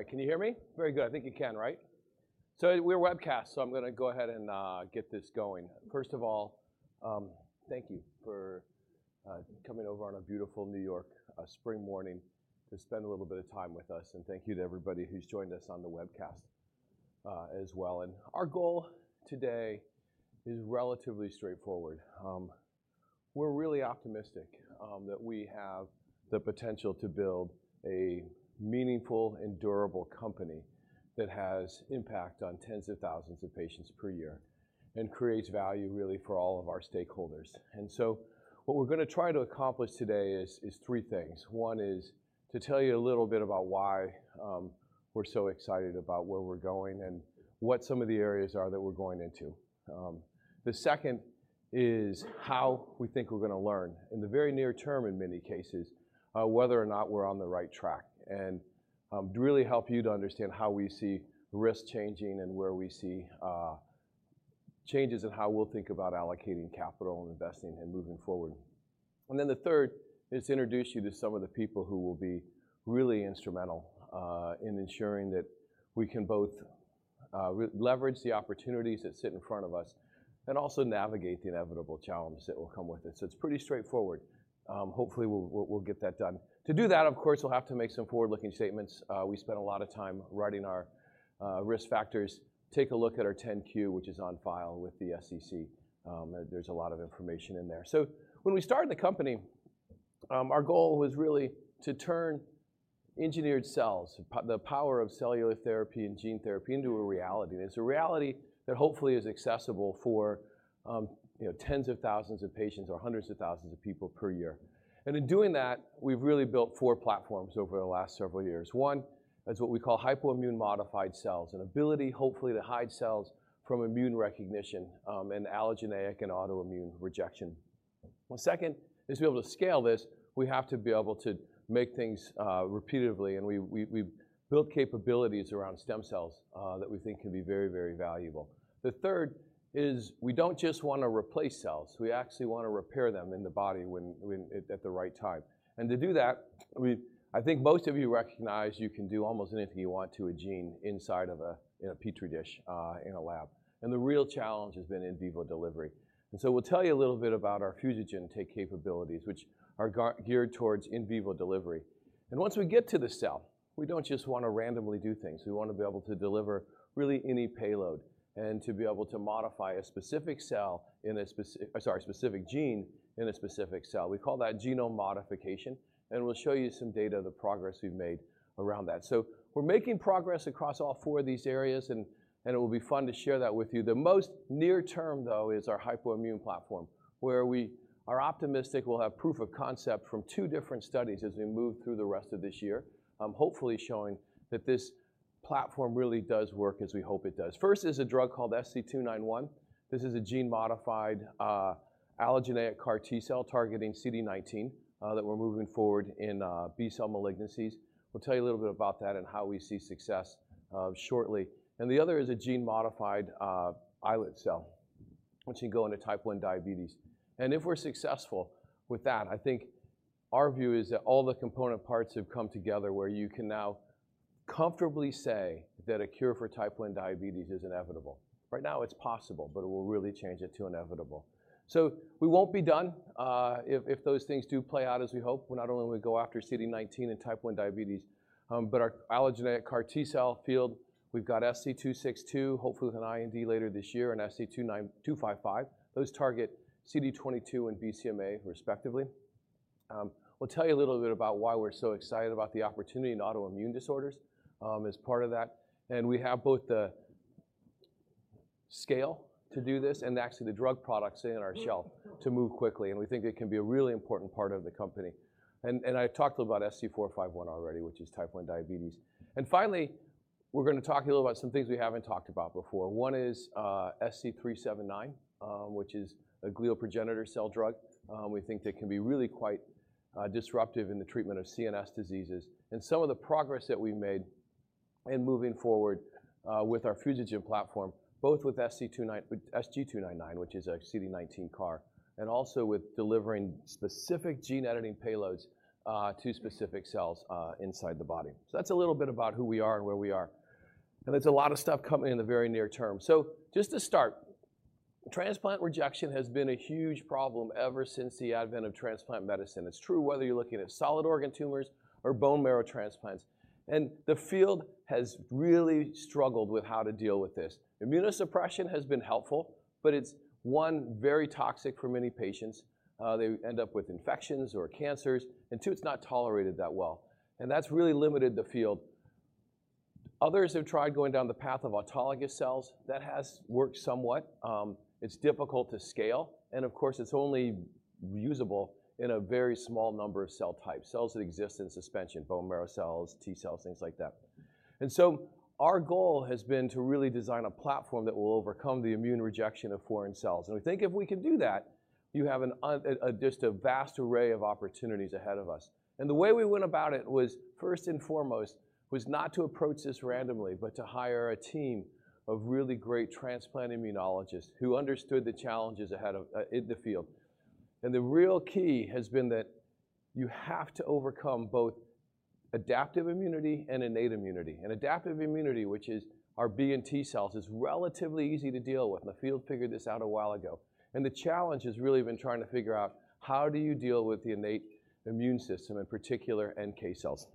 All right, can you hear me? Very good. I think you can, right? We're a webcast, so I'm gonna go ahead and get this going. First of all, thank you for coming over on a beautiful New York spring morning to spend a little bit of time with us, and thank you to everybody who's joined us on the webcast as well. Our goal today is relatively straightforward. We're really optimistic that we have the potential to build a meaningful and durable company that has impact on tens of thousands of patients per year and creates value really for all of our stakeholders. What we're gonna try to accomplish today is three things. One is to tell you a little bit about why we're so excited about where we're going and what some of the areas are that we're going into. The second is how we think we're gonna learn, in the very near term in many cases, whether or not we're on the right track, and to really help you to understand how we see risk changing and where we see changes in how we'll think about allocating capital and investing and moving forward. The third is to introduce you to some of the people who will be really instrumental in ensuring that we can both leverage the opportunities that sit in front of us and also navigate the inevitable challenges that will come with it. It's pretty straightforward. Hopefully we'll get that done. To do that, of course, we'll have to make some forward-looking statements. We spent a lot of time writing our risk factors. Take a look at our 10-Q, which is on file with the SEC. There's a lot of information in there. When we started the company, our goal was really to turn engineered cells, the power of cellular therapy and gene therapy into a reality. It's a reality that hopefully is accessible for, you know, tens of thousands of patients or hundreds of thousands of people per year. In doing that, we've really built four platforms over the last several years. One is what we call hypoimmune modified cells, an ability hopefully to hide cells from immune recognition and allogeneic and autoimmune rejection. The second is to be able to scale this, we have to be able to make things repeatedly, and we've built capabilities around stem cells that we think can be very, very valuable. The third is we don't just wanna replace cells, we actually wanna repair them in the body when at the right time. To do that, I think most of you recognize you can do almost anything you want to a gene inside of a, in a Petri dish, in a lab, and the real challenge has been in vivo delivery. We'll tell you a little bit about our fusogen take capabilities, which are geared towards in vivo delivery. Once we get to the cell, we don't just wanna randomly do things. We wanna be able to deliver really any payload and to be able to modify a specific gene in a specific cell. We call that genome modification, and we'll show you some data of the progress we've made around that. We're making progress across all four of these areas and it will be fun to share that with you. The most near term, though, is our hypoimmune platform, where we are optimistic we'll have proof of concept from two different studies as we move through the rest of this year, hopefully showing that this platform really does work as we hope it does. First is a drug called SC291. This is a gene-modified, allogeneic CAR T-cell targeting CD19, that we're moving forward in B-cell malignancies. We'll tell you a little bit about that and how we see success, shortly. The other is a gene-modified, islet cell, which can go into Type 1 diabetes. If we're successful with that, I think our view is that all the component parts have come together where you can now comfortably say that a cure for Type 1 diabetes is inevitable. Right now it's possible, but it will really change it to inevitable. We won't be done, if those things do play out as we hope. We not only go after CD19 and Type 1 diabetes, but our allogeneic CAR T-cell field, we've got SC262, hopefully with an IND later this year, and SC255. Those target CD22 and BCMA respectively. We'll tell you a little bit about why we're so excited about the opportunity in autoimmune disorders, as part of that, we have both the scale to do this and actually the drug products in our shelf to move quickly, and we think it can be a really important part of the company. I talked about SC451 already, which is type 1 diabetes. Finally, we're gonna talk a little about some things we haven't talked about before. One is SC379, which is a glial progenitor cell drug, we think that can be really quite disruptive in the treatment of CNS diseases and some of the progress that we've made in moving forward with our Fusogen platform, both with SG299, which is a CD19 CAR, and also with delivering specific gene editing payloads to specific cells inside the body. That's a little bit about who we are and where we are. There's a lot of stuff coming in the very near term. Just to start, transplant rejection has been a huge problem ever since the advent of transplant medicine. It's true whether you're looking at solid organ tumors or bone marrow transplants. The field has really struggled with how to deal with this. Immunosuppression has been helpful, but it's, one, very toxic for many patients, they end up with infections or cancers, and two, it's not tolerated that well, and that's really limited the field. Others have tried going down the path of autologous cells. That has worked somewhat. It's difficult to scale, and of course, it's only usable in a very small number of cell types, cells that exist in suspension, bone marrow cells, T-cells, things like that. Our goal has been to really design a platform that will overcome the immune rejection of foreign cells, we think if we can do that, you have a just a vast array of opportunities ahead of us. The way we went about it was, first and foremost, was not to approach this randomly, but to hire a team of really great transplant immunologists who understood the challenges ahead in the field. The real key has been that you have to overcome both adaptive immunity and innate immunity. Adaptive immunity, which is our B and T cells, is relatively easy to deal with, and the field figured this out a while ago. The challenge has really been trying to figure out how do you deal with the innate immune system, in particular NK cells?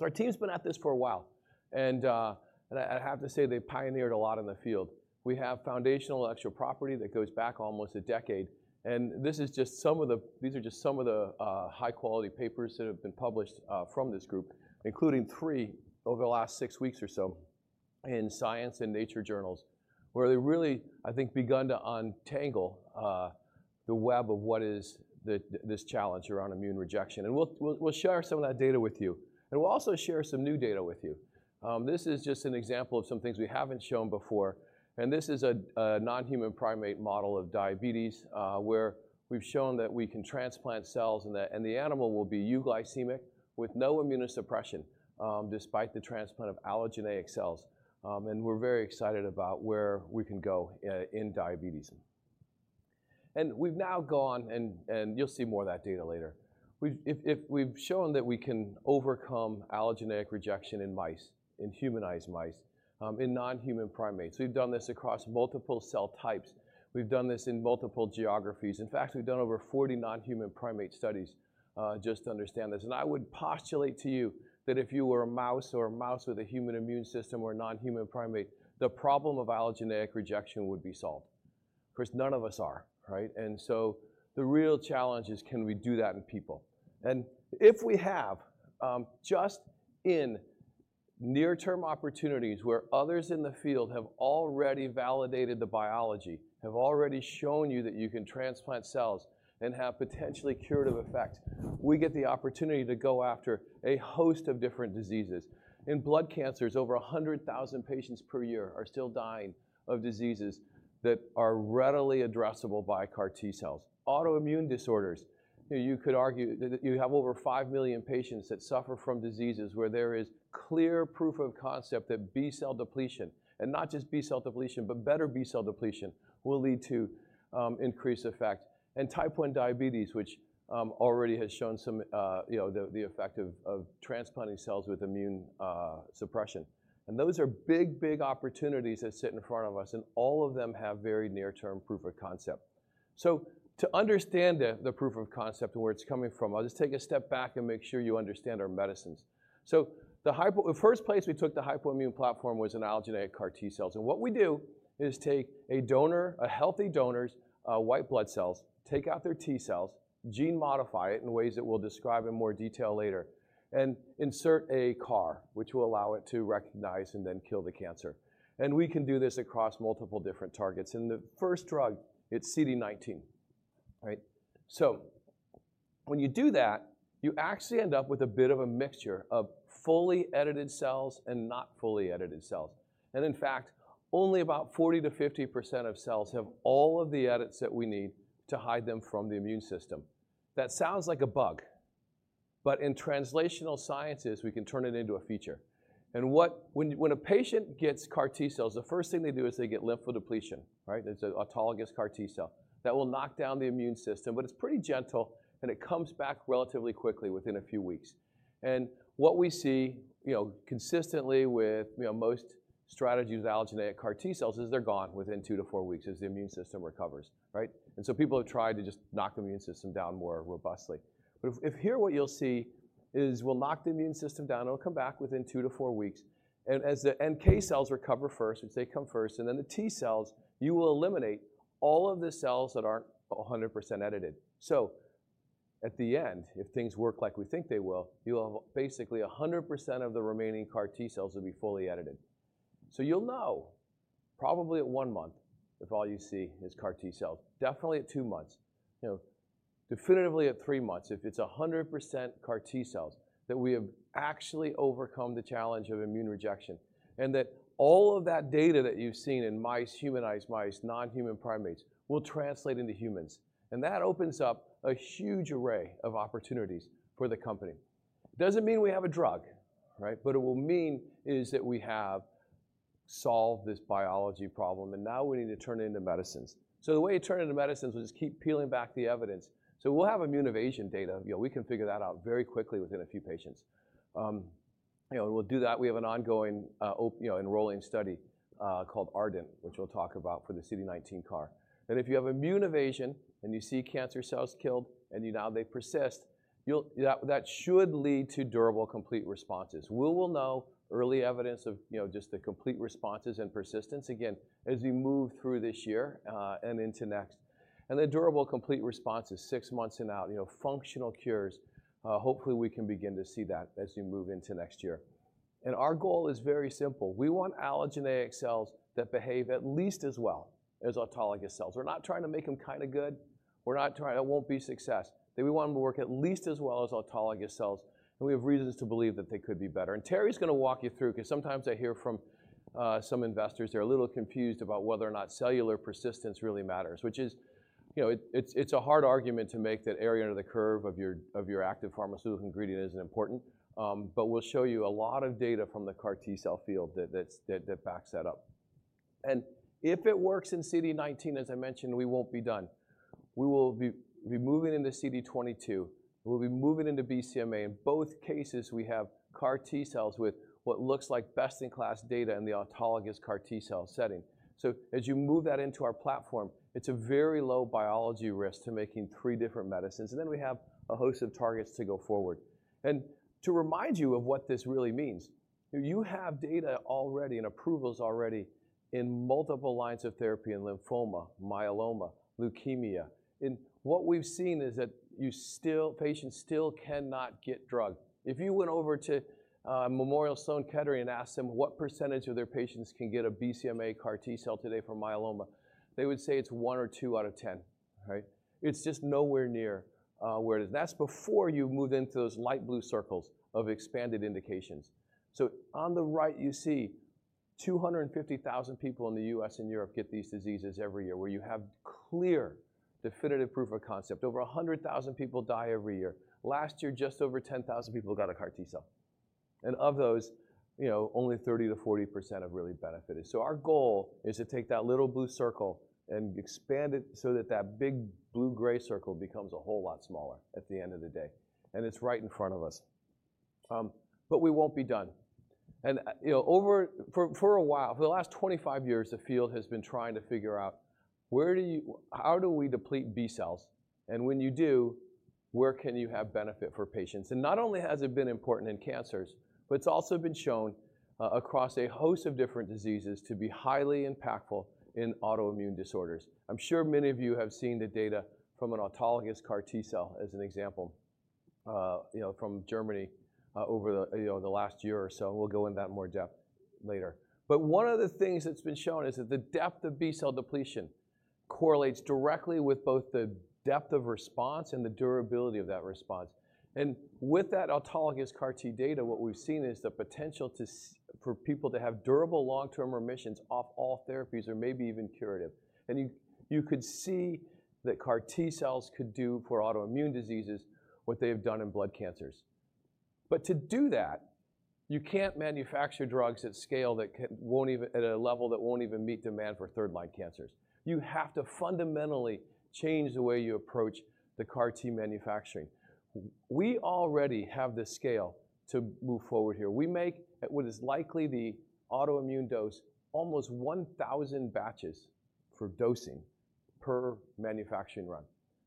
Our team's been at this for a while, and I have to say they pioneered a lot in the field. We have foundational intellectual property that goes back almost a decade. These are just some of the high-quality papers that have been published from this group, including three over the last six weeks or so in science and Nature journals, where they really, I think, begun to untangle the web of what is this challenge around immune rejection. We'll share some of that data with you, and we'll also share some new data with you. This is just an example of some things we haven't shown before, and this is a non-human primate model of diabetes, where we've shown that we can transplant cells and the animal will be euglycemic with no immunosuppression, despite the transplant of allogeneic cells. We're very excited about where we can go in diabetes. We've now gone and you'll see more of that data later. If we've shown that we can overcome allogeneic rejection in mice, in humanized mice, in non-human primates. We've done this across multiple cell types. We've done this in multiple geographies. In fact, we've done over 40 non-human primate studies just to understand this. I would postulate to you that if you were a mouse or a mouse with a human immune system or a non-human primate, the problem of allogeneic rejection would be solved. Of course, none of us are, right? The real challenge is can we do that in people? If we have, just in near-term opportunities where others in the field have already validated the biology, have already shown you that you can transplant cells and have potentially curative effects, we get the opportunity to go after a host of different diseases. In blood cancers, over 100,000 patients per year are still dying of diseases that are readily addressable by CAR T cells. Autoimmune disorders, you know, you could argue that you have over 5 million patients that suffer from diseases where there is clear proof of concept that B cell depletion, and not just B cell depletion, but better B cell depletion, will lead to increased effect. Type 1 diabetes, which already has shown some, you know, the effect of transplanting cells with immune suppression. Those are big, big opportunities that sit in front of us, and all of them have very near-term proof of concept. To understand the proof of concept and where it's coming from, I'll just take a step back and make sure you understand our medicines. The first place we took the Hypoimmune Platform was in allogeneic CAR T-cells. What we do is take a donor, a healthy donor's, white blood cells, take out their T-cells, gene modify it in ways that we'll describe in more detail later, and insert a CAR, which will allow it to recognize and then kill the cancer. We can do this across multiple different targets. The first drug, it's CD19. All right? When you do that, you actually end up with a bit of a mixture of fully edited cells and not fully edited cells. In fact, only about 40 to 50% of cells have all of the edits that we need to hide them from the immune system. That sounds like a bug, but in translational sciences, we can turn it into a feature. When a patient gets CAR T cells, the first thing they do is they get lymphodepletion, right? It's an autologous CAR T cell. That will knock down the immune system, but it's pretty gentle, and it comes back relatively quickly within a few weeks. What we see, you know, consistently with, you know, most strategies with allogeneic CAR T cells is they're gone within 2 to 4 weeks as the immune system recovers, right? People have tried to just knock the immune system down more robustly. If here what you'll see is we'll knock the immune system down, it'll come back within two to four weeks, and as the NK cells recover first, which they come first, and then the T cells, you will eliminate all of the cells that aren't a 100% edited. At the end, if things work like we think they will, you'll have basically a 100% of the remaining CAR T cells will be fully edited. You'll know probably at 1 month if all you see is CAR T-cells, definitely at 2 months, you know, definitively at 3 months, if it's 100% CAR T-cells, that we have actually overcome the challenge of immune rejection and that all of that data that you've seen in mice, humanized mice, non-human primates will translate into humans. That opens up a huge array of opportunities for the company. It doesn't mean we have a drug, right? What it will mean is that we have solved this biology problem, and now we need to turn it into medicines. The way you turn it into medicines is keep peeling back the evidence. We'll have immune evasion data. You know, we can figure that out very quickly within a few patients. You know, we'll do that. We have an ongoing, you know, enrolling study called ARDENT, which we'll talk about for the CD19 CAR. If you have immune evasion and you see cancer cells killed and now they persist, that should lead to durable complete responses. We will know early evidence of, you know, just the complete responses and persistence, again, as we move through this year and into next. The durable complete response is 6 months and out, you know, functional cures. Hopefully, we can begin to see that as we move into next year. Our goal is very simple. We want allogeneic cells that behave at least as well as autologous cells. We're not trying to make them kinda good. It won't be success. We want them to work at least as well as autologous cells. We have reasons to believe that they could be better. Terry's going to walk you through, because sometimes I hear from some investors, they're a little confused about whether or not cellular persistence really matters, which is, you know, it's a hard argument to make that area under the curve of your, of your active pharmaceutical ingredient isn't important. We'll show you a lot of data from the CAR T-cell field that that's that backs that up. If it works in CD19, as I mentioned, we won't be done. We will be moving into CD22. We'll be moving into BCMA. In both cases, we have CAR T-cells with what looks like best-in-class data in the autologous CAR T-cell setting. As you move that into our platform, it's a very low biology risk to making three different medicines. We have a host of targets to go forward. To remind you of what this really means, you have data already and approvals already in multiple lines of therapy in lymphoma, myeloma, leukemia. What we've seen is that patients still cannot get drug. If you went over to Memorial Sloan Kettering and asked them what percentage of their patients can get a BCMA CAR T-cell today for myeloma, they would say it's one or two out of 10, right? It's just nowhere near where it is. That's before you move into those light blue circles of expanded indications. On the right, you see 250,000 people in the US and Europe get these diseases every year, where you have clear definitive proof of concept. Over 100,000 people die every year. Last year, just over 10,000 people got a CAR T-cell. Of those, you know, only 30 to 40% have really benefited. Our goal is to take that little blue circle and expand it so that that big blue-gray circle becomes a whole lot smaller at the end of the day, and it's right in front of us. We won't be done. You know, for a while, for the last 25 years, the field has been trying to figure out how do we deplete B-cells, and when you do, where can you have benefit for patients? Not only has it been important in cancers, but it's also been shown across a host of different diseases to be highly impactful in autoimmune disorders. I'm sure many of you have seen the data from an autologous CAR T-cell as an example, you know, from Germany, over the, you know, the last year or so. We'll go into that in more depth later. One of the things that's been shown is that the depth of B-cell depletion correlates directly with both the depth of response and the durability of that response. With that autologous CAR T data, what we've seen is the potential for people to have durable long-term remissions off all therapies or maybe even curative. You could see that CAR T-cells could do for autoimmune diseases what they have done in blood cancers. To do that, you can't manufacture drugs at scale that won't even at a level that won't even meet demand for third-line cancers. You have to fundamentally change the way you approach the CAR T manufacturing. We already have the scale to move forward here. We make what is likely the autoimmune dose almost 1,000 batches for dosing per manufacturing run.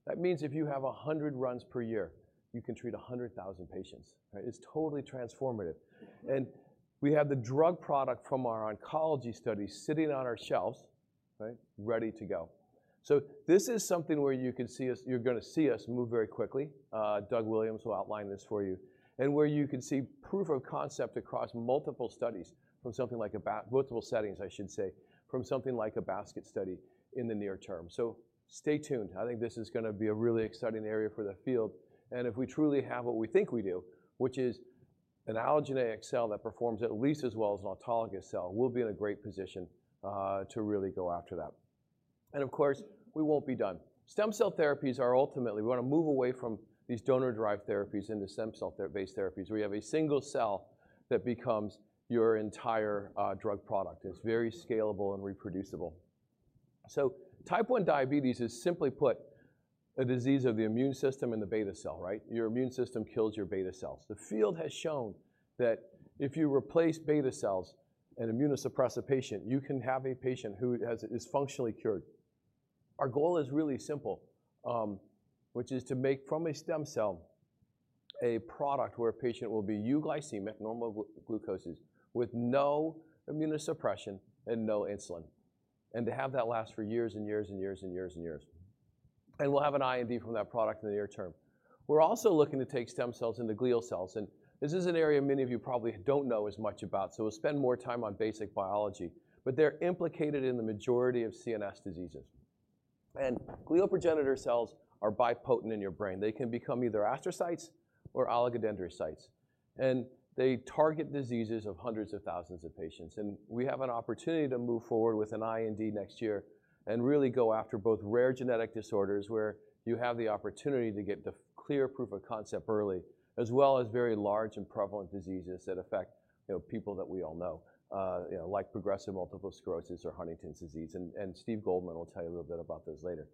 That means if you have 100 runs per year, you can treat 100,000 patients, right? It's totally transformative. We have the drug product from our oncology study sitting on our shelves, right, ready to go. This is something where you're gonna see us move very quickly. Doug Williams will outline this for you, and where you can see proof of concept across multiple studies from something like multiple settings, I should say, from something like a basket study in the near term. Stay tuned. I think this is gonna be a really exciting area for the field. If we truly have what we think we do, which is an allogeneic cell that performs at least as well as an autologous cell, we'll be in a great position to really go after that. Of course, we won't be done. Stem cell therapies are. We wanna move away from these donor-derived therapies into stem cell based therapies. We have a single cell that becomes your entire drug product. It's very scalable and reproducible. type 1 diabetes is simply put a disease of the immune system and the beta cell, right? Your immune system kills your beta cells. The field has shown that if you replace beta cells and immunosuppress a patient, you can have a patient who is functionally cured. Our goal is really simple, which is to make from a stem cell a product where a patient will be euglycemic, normal glucoses, with no immunosuppression and no insulin, and to have that last for years and years and years and years and years. We'll have an IND from that product in the near term. We're also looking to take stem cells into glial cells, this is an area many of you probably don't know as much about, we'll spend more time on basic biology. They're implicated in the majority of CNS diseases. Glial progenitor cells are bipotent in your brain. They can become either astrocytes or oligodendrocytes, and they target diseases of hundreds of thousands of patients. We have an opportunity to move forward with an IND next year and really go after both rare genetic disorders where you have the opportunity to get the clear proof of concept early, as well as very large and prevalent diseases that affect, you know, people that we all know, you know, like progressive multiple sclerosis or Huntington's disease. Steve Goldman will tell you a little bit about those later.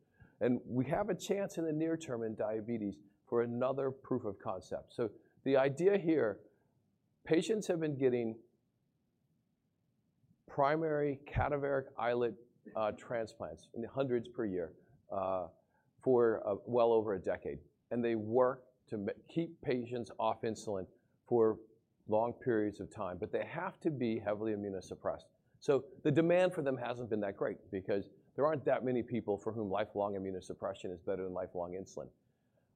We have a chance in the near term in diabetes for another proof of concept. The idea here, patients have been getting primary cadaveric islet transplants in the hundreds per year for well over a decade. They work to keep patients off insulin for long periods of time, but they have to be heavily immunosuppressed. The demand for them hasn't been that great because there aren't that many people for whom lifelong immunosuppression is better than lifelong insulin.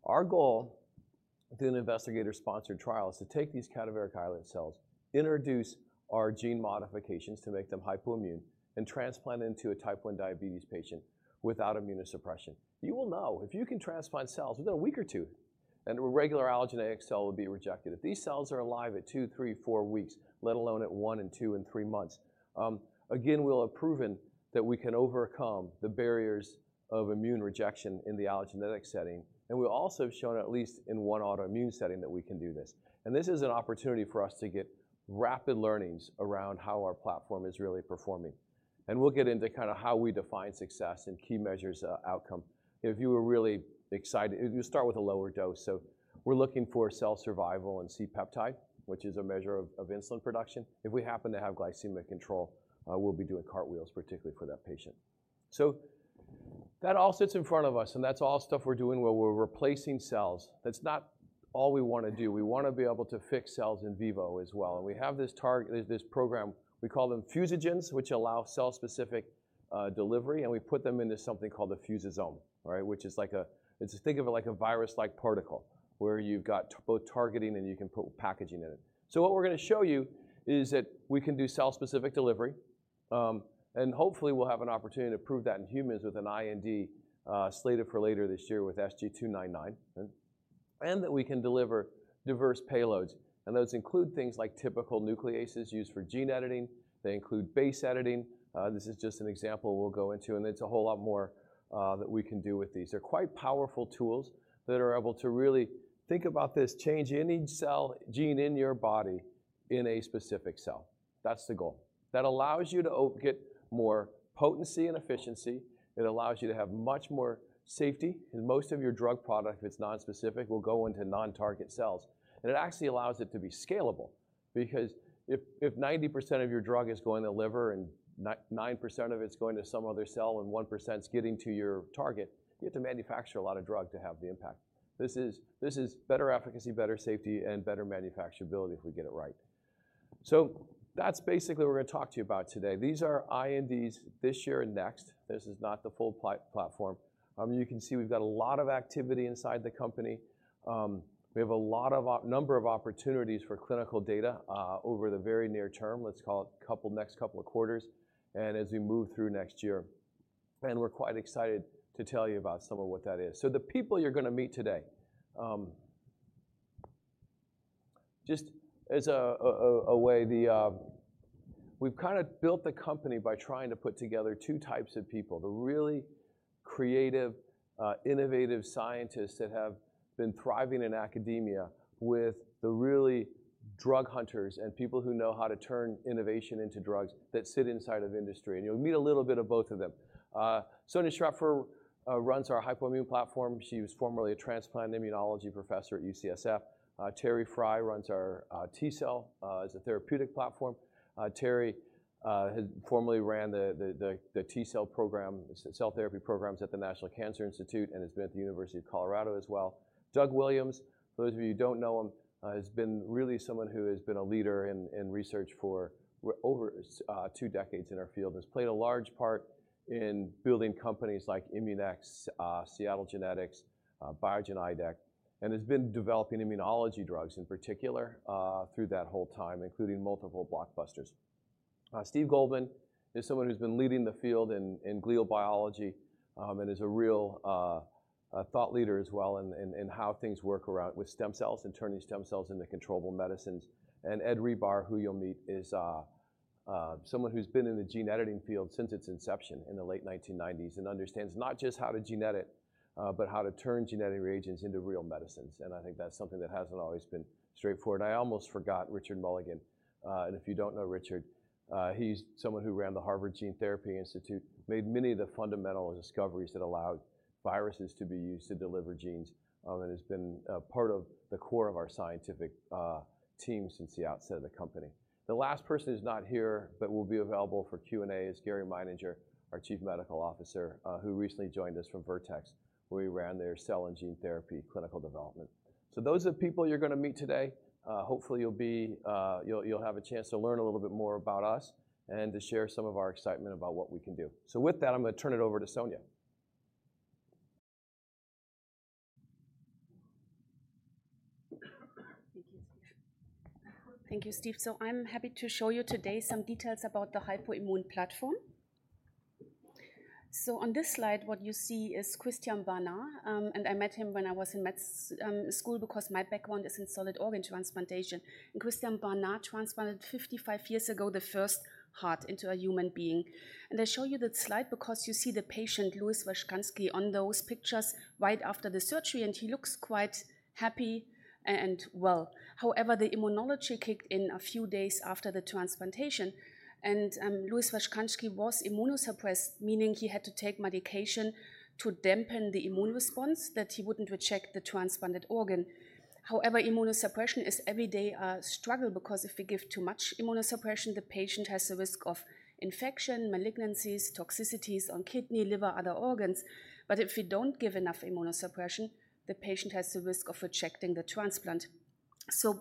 Our goal through an investigator-sponsored trial is to take these cadaveric islet cells, introduce our gene modifications to make them hypoimmune, and transplant into a type 1 diabetes patient without immunosuppression. You will know if you can transplant cells within a week or two. A regular allogeneic cell would be rejected. If these cells are alive at 2, 3, 4 weeks, let alone at 1 and 2 and 3 months, again, we'll have proven that we can overcome the barriers of immune rejection in the allogeneic setting, and we've also shown at least in one autoimmune setting that we can do this. This is an opportunity for us to get rapid learnings around how our platform is really performing, and we'll get into kind of how we define success and key measures outcome. If you were really excited, you start with a lower dose. We're looking for cell survival and C-peptide, which is a measure of insulin production. If we happen to have glycemic control, we'll be doing cartwheels, particularly for that patient. That all sits in front of us, and that's all stuff we're doing where we're replacing cells. That's not all we wanna do. We wanna be able to fix cells in vivo as well, and we have this program, we call them fusogens, which allow cell-specific delivery, and we put them into something called a fusosome, right? Which is like a... Think of it like a virus-like particle where you've got both targeting and you can put packaging in it. What we're gonna show you is that we can do cell-specific delivery, and hopefully we'll have an opportunity to prove that in humans with an IND slated for later this year with SG299. And that we can deliver diverse payloads, and those include things like typical nucleases used for gene editing. They include base editing. This is just an example we'll go into, and it's a whole lot more that we can do with these. They're quite powerful tools that are able to really think about this change any cell gene in your body in a specific cell. That's the goal. That allows you to get more potency and efficiency. It allows you to have much more safety, 'cause most of your drug product, if it's nonspecific, will go into non-target cells, and it actually allows it to be scalable because if 90% of your drug is going to liver and 9% of it's going to some other cell and 1%'s getting to your target, you have to manufacture a lot of drug to have the impact. This is better efficacy, better safety, and better manufacturability if we get it right. That's basically what we're gonna talk to you about today. These are INDs this year and next. This is not the full platform. You can see we've got a lot of activity inside the company. We have a lot of opportunities for clinical data over the very near term, let's call it next couple of quarters and as we move through next year, and we're quite excited to tell you about some of what that is. The people you're gonna meet today, just as a way, the... We've kind of built the company by trying to put together two types of people, the really creative, innovative scientists that have been thriving in academia with the really drug hunters and people who know how to turn innovation into drugs that sit inside of industry, and you'll meet a little bit of both of them. Sonja Schrepfer runs our hypoimmune platform. She was formerly a transplant immunology professor at UCSF. Terry Fry runs our T-cell as a therapeutic platform. Terry had formerly ran the T-cell program, cell therapy programs at the National Cancer Institute and has been at the University of Colorado as well. Doug Williams, for those of you who don't know him, has been really someone who has been a leader in research for over 2 decades in our field, has played a large part in building companies like Immunex, Seattle Genetics, Biogen Idec, and has been developing immunology drugs in particular through that whole time, including multiple blockbusters. Steve Goldman is someone who's been leading the field in glial biology and is a real thought leader as well in how things work with stem cells and turning stem cells into controllable medicines. Ed Rebar, who you'll meet, is someone who's been in the gene editing field since its inception in the late 1990s and understands not just how to gene edit, but how to turn genetic reagents into real medicines. I think that's something that hasn't always been straightforward. I almost forgot Richard Mulligan. If you don't know Richard, he's someone who ran the Harvard Gene Therapy Initiative, made many of the fundamental discoveries that allowed viruses to be used to deliver genes. He has been a part of the core of our scientific team since the outset of the company. The last person who's not here, but will be available for Q&A is Gary Meininger, our Chief Medical Officer, who recently joined us from Vertex, where he ran their cell and gene therapy clinical development. Those are the people you're gonna meet today. Hopefully you'll be, you'll have a chance to learn a little bit more about us and to share some of our excitement about what we can do. With that, I'm gonna turn it over to Sonja. Thank you, Steve. Thank you, Steve. I'm happy to show you today some details about the hypoimmune platform. On this slide, what you see is Christiaan Barnard, and I met him when I was in school because my background is in solid organ transplantation. Christiaan Barnard transplanted 55 years ago, the first heart into a human being. I show you that slide because you see the patient, Louis Washkansky, on those pictures right after the surgery, and he looks quite happy and well. However, the immunology kicked in a few days after the transplantation, and Louis Washkansky was immunosuppressed, meaning he had to take medication to dampen the immune response that he wouldn't reject the transplanted organ. Immunosuppression is every day a struggle because if we give too much immunosuppression, the patient has a risk of infection, malignancies, toxicities on kidney, liver, other organs. If we don't give enough immunosuppression, the patient has the risk of rejecting the transplant.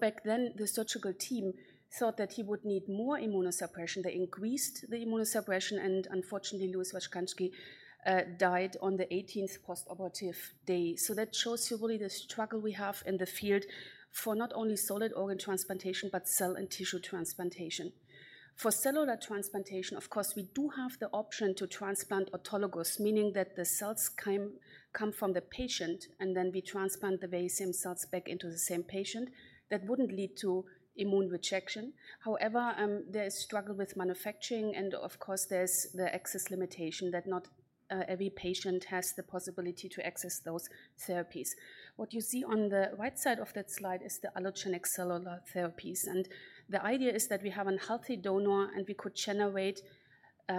Back then the surgical team thought that he would need more immunosuppression. They increased the immunosuppression, unfortunately, Louis Washkansky died on the 18th postoperative day. That shows you really the struggle we have in the field for not only solid organ transplantation, but cell and tissue transplantation. For cellular transplantation, of course, we do have the option to transplant autologous, meaning that the cells come from the patient, and then we transplant the very same cells back into the same patient. That wouldn't lead to immune rejection. There is struggle with manufacturing and of course, there's the access limitation that not every patient has the possibility to access those therapies. What you see on the right side of that slide is the allogeneic cellular therapies, and the idea is that we have a healthy donor, and we could generate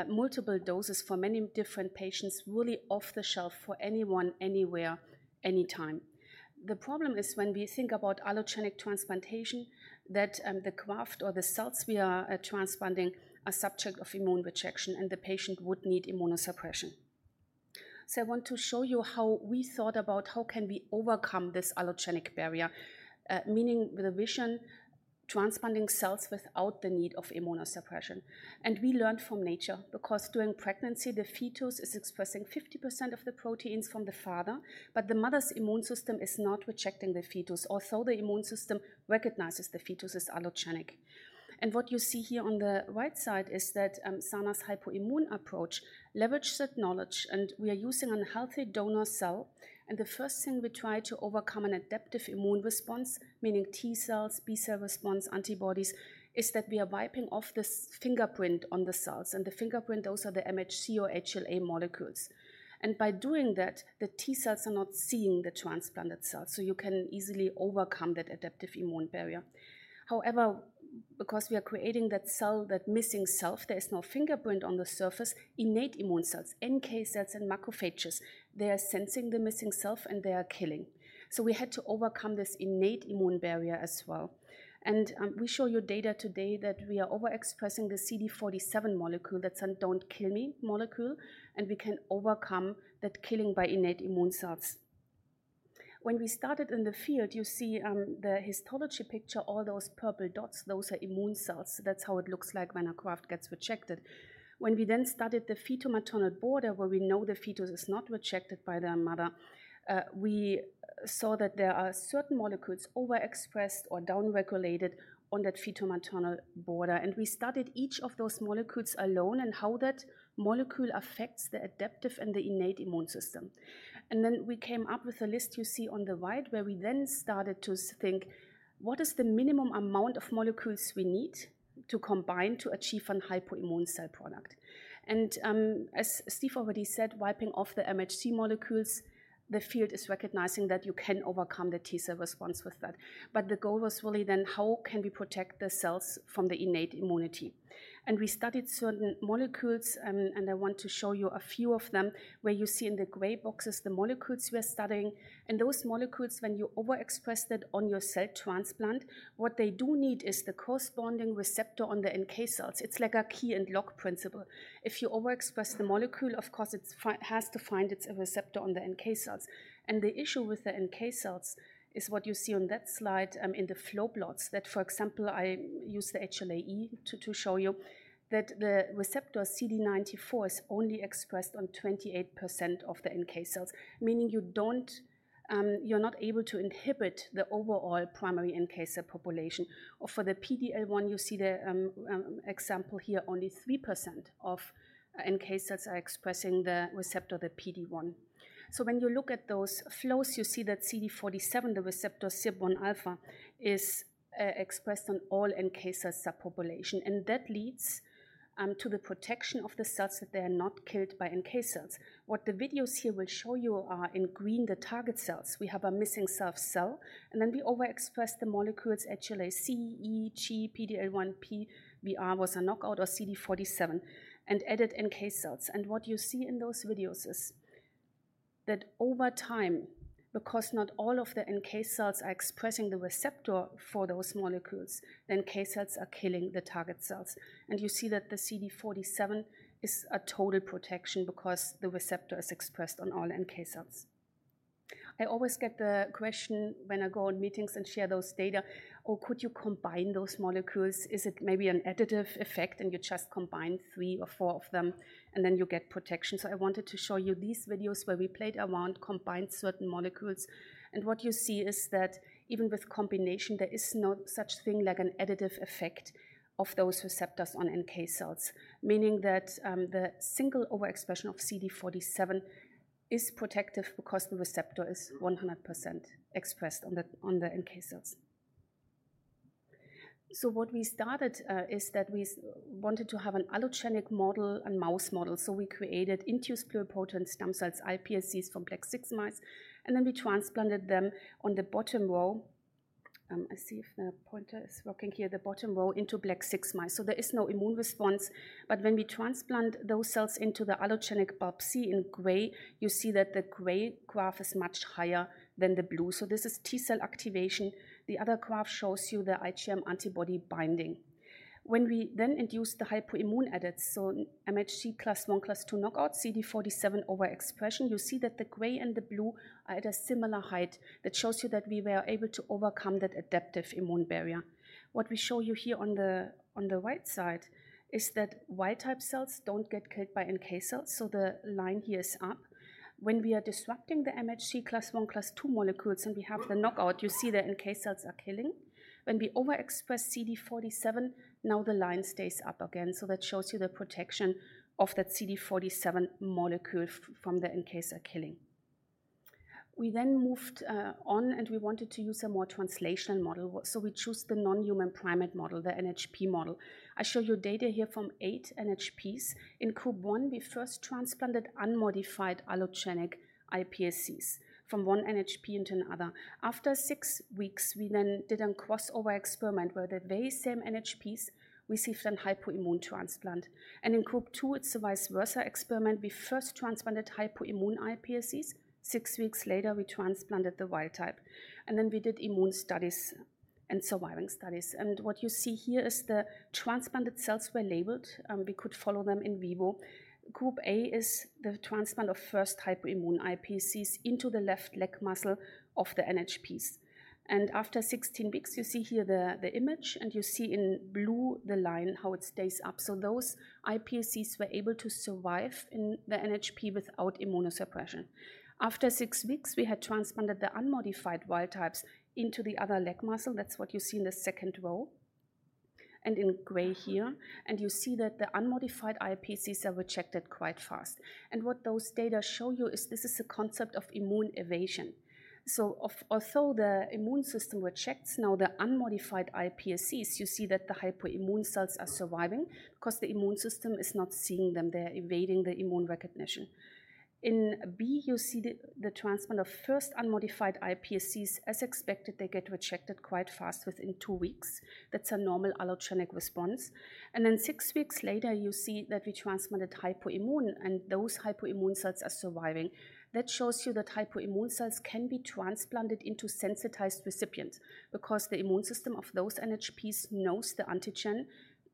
multiple doses for many different patients really off the shelf for anyone, anywhere, anytime. The problem is when we think about allogeneic transplantation, that the graft or the cells we are transplanting are subject of immune rejection, and the patient would need immunosuppression. I want to show you how we thought about how can we overcome this allogeneic barrier, meaning the vision transplanting cells without the need of immunosuppression. We learned from nature, because during pregnancy, the fetus is expressing 50% of the proteins from the father, but the mother's immune system is not rejecting the fetus, although the immune system recognizes the fetus as allogeneic. What you see here on the right side is that Sana's hypoimmune approach leverages that knowledge, and we are using an healthy donor cell. The first thing we try to overcome an adaptive immune response, meaning T cells, B cell response, antibodies, is that we are wiping off this fingerprint on the cells, and the fingerprint, those are the MHC or HLA molecules. By doing that, the T cells are not seeing the transplanted cells, so you can easily overcome that adaptive immune barrier. Because we are creating that cell, that missing self, there is no fingerprint on the surface, innate immune cells, NK cells and macrophages, they are sensing the missing self, and they are killing. We had to overcome this innate immune barrier as well. We show you data today that we are overexpressing the CD47 molecule. That's a "don't kill me" molecule, and we can overcome that killing by innate immune cells. When we started in the field, you see the histology picture, all those purple dots, those are immune cells. That's how it looks like when a graft gets rejected. When we then studied the feto-maternal border, where we know the fetus is not rejected by the mother, we saw that there are certain molecules overexpressed or downregulated on that feto-maternal border. We studied each of those molecules alone and how that molecule affects the adaptive and the innate immune system. Then we came up with a list you see on the right, where we then started to think, what is the minimum amount of molecules we need to combine to achieve an hypoimmune cell product? As Steve already said, wiping off the MHC molecules, the field is recognizing that you can overcome the T-cell response with that. The goal was really then how can we protect the cells from the innate immunity? We studied certain molecules, and I want to show you a few of them, where you see in the gray boxes the molecules we are studying. Those molecules, when you overexpress that on your cell transplant, what they do need is the corresponding receptor on the NK cells. It's like a key and lock principle. If you overexpress the molecule, of course, it has to find its receptor on the NK cells. The issue with the NK cells is what you see on that slide in the flow plots. For example, I use the HLA-E to show you that the receptor CD94 is only expressed on 28% of the NK cells, meaning you're not able to inhibit the overall primary NK cell population. For the PD-L1, you see the example here, only 3% of NK cells are expressing the receptor, the PD-1. When you look at those flows, you see that CD47, the receptor SIRPα, is expressed on all NK cell subpopulation. That leads to the protection of the cells that they are not killed by NK cells. What the videos here will show you are in green the target cells. We have a missing self cell, and then we overexpress the molecules HLA-C, E, G, PD-L1, PVR was a knockout of CD47, and added NK cells. What you see in those videos is that over time, because not all of the NK cells are expressing the receptor for those molecules, NK cells are killing the target cells. You see that the CD47 is a total protection because the receptor is expressed on all NK cells. I always get the question when I go on meetings and share those data, "Oh, could you combine those molecules? Is it maybe an additive effect, and you just combine three or four of them, and then you get protection? I wanted to show you these videos where we played around, combined certain molecules, and what you see is that even with combination, there is no such thing like an additive effect of those receptors on NK cells, meaning that the single overexpression of CD47 is protective because the receptor is 100% expressed on the NK cells. What we started is that we wanted to have an allogeneic model and mouse model. We created induced pluripotent stem cells, iPSCs, from BL6 mice, and then we transplanted them on the bottom row. I see if the pointer is working here. The bottom row into BL6 mice. There is no immune response, but when we transplant those cells into the allogeneic BALB/c in gray, you see that the gray graph is much higher than the blue. This is T-cell activation. The other graph shows you the IgM antibody binding. We then induce the hypoimmune edits, so MHC class one, class two knockout, CD47 overexpression, you see that the gray and the blue are at a similar height. That shows you that we were able to overcome that adaptive immune barrier. What we show you here on the right side is that wild-type cells don't get killed by NK cells, so the line here is up. We are disrupting the MHC class one, class two molecules, and we have the knockout, you see the NK cells are killing. We overexpress CD47, now the line stays up again. That shows you the protection of that CD47 molecule from the NK cell killing. We then moved on, and we wanted to use a more translational model. We choose the non-human primate model, the NHP model. I show you data here from eight NHPs. In group one, we first transplanted unmodified allogeneic iPSCs from one NHP into another. After six weeks, we then did a crossover experiment where the very same NHPs received an hypoimmune transplant. In group two, it's a vice versa experiment. We first transplanted hypoimmune iPSCs. Six weeks later, we transplanted the wild type, and then we did immune studies and surviving studies. What you see here is the transplanted cells were labeled. We could follow them in vivo. Group A is the transplant of first hypoimmune iPSCs into the left leg muscle of the NHPs. After 16 weeks, you see here the image, and you see in blue the line, how it stays up. Those iPSCs were able to survive in the NHP without immunosuppression. After 6 weeks, we had transplanted the unmodified wild types into the other leg muscle. That's what you see in the 2nd row and in gray here. You see that the unmodified iPSCs are rejected quite fast. What those data show you is this is a concept of immune evasion. Although the immune system rejects now the unmodified iPSCs, you see that the hypoimmune cells are surviving because the immune system is not seeing them. They're evading the immune recognition. In B, you see the transplant of first unmodified iPSCs. As expected, they get rejected quite fast within 2 weeks. That's a normal allogeneic response. 6 weeks later, you see that we transplanted hypoimmune, and those hypoimmune cells are surviving. That shows you that hypoimmune cells can be transplanted into sensitized recipients because the immune system of those NHPs knows the antigen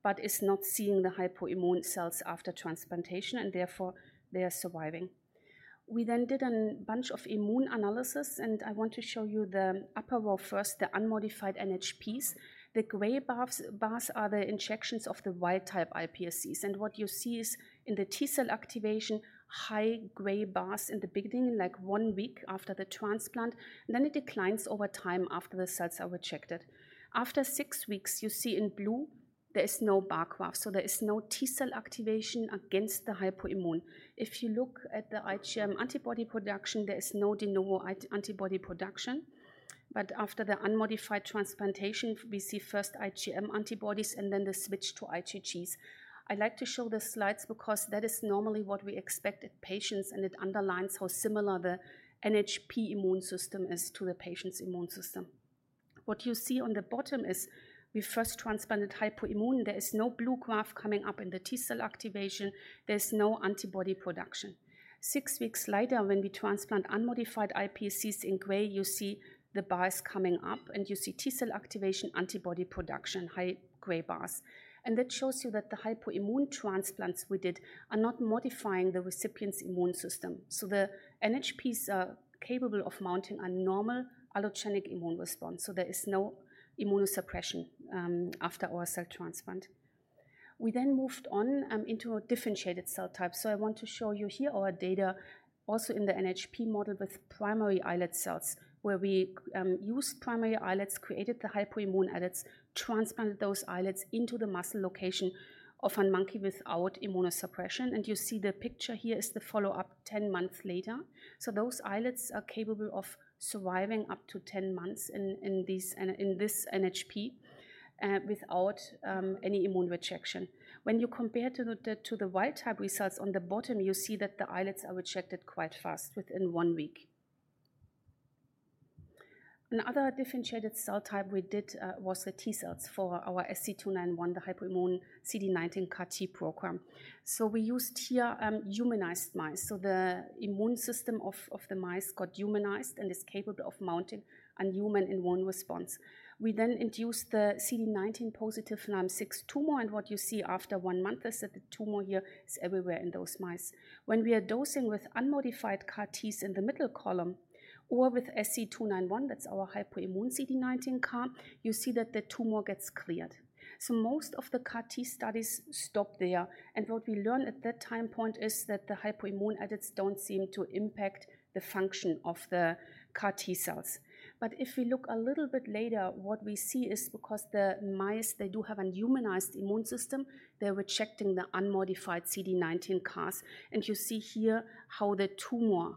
but is not seeing the hypoimmune cells after transplantation, and therefore they are surviving. We did a bunch of immune analysis, and I want to show you the upper row first, the unmodified NHPs. The gray bars are the injections of the wild-type iPSCs, and what you see is in the T-cell activation, high gray bars in the beginning, like 1 week after the transplant, and then it declines over time after the cells are rejected. After 6 weeks, you see in blue there is no bar graph, so there is no T-cell activation against the hypoimmune. If you look at the IgM antibody production, there is no de novo antibody production. After the unmodified transplantation, we see first IgM antibodies and then the switch to IgGs. I like to show the slides because that is normally what we expect in patients, and it underlines how similar the NHP immune system is to the patient's immune system. What you see on the bottom is we first transplanted hypoimmune. There is no blue graph coming up in the T-cell activation. There's no antibody production. Six weeks later, when we transplant unmodified iPSCs in gray, you see the bars coming up, and you see T-cell activation antibody production, high gray bars. That shows you that the hypoimmune transplants we did are not modifying the recipient's immune system. The NHP are capable of mounting a normal allogeneic immune response, so there is no immunosuppression after our cell transplant. We moved on into a differentiated cell type. I want to show you here our data also in the NHP model with primary islet cells, where we used primary islets, created the hypoimmune edits, transplanted those islets into the muscle location of an monkey without immunosuppression. You see the picture here is the follow-up 10 months later. Those islets are capable of surviving up to 10 months in this NHP without any immune rejection. When you compare to the wild type results on the bottom, you see that the islets are rejected quite fast, within 1 week. Another differentiated cell type we did was the T cells for our SC291, the hypoimmune CD19 CAR T program. We used here humanized mice. The immune system of the mice got humanized and is capable of mounting a human immune response. We then induced the CD19 positive NALM-6 tumor, and what you see after one month is that the tumor here is everywhere in those mice. When we are dosing with unmodified CAR Ts in the middle column or with SC291, that's our hypoimmune CD19 CAR, you see that the tumor gets cleared. Most of the CAR T studies stop there, and what we learn at that time point is that the hypoimmune edits don't seem to impact the function of the CAR T-cells. If we look a little bit later, what we see is because the mice, they do have a humanized immune system, they're rejecting the unmodified CD19 CARs, and you see here how the tumor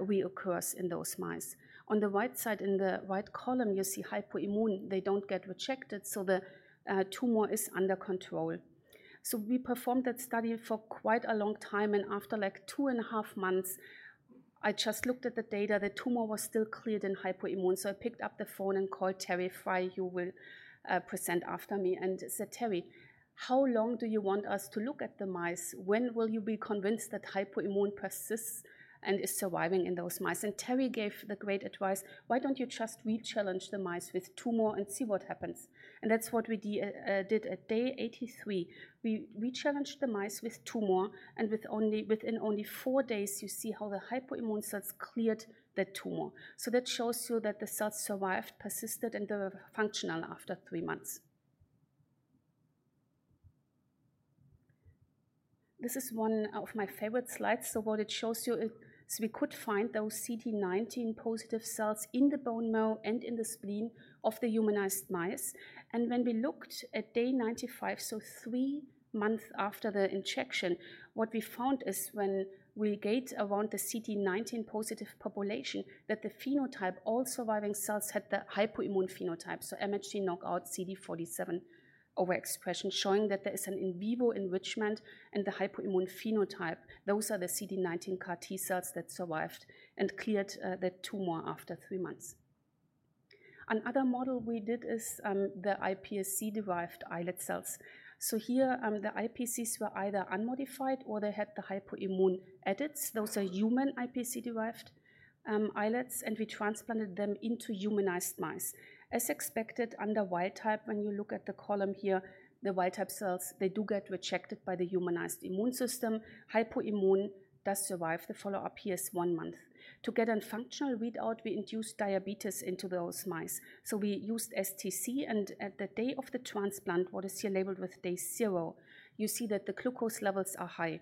reoccurs in those mice. On the right side, in the right column, you see hypoimmune. They don't get rejected, the tumor is under control. We performed that study for quite a long time, and after, like, 2 and a half months I just looked at the data. The tumor was still cleared in hypoimmune, I picked up the phone and called Terry Fry, who will present after me, and said, "Terry, how long do you want us to look at the mice? When will you be convinced that hypoimmune persists and is surviving in those mice?" Terry gave the great advice, "Why don't you just re-challenge the mice with tumor and see what happens?" That's what we did at day 83. We re-challenged the mice with tumor, and within only 4 days, you see how the hypoimmune cells cleared the tumor. That shows you that the cells survived, persisted, and they were functional after 3 months. This is one of my favorite slides. What it shows you is we could find those CD19 positive cells in the bone marrow and in the spleen of the humanized mice. When we looked at day 95, 3 months after the injection, what we found is when we gate around the CD19 positive population, that the phenotype, all surviving cells had the hypoimmune phenotype. MHC knockout CD47 overexpression, showing that there is an in vivo enrichment in the hypoimmune phenotype. Those are the CD19 CAR T-cells that survived and cleared the tumor after 3 months. Another model we did is the iPSC-derived islet cells. Here, the iPSCs were either unmodified or they had the hypoimmune edits. Those are human iPSC-derived islets, and we transplanted them into humanized mice. As expected, under wild type, when you look at the column here, the wild type cells, they do get rejected by the humanized immune system. Hypoimmune does survive. The follow-up here is 1 month. To get a functional readout, we induced diabetes into those mice. We used STC, and at the day of the transplant, what is here labeled with day 0, you see that the glucose levels are high.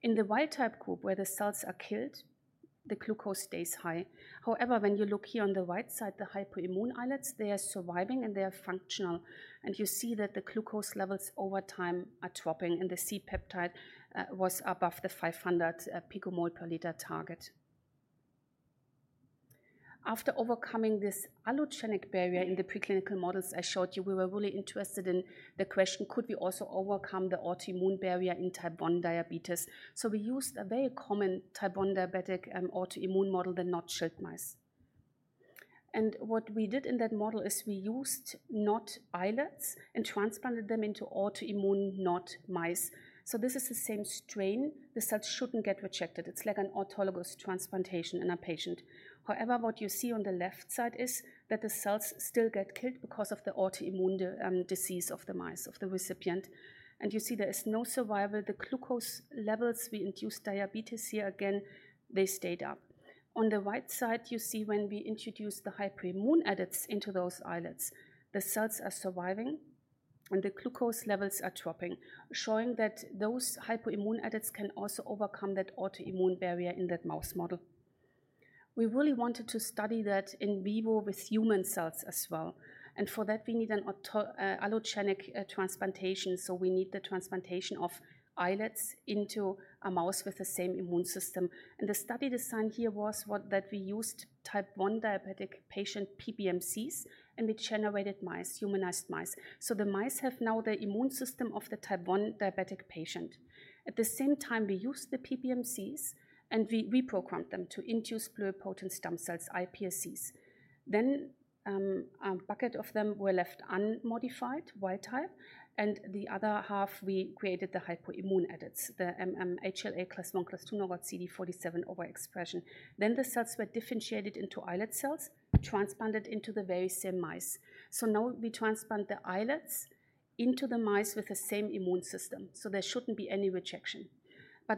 In the wild type group, where the cells are killed, the glucose stays high. When you look here on the right side, the hypoimmune islets, they are surviving, and they are functional. You see that the glucose levels over time are dropping, and the C-peptide was above the 500 picomole per liter target. After overcoming this allogeneic barrier in the preclinical models I showed you, we were really interested in the question, could we also overcome the autoimmune barrier in type 1 diabetes? We used a very common type 1 diabetic autoimmune model, the NOD/ShiLtJ mice. What we did in that model is we used NOD islets and transplanted them into autoimmune NOD mice. This is the same strain. The cells shouldn't get rejected. It's like an autologous transplantation in a patient. What you see on the left side is that the cells still get killed because of the autoimmune disease of the mice, of the recipient. You see there is no survival. The glucose levels, we induced diabetes here again, they stayed up. On the right side, you see when we introduced the hypoimmune edits into those islets, the cells are surviving, and the glucose levels are dropping, showing that those hypoimmune edits can also overcome that autoimmune barrier in that mouse model. We really wanted to study that in vivo with human cells as well. For that, we need an allogenic transplantation. We need the transplantation of islets into a mouse with the same immune system. The study design here was that we used type 1 diabetic patient PBMCs, and we generated mice, humanized mice. The mice have now the immune system of the type one diabetic patient. At the same time, we used the PBMCs, and we reprogrammed them to induce pluripotent stem cells, iPSCs. A bucket of them were left unmodified, wild type, and the other half we created the hypoimmune edits, the MM HLA class 1, class 2 knockout CD47 overexpression. The cells were differentiated into islet cells, transplanted into the very same mice. Now we transplant the islets into the mice with the same immune system, so there shouldn't be any rejection.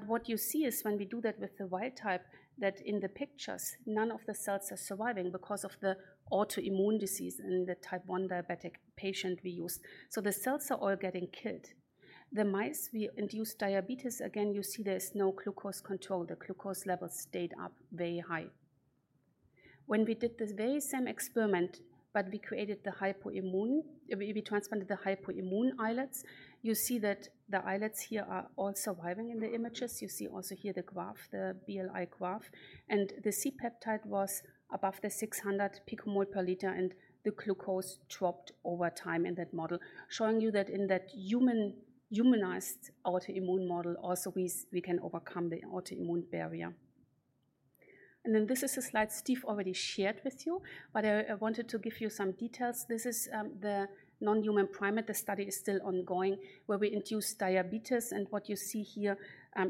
What you see is when we do that with the wild type, that in the pictures, none of the cells are surviving because of the autoimmune disease in the type 1 diabetic patient we used. The cells are all getting killed. The mice, we induced diabetes. Again, you see there is no glucose control. The glucose levels stayed up very high. When we did the very same experiment, but we created the hypoimmune, we transplanted the hypoimmune islets, you see that the islets here are all surviving in the images. You see also here the graph, the BLI graph, and the C-peptide was above the 600 picomole per liter, and the glucose dropped over time in that model, showing you that in that humanized autoimmune model also we can overcome the autoimmune barrier. This is a slide Steve already shared with you, but I wanted to give you some details. This is the non-human primate. The study is still ongoing, where we induced diabetes, and what you see here,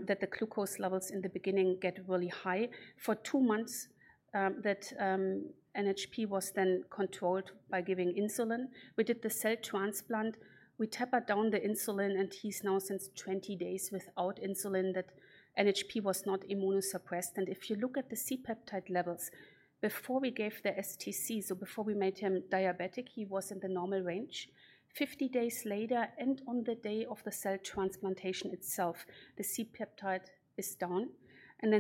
that the glucose levels in the beginning get really high. For two months, that NHP was controlled by giving insulin. We did the cell transplant. We taper down the insulin, and he's now since 20 days without insulin. That NHP was not immunosuppressed. If you look at the C-peptide levels, before we gave the STC, so before we made him diabetic, he was in the normal range. 50 days later, and on the day of the cell transplantation itself, the C-peptide is down.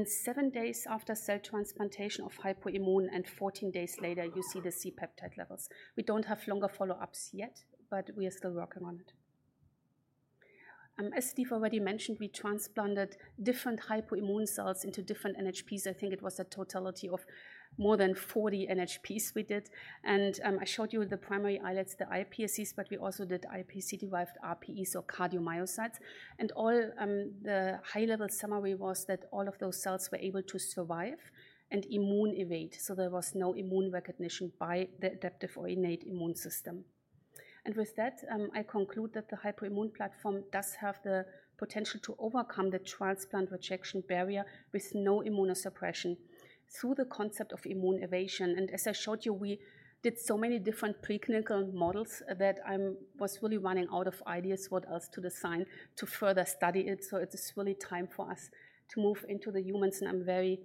Seven days after cell transplantation of hypoimmune, and 14 days later, you see the C-peptide levels. We don't have longer follow-ups yet, but we are still working on it. As Steve already mentioned, we transplanted different hypoimmune cells into different NHPs. I think it was a totality of more than 40 NHPs we did. I showed you the primary islets, the iPSCs, but we also did iPSC-derived RPE, so cardiomyocytes. All the high-level summary was that all of those cells were able to survive and immune evade. There was no immune recognition by the adaptive or innate immune system. With that, I conclude that the Hypoimmune Platform does have the potential to overcome the transplant rejection barrier with no immunosuppression through the concept of immune evasion. As I showed you, we did so many different preclinical models that I was really running out of ideas what else to design to further study it. It is really time for us to move into the humans, and I'm very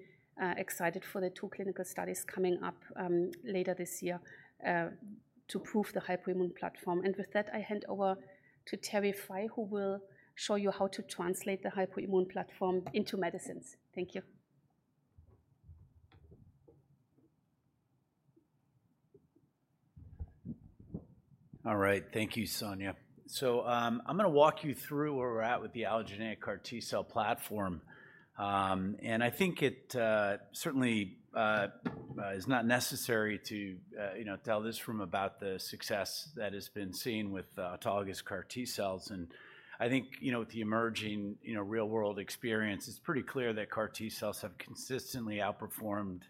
excited for the two clinical studies coming up later this year to prove the Hypoimmune Platform. With that, I hand over to Terry Fry, who will show you how to translate the hypoimmune platform into medicines. Thank you. All right. Thank you, Sonja. I'm going to walk you through where we're at with the allogeneic CAR T-cell platform. I think it certainly is not necessary to, you know, tell this from about the success that has been seen with autologous CAR T-cells. I think, you know, with the emerging, you know, real-world experience, it's pretty clear that CAR T-cells have consistently outperformed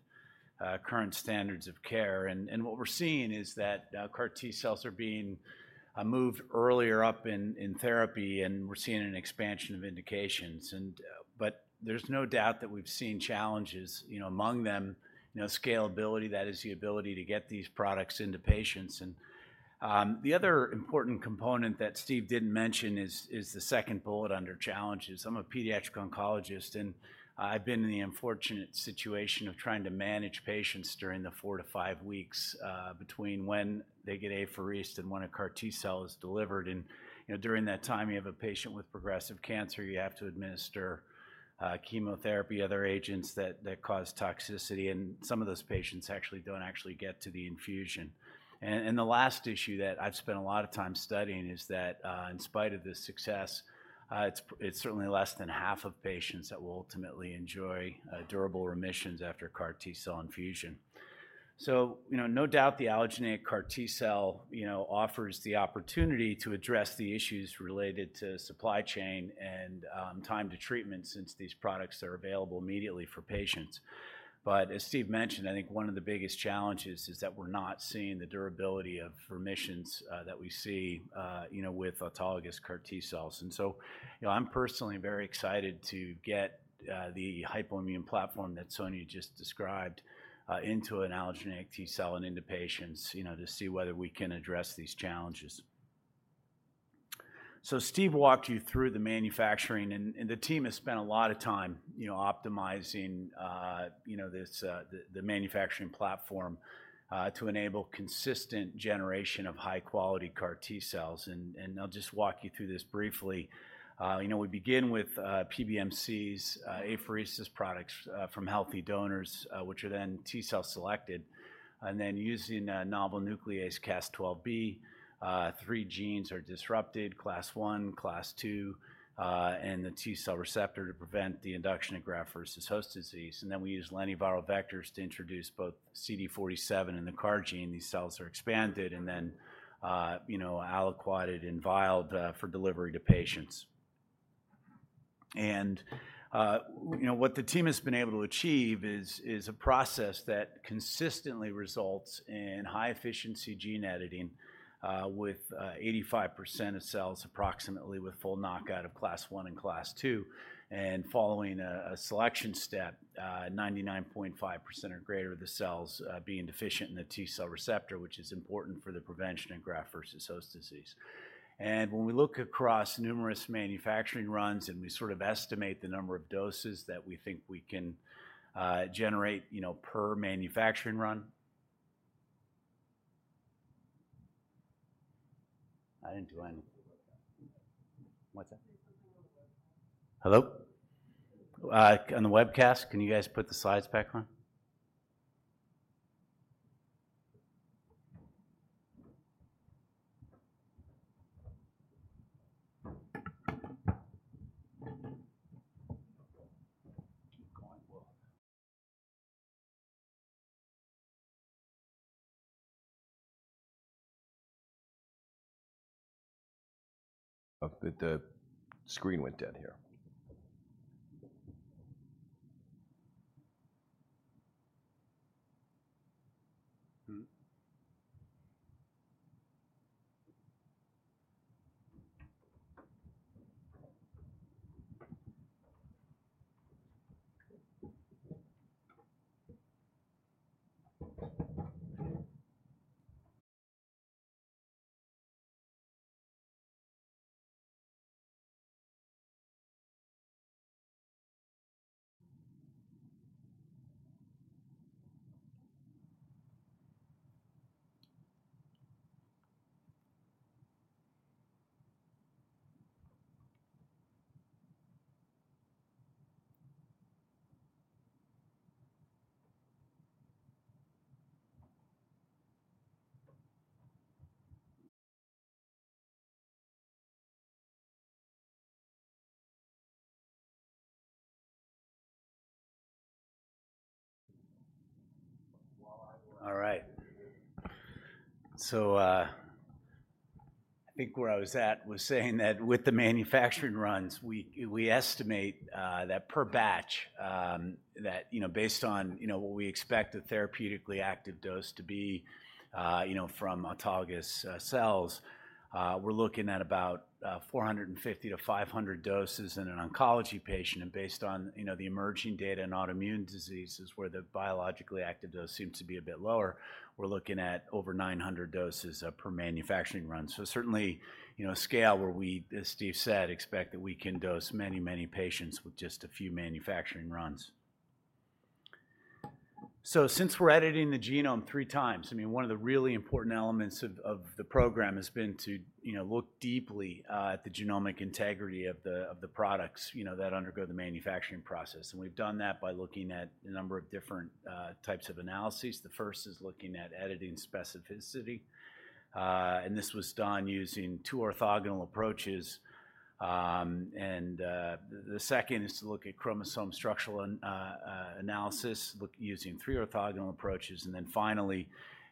current standards of care. What we're seeing is that CAR T-cells are being moved earlier up in therapy, and we're seeing an expansion of indications. There's no doubt that we've seen challenges, you know, among them, you know, scalability, that is the ability to get these products into patients. The other important component that Steve didn't mention is the second bullet under challenges. I'm a pediatric oncologist, and I've been in the unfortunate situation of trying to manage patients during the 4 to 5 weeks between when they get apheresis and when a CAR T-cell is delivered. You know, during that time, you have a patient with progressive cancer, you have to administer chemotherapy, other agents that cause toxicity, and some of those patients actually don't actually get to the infusion. The last issue that I've spent a lot of time studying is that in spite of this success, it's certainly less than half of patients that will ultimately enjoy durable remissions after CAR T-cell infusion. You know, no doubt the allogeneic CAR T-cell, you know, offers the opportunity to address the issues related to supply chain and time to treatment since these products are available immediately for patients. As Steve mentioned, I think one of the biggest challenges is that we're not seeing the durability of remissions that we see, you know, with autologous CAR T-cells. You know, I'm personally very excited to get the hypoimmune platform that Sonja just described into an allogeneic T-cell and into patients, you know, to see whether we can address these challenges. Steve walked you through the manufacturing and the team has spent a lot of time, you know, optimizing, you know, this the manufacturing platform to enable consistent generation of high-quality CAR T-cells. And I'll just walk you through this briefly. You know, we begin with PBMCs, apheresis products from healthy donors, which are then T-cell selected. Using a novel nuclease Cas12b, three genes are disrupted, class one, class two, and the T-cell receptor to prevent the induction of graft-versus-host disease. We use lentiviral vectors to introduce both CD47 and the CAR gene. These cells are expanded and then, you know, aliquoted and vialed for delivery to patients. What the team has been able to achieve is a process that consistently results in high-efficiency gene editing, with 85% of cells approximately with full knockout of class one and class two. Following a selection step, 99.5% or greater of the cells being deficient in the T-cell receptor, which is important for the prevention of graft-versus-host disease. When we look across numerous manufacturing runs, and we sort of estimate the number of doses that we think we can generate, you know, per manufacturing run. What's that? Hello? On the webcast, can you guys put the slides back on? Keep going. Well, the screen went dead here. Hmm? All right. I think where I was at was saying that with the manufacturing runs, we estimate that per batch, that, you know, based on, you know, what we expect a therapeutically active dose to be, you know, from autologous cells, we're looking at about 450-500 doses in an oncology patient. Based on, you know, the emerging data in autoimmune diseases where the biologically active dose seems to be a bit lower, we're looking at over 900 doses per manufacturing run. Certainly, you know, a scale where we, as Steve said, expect that we can dose many, many patients with just a few manufacturing runs. Since we're editing the genome three times, I mean, one of the really important elements of the program has been to, you know, look deeply at the genomic integrity of the products, you know, that undergo the manufacturing process. We've done that by looking at a number of different types of analyses. The first is looking at editing specificity, and this was done using two orthogonal approaches. The second is to look at chromosome structural analysis using three orthogonal approaches, and then finally,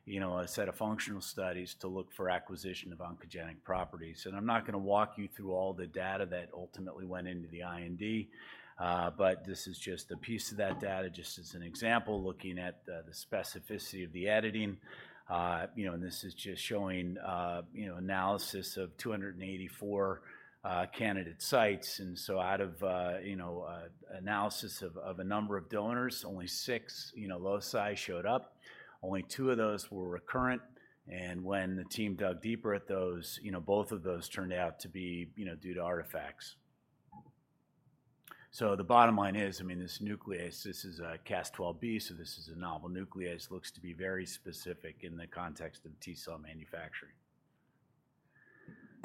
you know, a set of functional studies to look for acquisition of oncogenic properties. I'm not gonna walk you through all the data that ultimately went into the IND, but this is just a piece of that data, just as an example, looking at the specificity of the editing. You know, and this is just showing, you know, analysis of 284 candidate sites. Out of, you know, analysis of a number of donors, only six, you know, loci showed up. Only two of those were recurrent, and when the team dug deeper at those, you know, both of those turned out to be, you know, due to artifacts. The bottom line is, I mean, this nuclease, this is a Cas12b, this is a novel nuclease, looks to be very specific in the context of T-cell manufacturing.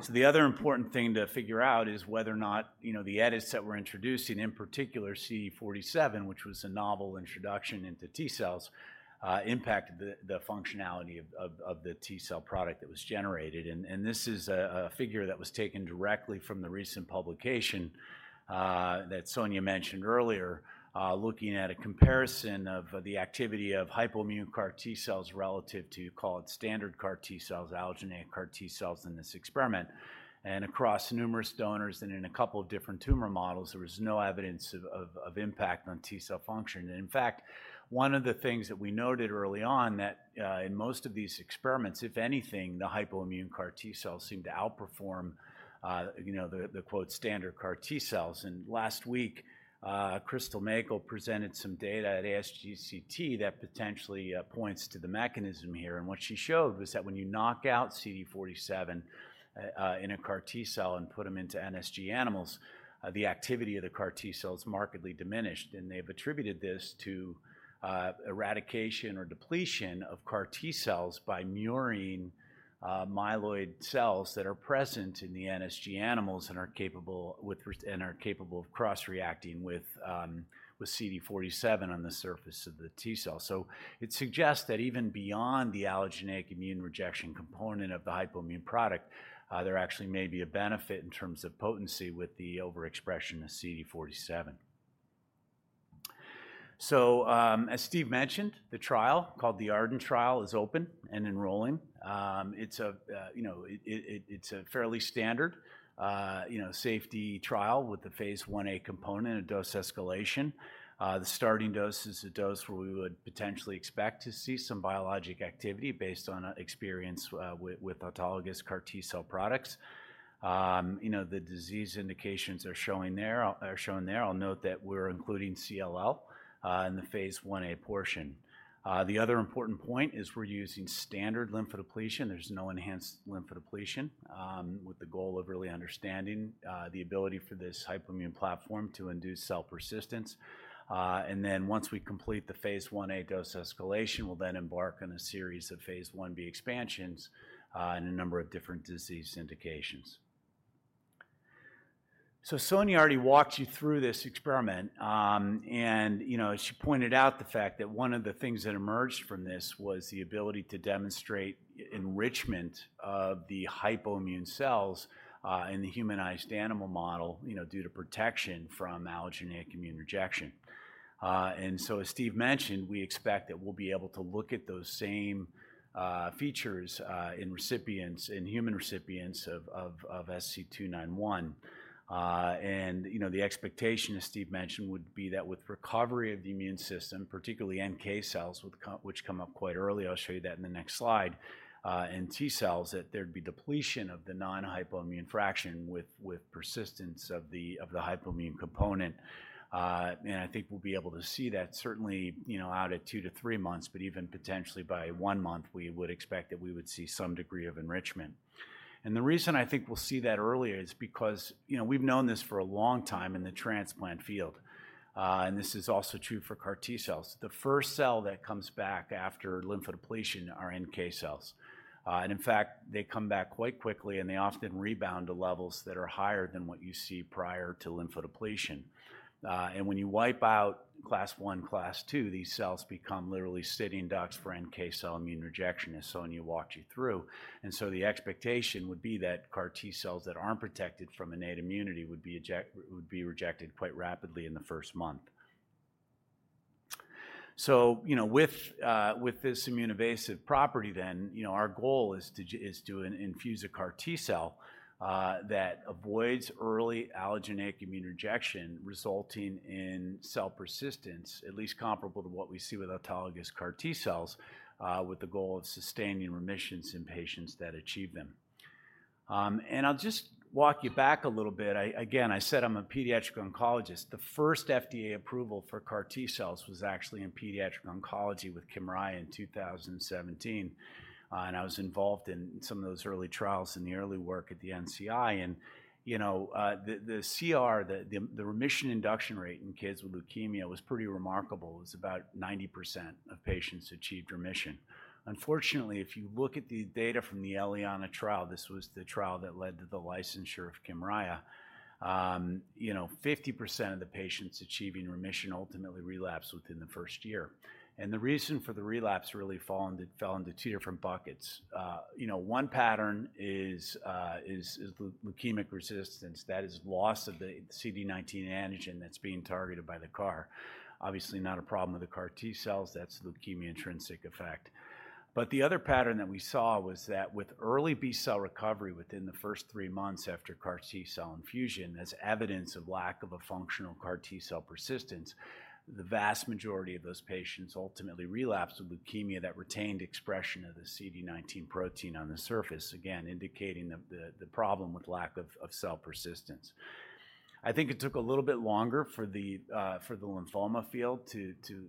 The other important thing to figure out is whether or not, you know, the edits that we're introducing, in particular CD47, which was a novel introduction into T-cells, impacted the functionality of the T-cell product that was generated. This is a figure that was taken directly from the recent publication that Sonja mentioned earlier, looking at a comparison of the activity of hypoimmune CAR T-cells relative to, call it, standard CAR T-cells, allogeneic CAR T-cells in this experiment. Across numerous donors and in a couple of different tumor models, there was no evidence of impact on T-cell function. In fact, one of the things that we noted early on that, in most of these experiments, if anything, the hypoimmune CAR T-cells seemed to outperform, you know, the quote, "standard CAR T-cells." Last week, Crystal Mackall presented some data at ASGCT that potentially points to the mechanism here. What she showed was that when you knock out CD47 in a CAR T-cell and put them into NSG animals, the activity of the CAR T-cells markedly diminished, and they've attributed this to eradication or depletion of CAR T-cells by murine myeloid cells that are present in the NSG animals and are capable of cross-reacting with CD47 on the surface of the T-cell. It suggests that even beyond the allogeneic immune rejection component of the hypoimmune product, there actually may be a benefit in terms of potency with the overexpression of CD47. As Steve mentioned, the trial, called the ARDENT trial, is open and enrolling. It's a, you know, it's a fairly standard, you know, safety trial with a phase Ia component, a dose escalation. The starting dose is a dose where we would potentially expect to see some biologic activity based on experience with autologous CAR T-cell products. You know, the disease indications are shown there. I'll note that we're including CLL in the phase Ia portion. The other important point is we're using standard lymphodepletion. There's no enhanced lymph depletion with the goal of really understanding the ability for this hypoimmune platform to induce cell persistence. Once we complete the phase Ia dose escalation, we'll then embark on a series of phase Ib expansions in a number of different disease indications. Sonia already walked you through this experiment, and, you know, she pointed out the fact that one of the things that emerged from this was the ability to demonstrate enrichment of the hypoimmune cells in the humanized animal model, you know, due to protection from allogeneic immune rejection. As Steve mentioned, we expect that we'll be able to look at those same features in recipients, in human recipients of SC291. You know, the expectation, as Steve mentioned, would be that with recovery of the immune system, particularly NK cells which come up quite early, I'll show you that in the next slide, and T-cells, that there'd be depletion of the non-hypoimmune fraction with persistence of the, of the hypoimmune component. I think we'll be able to see that certainly, you know, out at 2-3 months, but even potentially by one month, we would expect that we would see some degree of enrichment. The reason I think we'll see that earlier is because, you know, we've known this for a long time in the transplant field, and this is also true for CAR T-cells. The first cell that comes back after lymphodepletion are NK cells. In fact, they come back quite quickly, and they often rebound to levels that are higher than what you see prior to lymphodepletion. When you wipe out class one, class two, these cells become literally sitting ducks for NK cell immune rejection, as Sonja walked you through. The expectation would be that CAR T-cells that aren't protected from innate immunity would be rejected quite rapidly in the first month. You know, with this immunoevasive property then, you know, our goal is to infuse a CAR T-cell that avoids early allogeneic immune rejection resulting in cell persistence, at least comparable to what we see with autologous CAR T-cells, with the goal of sustaining remissions in patients that achieve them. I'll just walk you back a little bit. I, again, I said I'm a pediatric oncologist. The first FDA approval for CAR T-cells was actually in pediatric oncology with Kymriah in 2017, and I was involved in some of those early trials in the early work at the NCI. You know, the CR, the remission induction rate in kids with leukemia was pretty remarkable. It was about 90% of patients achieved remission. Unfortunately, if you look at the data from the ELIANA trial, this was the trial that led to the licensure of Kymriah, you know, 50% of the patients achieving remission ultimately relapsed within the first year. The reason for the relapse really fell into two different buckets. You know, one pattern is the leukemic resistance, that is loss of the CD19 antigen that's being targeted by the CAR. Obviously not a problem with the CAR T cells, that's the leukemia intrinsic effect. The other pattern that we saw was that with early B cell recovery within the first 3 months after CAR T cell infusion, as evidence of lack of a functional CAR T cell persistence, the vast majority of those patients ultimately relapsed with leukemia that retained expression of the CD19 protein on the surface, again, indicating the problem with lack of cell persistence. I think it took a little bit longer for the lymphoma field to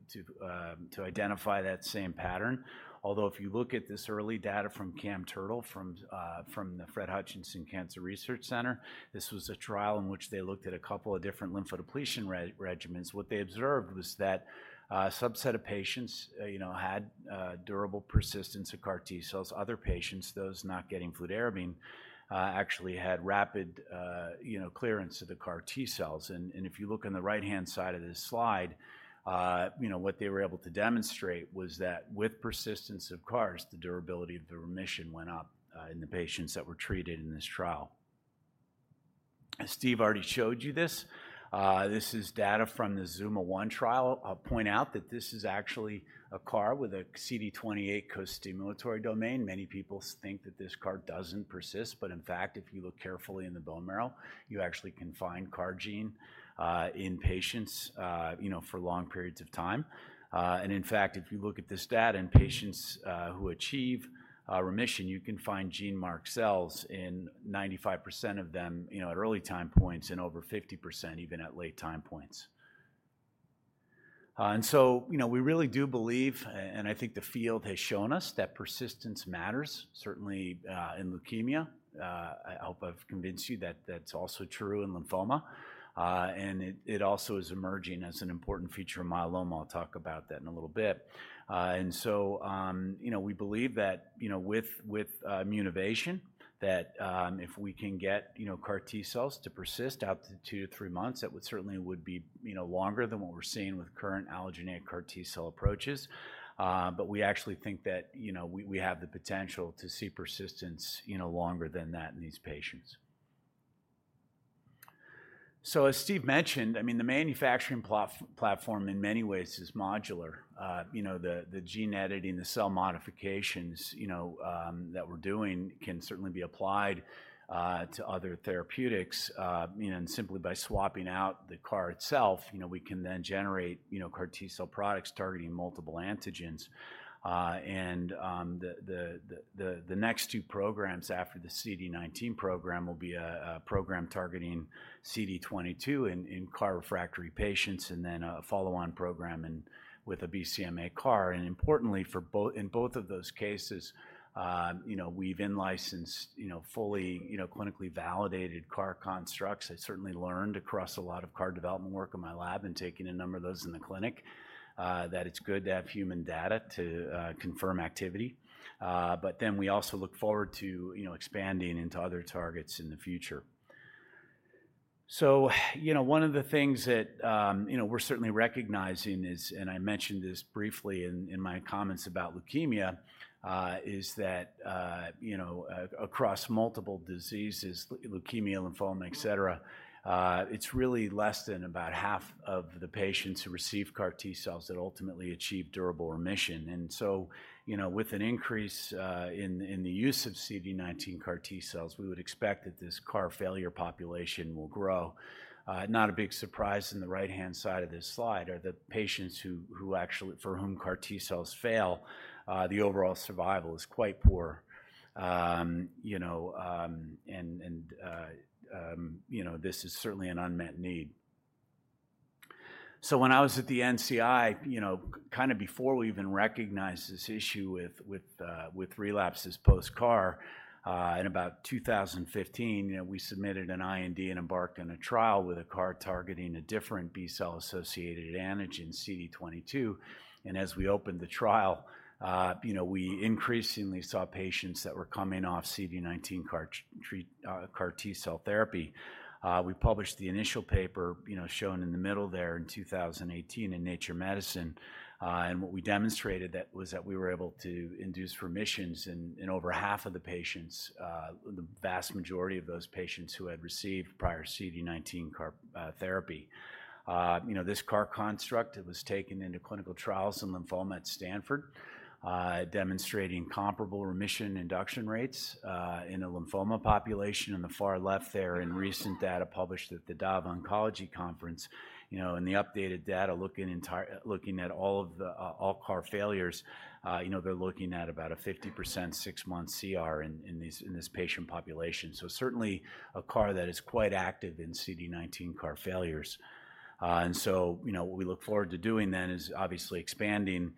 identify that same pattern. If you look at this early data from Cam Turtle from the Fred Hutchinson Cancer Research Center, this was a trial in which they looked at a couple of different lymphodepletion regimens. What they observed was that a subset of patients, you know, had durable persistence of CAR T-cells. Other patients, those not getting fludarabine, actually had rapid, you know, clearance of the CAR T-cells. If you look on the right-hand side of this slide, you know, what they were able to demonstrate was that with persistence of CARs, the durability of the remission went up in the patients that were treated in this trial. Steve already showed you this. This is data from the ZUMA-1 trial. I'll point out that this is actually a CAR with a CD28 costimulatory domain. Many people think that this CAR doesn't persist. In fact, if you look carefully in the bone marrow, you actually can find CAR gene in patients, you know, for long periods of time. In fact, if you look at this data in patients who achieve remission, you can find gene mark cells in 95% of them, you know, at early time points and over 50% even at late time points. You know, we really do believe, and I think the field has shown us that persistence matters, certainly, in leukemia. I hope I've convinced you that that's also true in lymphoma. It also is emerging as an important feature of myeloma. I'll talk about that in a little bit. You know, we believe that, you know, with immunoevasion, that if we can get, you know, CAR T-cells to persist up to two to three months, that would certainly would be, you know, longer than what we're seeing with current allogeneic CAR T-cell approaches. We actually think that, you know, we have the potential to see persistence, you know, longer than that in these patients. As Steve mentioned, I mean, the manufacturing platform in many ways is modular. You know, the gene editing, the cell modifications, you know, that we're doing can certainly be applied to other therapeutics, you know, and simply by swapping out the CAR itself, you know, we can then generate, you know, CAR T-cell products targeting multiple antigens. The next two programs after the CD19 program will be a program targeting CD22 in CAR refractory patients and then a follow-on program with a BCMA CAR. Importantly in both of those cases, we've in-licensed fully clinically validated CAR constructs. I certainly learned across a lot of CAR development work in my lab and taking a number of those in the clinic, that it's good to have human data to confirm activity. We also look forward to expanding into other targets in the future. You know, one of the things that, you know, we're certainly recognizing is, and I mentioned this briefly in my comments about leukemia, is that, you know, across multiple diseases, leukemia, lymphoma, et cetera, it's really less than about half of the patients who receive CAR T cells that ultimately achieve durable remission. You know, with an increase in the use of CD19 CAR T cells, we would expect that this CAR failure population will grow. Not a big surprise in the right-hand side of this slide are the patients who actually for whom CAR T cells fail, the overall survival is quite poor. You know, and, you know, this is certainly an unmet need. When I was at the NCI, you know, kind of before we even recognized this issue with relapses post-CAR, in about 2015, you know, we submitted an IND and embarked on a trial with a CAR targeting a different B-cell associated antigen, CD22. As we opened the trial, you know, we increasingly saw patients that were coming off CD19 CAR T-cell therapy. We published the initial paper, you know, shown in the middle there in 2018 in Nature Medicine. What we demonstrated was that we were able to induce remissions in over half of the patients, the vast majority of those patients who had received prior CD19 CAR therapy. You know, this CAR construct, it was taken into clinical trials in lymphoma at Stanford, demonstrating comparable remission induction rates in a lymphoma population. In the far left there, in recent data published at the DAW Oncology Conference, you know, in the updated data looking at all CAR failures, you know, they're looking at about a 50% six-month CR in these, in this patient population. Certainly a CAR that is quite active in CD19 CAR failures. You know, what we look forward to doing then is obviously expanding, you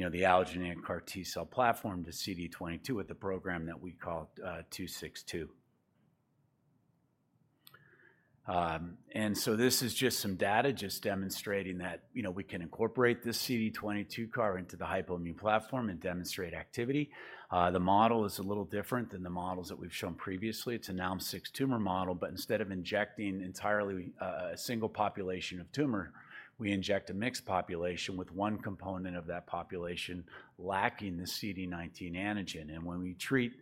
know, the allogeneic CAR T-cell platform to CD22 with the program that we call 262. This is just some data just demonstrating that, you know, we can incorporate this CD22 CAR into the Hypoimmune platform and demonstrate activity. The model is a little different than the models that we've shown previously. It's a Nalm6 tumor model, instead of injecting entirely a single population of tumor, we inject a mixed population with one component of that population lacking the CD19 antigen. When we treat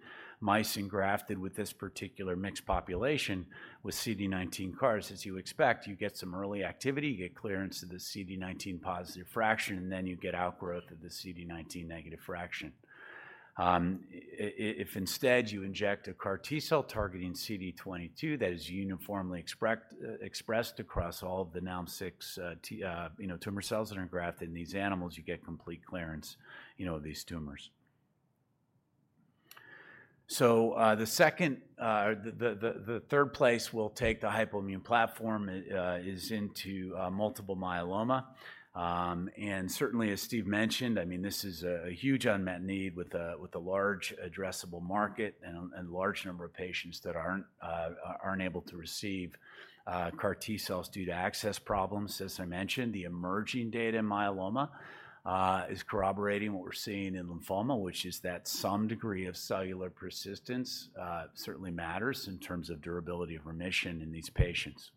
mice engrafted with this particular mixed population with CD19 CARs, as you expect, you get some early activity, you get clearance to the CD19 positive fraction, then you get outgrowth of the CD19 negative fraction. If instead you inject a CAR T-cell targeting CD22 that is uniformly expressed across all of the NALM-6 tumor cells that are engrafted in these animals, you get complete clearance, you know, of these tumors. The second or the third place we'll take the Hypoimmune platform is into multiple myeloma. Certainly as Steve mentioned, I mean, this is a huge unmet need with a large addressable market and a large number of patients that aren't able to receive CAR T-cells due to access problems. As I mentioned, the emerging data in myeloma is corroborating what we're seeing in lymphoma, which is that some degree of cellular persistence certainly matters in terms of durability of remission in these patients.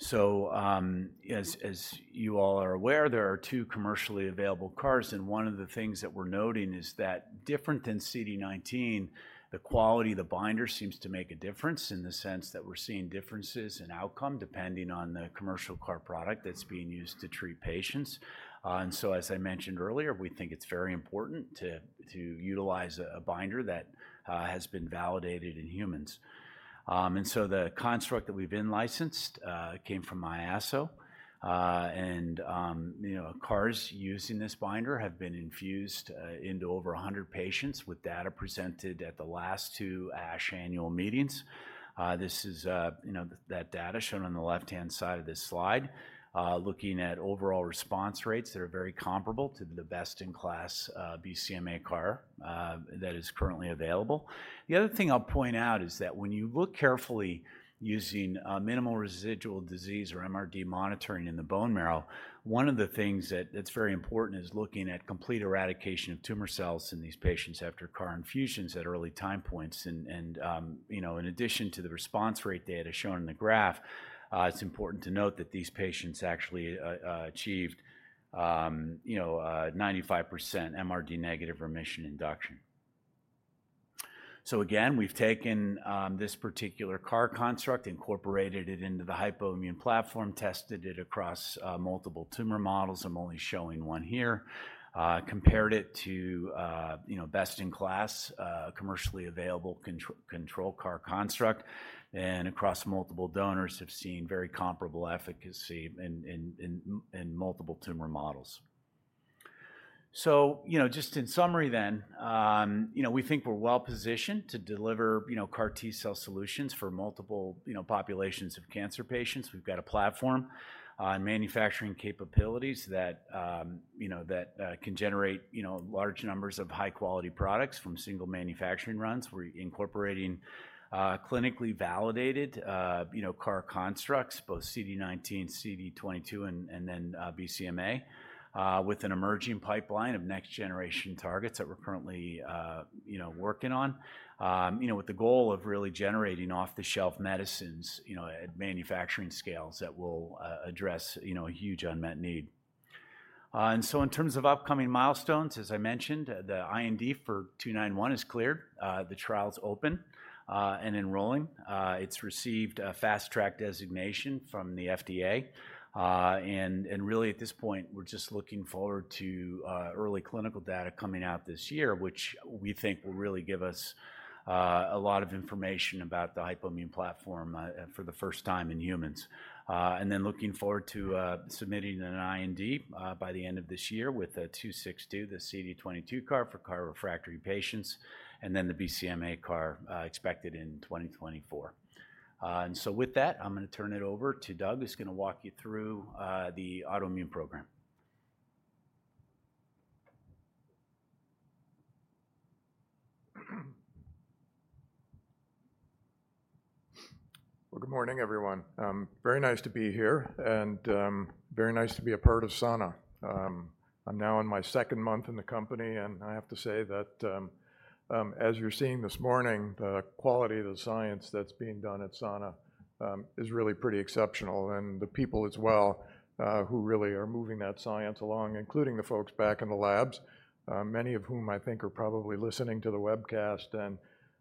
As you all are aware, there are 2 commercially available CARs, and one of the things that we're noting is that different than CD19, the quality of the binder seems to make a difference in the sense that we're seeing differences in outcome depending on the commercial CAR product that's being used to treat patients. As I mentioned earlier, we think it's very important to utilize a binder that has been validated in humans. The construct that we've in-licensed came from Miyaso. You know, CARs using this binder have been infused into over 100 patients with data presented at the last 2 ASH annual meetings. This is, you know, that data shown on the left-hand side of this slide, looking at overall response rates that are very comparable to the best-in-class BCMA CAR that is currently available. The other thing I'll point out is that when you look carefully using minimal residual disease or MRD monitoring in the bone marrow, one of the things that's very important is looking at complete eradication of tumor cells in these patients after CAR infusions at early time points. In addition to the response rate data shown in the graph, it's important to note that these patients actually achieved, you know, 95% MRD negative remission induction. Again, we've taken this particular CAR construct, incorporated it into the Hypoimmune platform, tested it across multiple tumor models. I'm only showing one here. Compared it to, you know, best in class, commercially available control CAR construct, across multiple donors have seen very comparable efficacy in multiple tumor models. You know, just in summary then, you know, we think we're well positioned to deliver, you know, CAR T-cell solutions for multiple, you know, populations of cancer patients. We've got a platform, and manufacturing capabilities that, you know, that can generate, you know, large numbers of high-quality products from single manufacturing runs. We're incorporating clinically validated, you know, CAR constructs, both CD19, CD22, and then BCMA, with an emerging pipeline of next generation targets that we're currently, you know, working on, you know, with the goal of really generating off-the-shelf medicines, you know, at manufacturing scales that will address, you know, a huge unmet need. In terms of upcoming milestones, as I mentioned, the IND for 291 is cleared. The trial's open and enrolling. It's received a Fast Track designation from the FDA. Really at this point, we're just looking forward to early clinical data coming out this year, which we think will really give us a lot of information about the Hypoimmune platform for the first time in humans. Looking forward to submitting an IND by the end of this year with SC262, the CD22 CAR for CAR refractory patients, and then the BCMA CAR expected in 2024. With that, I'm gonna turn it over to Doug, who's gonna walk you through the autoimmune program. Good morning, everyone. Very nice to be here, and very nice to be a part of Sana. I'm now in my second month in the company, and I have to say that, as you're seeing this morning, the quality of the science that's being done at Sana, is really pretty exceptional. The people as well, who really are moving that science along, including the folks back in the labs, many of whom I think are probably listening to the webcast, and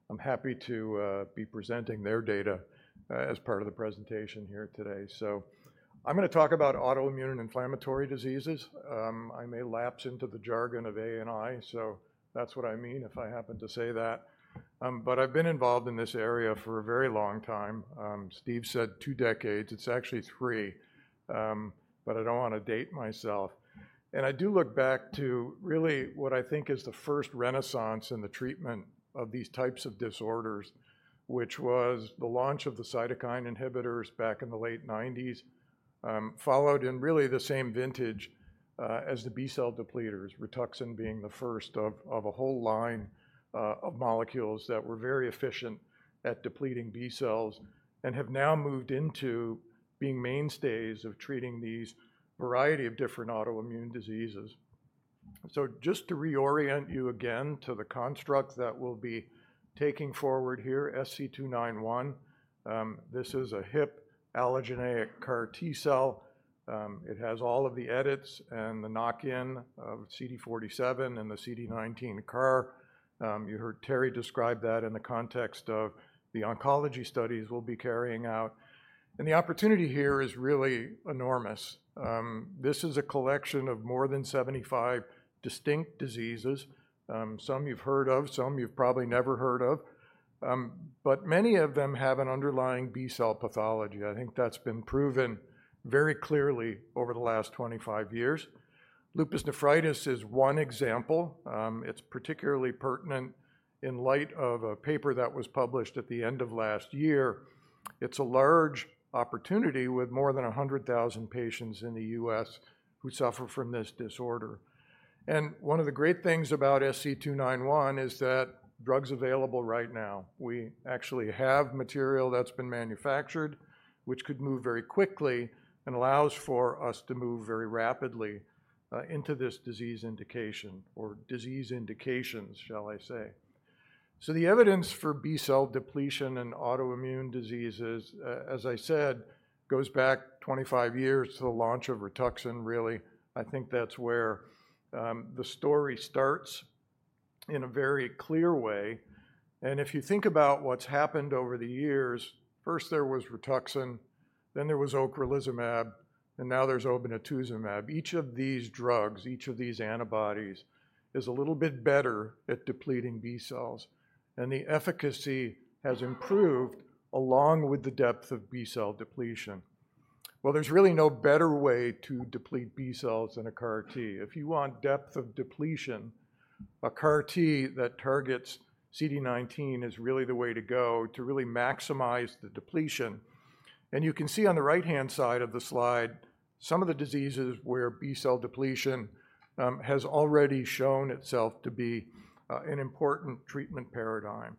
I'm happy to be presenting their data, as part of the presentation here today. I'm gonna talk about autoimmune and inflammatory diseases. I may lapse into the jargon of ANI, so that's what I mean if I happen to say that. I've been involved in this area for a very long time. Steve said 2 decades. It's actually 3. I don't wanna date myself. I do look back to really what I think is the first renaissance in the treatment of these types of disorders, which was the launch of the cytokine inhibitors back in the late 90s, followed in really the same vintage as the B-cell depleters, Rituxan being the first of a whole line of molecules that were very efficient at depleting B-cells and have now moved into being mainstays of treating these variety of different autoimmune diseases. Just to reorient you again to the construct that we'll be taking forward here, SC291, this is a HIP allogeneic CAR T-cell. It has all of the edits and the knock-in of CD47 and the CD19 CAR. You heard Terry describe that in the context of the oncology studies we'll be carrying out. The opportunity here is really enormous. This is a collection of more than 75 distinct diseases. Some you've heard of, some you've probably never heard of. But many of them have an underlying B-cell pathology. I think that's been proven very clearly over the last 25 years. lupus nephritis is one example. It's particularly pertinent in light of a paper that was published at the end of last year. It's a large opportunity with more than 100,000 patients in the U.S. who suffer from this disorder. One of the great things about SC291 is that drug's available right now. We actually have material that's been manufactured, which could move very quickly and allows for us to move very rapidly into this disease indication or disease indications, shall I say. The evidence for B-cell depletion in autoimmune diseases, as I said, goes back 25 years to the launch of Rituxan, really. I think that's where the story starts in a very clear way. If you think about what's happened over the years, first there was Rituxan, then there was Ocrelizumab, and now there's Obinutuzumab. Each of these drugs, each of these antibodies, is a little bit better at depleting B-cells, and the efficacy has improved along with the depth of B-cell depletion. There's really no better way to deplete B-cells than a CAR T. If you want depth of depletion, a CAR T that targets CD19 is really the way to go to really maximize the depletion. You can see on the right-hand side of the slide some of the diseases where B-cell depletion has already shown itself to be an important treatment paradigm.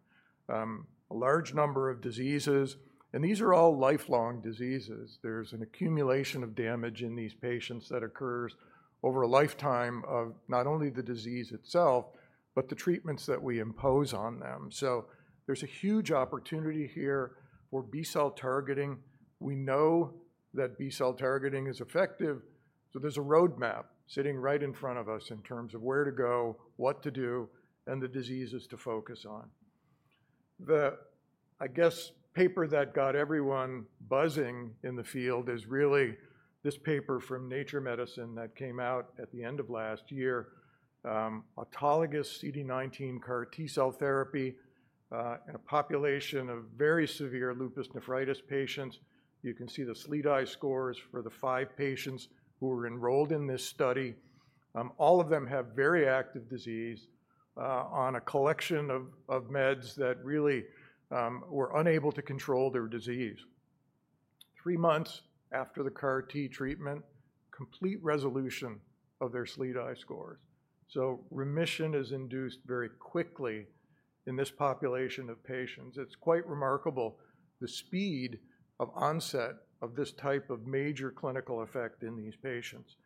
A large number of diseases, and these are all lifelong diseases. There's an accumulation of damage in these patients that occurs over a lifetime of not only the disease itself, but the treatments that we impose on them. There's a huge opportunity here for B-cell targeting. We know that B-cell targeting is effective, so there's a roadmap sitting right in front of us in terms of where to go, what to do, and the diseases to focus on. The, I guess, paper that got everyone buzzing in the field is really this paper from Nature Medicine that came out at the end of last year, Autologous CD19 CAR T-cell therapy in a population of very severe lupus nephritis patients. You can see the SLEDAI scores for the 5 patients who were enrolled in this study. All of them have very active disease on a collection of meds that really were unable to control their disease. 3 months after the CAR T treatment, complete resolution of their SLEDAI scores. Remission is induced very quickly in this population of patients. It's quite remarkable the speed of onset of this type of major clinical effect in these patients.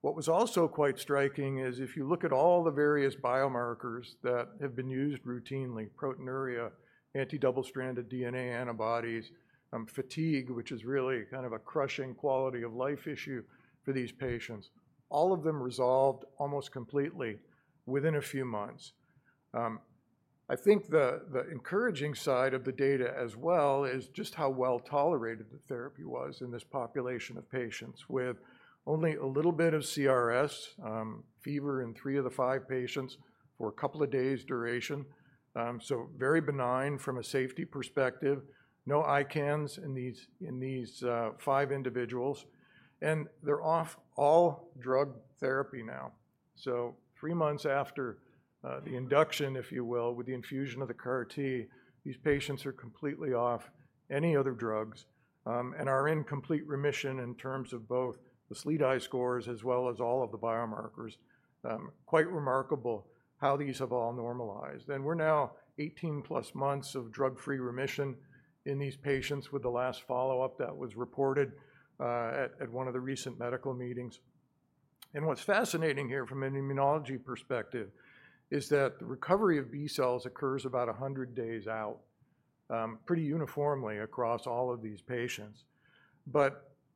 What was also quite striking is if you look at all the various biomarkers that have been used routinely, proteinuria, anti-double stranded DNA antibodies, fatigue, which is really kind of a crushing quality of life issue for these patients, all of them resolved almost completely within a few months. I think the encouraging side of the data as well is just how well tolerated the therapy was in this population of patients with only a little bit of CRS, fever in 3 of the 5 patients for 2 days duration. So very benign from a safety perspective. No ICANS in these, 5 individuals. They're off all drug therapy now. 3 months after the induction, if you will, with the infusion of the CAR T, these patients are completely off any other drugs. Are in complete remission in terms of both the SLEDAI scores as well as all of the biomarkers. Quite remarkable how these have all normalized. We're now 18 plus months of drug-free remission in these patients with the last follow-up that was reported at one of the recent medical meetings. What's fascinating here from an immunology perspective is that the recovery of B cells occurs about 100 days out, pretty uniformly across all of these patients.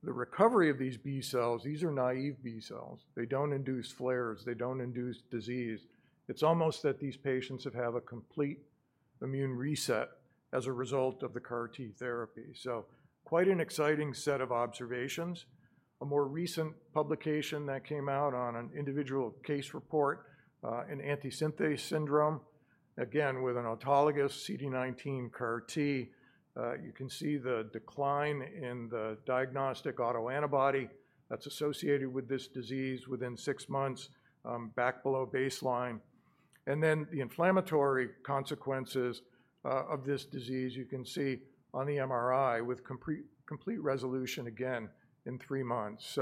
The recovery of these B cells, these are naive B cells. They don't induce flares. They don't induce disease. It's almost that these patients have had a complete immune reset as a result of the CAR T therapy. Quite an exciting set of observations. A more recent publication that came out on an individual case report in antisynthetase syndrome, again, with an autologous CD19 CAR T. You can see the decline in the diagnostic autoantibody that's associated with this disease within six months back below baseline. The inflammatory consequences of this disease you can see on the MRI with complete resolution again in three months.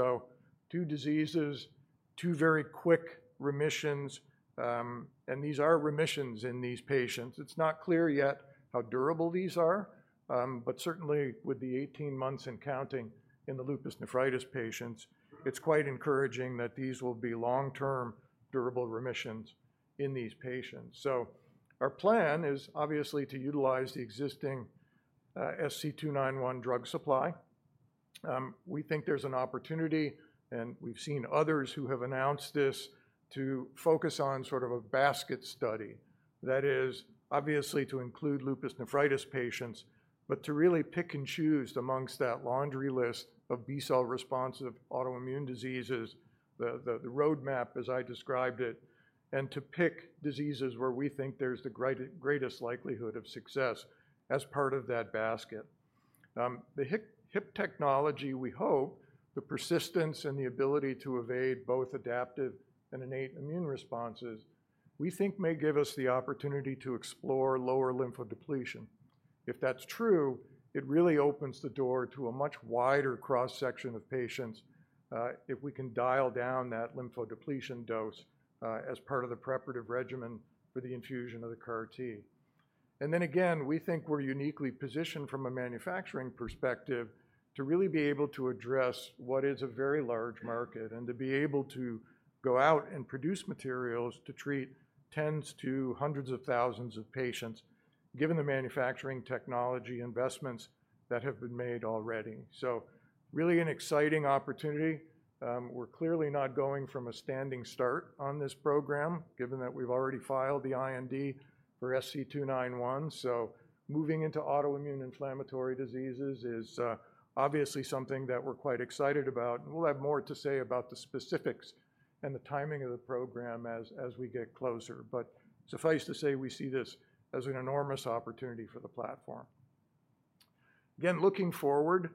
Two diseases, two very quick remissions, and these are remissions in these patients. It's not clear yet how durable these are, but certainly with the 18 months and counting in the lupus nephritis patients, it's quite encouraging that these will be long-term durable remissions in these patients. Our plan is obviously to utilize the existing SC291 drug supply. We think there's an opportunity, and we've seen others who have announced this, to focus on sort of a basket study, that is obviously to include lupus nephritis patients, but to really pick and choose amongst that laundry list of B-cell responsive autoimmune diseases, the roadmap as I described it, and to pick diseases where we think there's the greatest likelihood of success as part of that basket. The HIP technology, we hope the persistence and the ability to evade both adaptive and innate immune responses, we think may give us the opportunity to explore lower lymphodepletion. If that's true, it really opens the door to a much wider cross-section of patients, if we can dial down that lymphodepletion dose, as part of the preparative regimen for the infusion of the CAR T. Again, we think we're uniquely positioned from a manufacturing perspective to really be able to address what is a very large market and to be able to go out and produce materials to treat tens to hundreds of thousands of patients given the manufacturing technology investments that have been made already. Really an exciting opportunity. We're clearly not going from a standing start on this program given that we've already filed the IND for SC291. Moving into autoimmune inflammatory diseases is obviously something that we're quite excited about, and we'll have more to say about the specifics and the timing of the program as we get closer. Suffice to say, we see this as an enormous opportunity for the platform. Again, looking forward,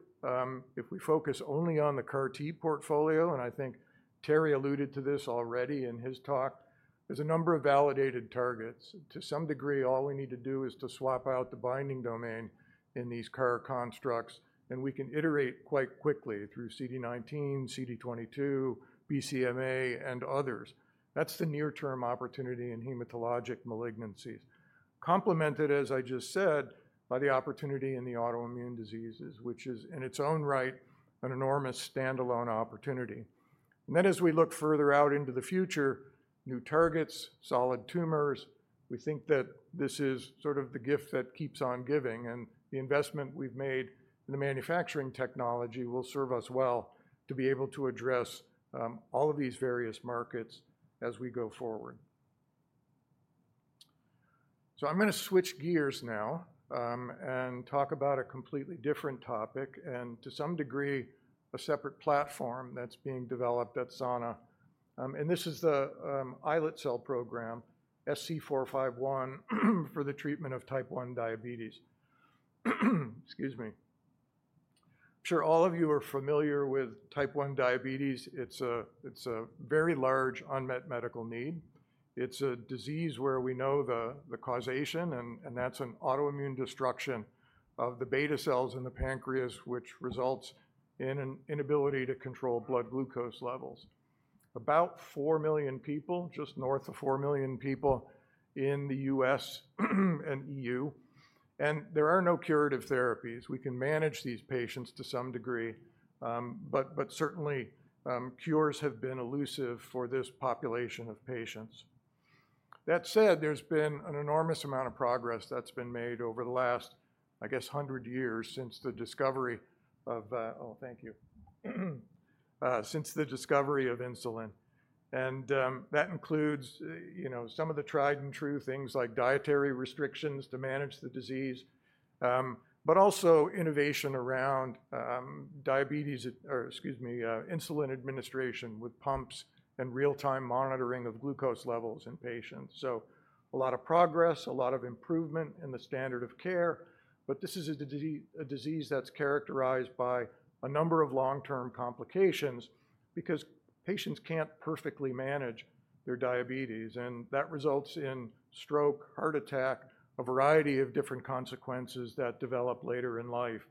if we focus only on the CAR T portfolio, I think Terry alluded to this already in his talk, there's a number of validated targets. To some degree, all we need to do is to swap out the binding domain in these CAR constructs, we can iterate quite quickly through CD19, CD22, BCMA, and others. That's the near-term opportunity in hematologic malignancies. Complemented, as I just said, by the opportunity in the autoimmune diseases, which is in its own right an enormous standalone opportunity. As we look further out into the future, new targets, solid tumors, we think that this is sort of the gift that keeps on giving, the investment we've made in the manufacturing technology will serve us well to be able to address all of these various markets as we go forward. I'm going to switch gears now, and talk about a completely different topic and to some degree a separate platform that's being developed at Sana. This is the islet cell program, SC451, for the treatment of type 1 diabetes. Excuse me. I'm sure all of you are familiar with type 1 diabetes. It's a very large unmet medical need. It's a disease where we know the causation and that's an autoimmune destruction of the beta cells in the pancreas, which results in an inability to control blood glucose levels. About 4 million people, just north of 4 million people in the U.S. and E.U., there are no curative therapies. We can manage these patients to some degree, but certainly cures have been elusive for this population of patients. That said, there's been an enormous amount of progress that's been made over the last, I guess, 100 years since the discovery of insulin, and that includes, you know, some of the tried and true things like dietary restrictions to manage the disease, but also innovation around diabetes or, excuse me, insulin administration with pumps and real-time monitoring of glucose levels in patients. A lot of progress, a lot of improvement in the standard of care, but this is a disease that's characterized by a number of long-term complications because patients can't perfectly manage their diabetes, and that results in stroke, heart attack, a variety of different consequences that develop later in life.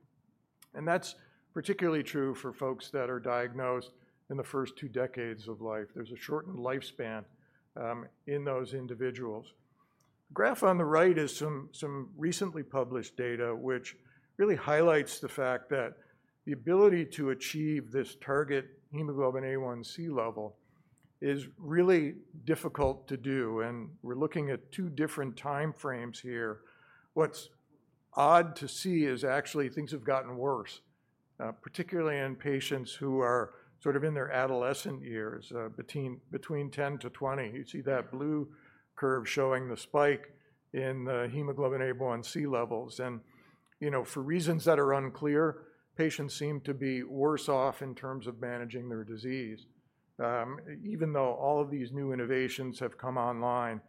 That's particularly true for folks that are diagnosed in the first 2 decades of life. There's a shortened lifespan in those individuals. The graph on the right is some recently published data which really highlights the fact that the ability to achieve this target Hemoglobin A1c level is really difficult to do, and we're looking at two different timeframes here. What's odd to see is actually things have gotten worse, particularly in patients who are sort of in their adolescent years, between 10-20. You see that blue curve showing the spike in the Hemoglobin A1c levels. You know, for reasons that are unclear, patients seem to be worse off in terms of managing their disease, even though all of these new innovations have come online.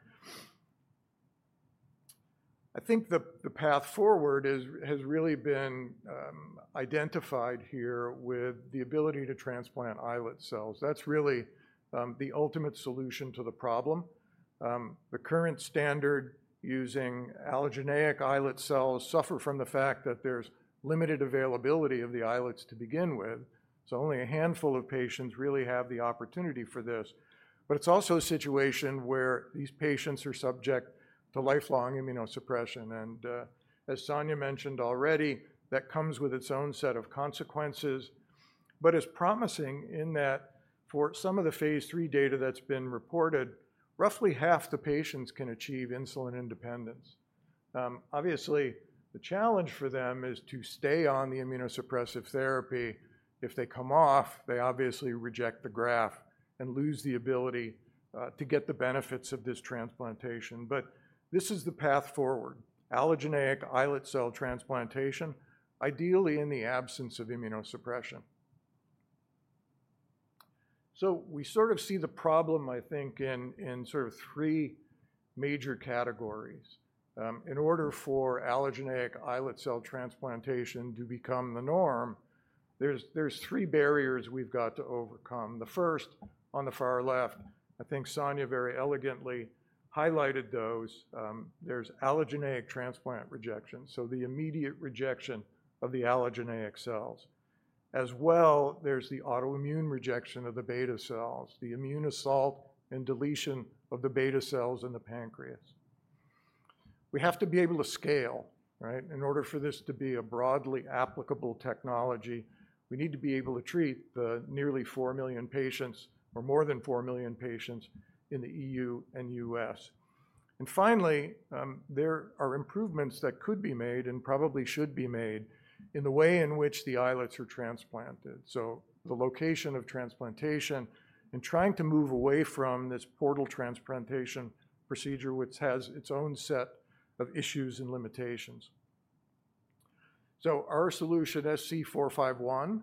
I think the path forward has really been identified here with the ability to transplant islet cells. That's really the ultimate solution to the problem. The current standard using allogeneic islet cells suffer from the fact that there's limited availability of the islets to begin with, only a handful of patients really have the opportunity for this. It's also a situation where these patients are subject to lifelong immunosuppression. As Sonja mentioned already, that comes with its own set of consequences. It's promising in that for some of the phase III data that's been reported, roughly half the patients can achieve insulin independence. Obviously the challenge for them is to stay on the immunosuppressive therapy. If they come off, they obviously reject the graft and lose the ability to get the benefits of this transplantation. This is the path forward, allogeneic islet cell transplantation, ideally in the absence of immunosuppression. We sort of see the problem, I think, in sort of three major categories. In order for allogeneic islet cell transplantation to become the norm, there's three barriers we've got to overcome. The first on the far left, I think Sonya very elegantly highlighted those. There's allogeneic transplant rejection, so the immediate rejection of the allogeneic cells. As well, there's the autoimmune rejection of the beta cells, the immune assault and deletion of the beta cells in the pancreas. We have to be able to scale, right? In order for this to be a broadly applicable technology, we need to be able to treat the nearly 4 million patients or more than 4 million patients in the EU and US. Finally, there are improvements that could be made and probably should be made in the way in which the islets are transplanted, so the location of transplantation and trying to move away from this portal transplantation procedure which has its own set of issues and limitations. Our solution, SC451,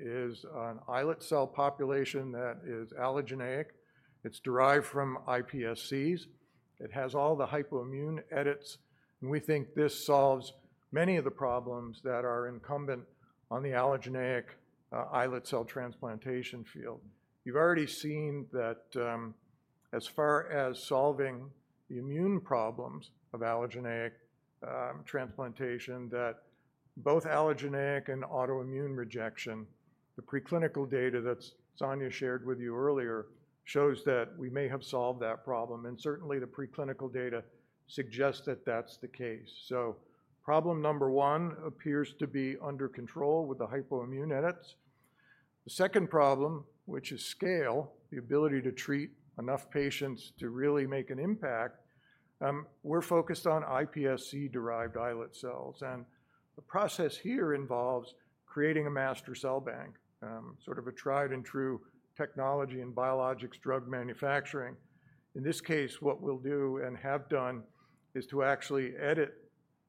is an islet cell population that is allogeneic. It's derived from iPSCs. It has all the hypoimmune edits, and we think this solves many of the problems that are incumbent on the allogeneic islet cell transplantation field. You've already seen that, as far as solving the immune problems of allogeneic transplantation, that both allogeneic and autoimmune rejection, the preclinical data that Sonja shared with you earlier shows that we may have solved that problem, and certainly the preclinical data suggests that that's the case. Problem number one appears to be under control with the hypoimmune edits. The second problem, which is scale, the ability to treat enough patients to really make an impact, we're focused on iPSC-derived islet cells. The process here involves creating a master cell bank, sort of a tried and true technology in biologics drug manufacturing. In this case, what we'll do and have done is to actually edit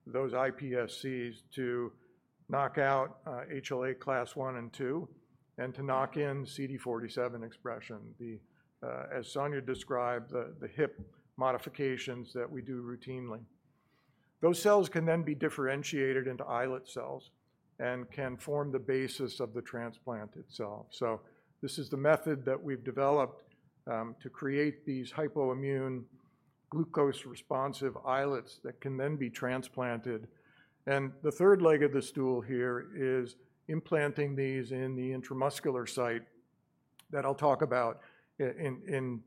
those iPSCs to knock out HLA class one and two and to knock in CD47 expression, the as Sonja described, the HIP modifications that we do routinely. Those cells can then be differentiated into islet cells and can form the basis of the transplant itself. This is the method that we've developed to create these hypoimmune glucose-responsive islets that can then be transplanted. The third leg of the stool here is implanting these in the intramuscular site that I'll talk about in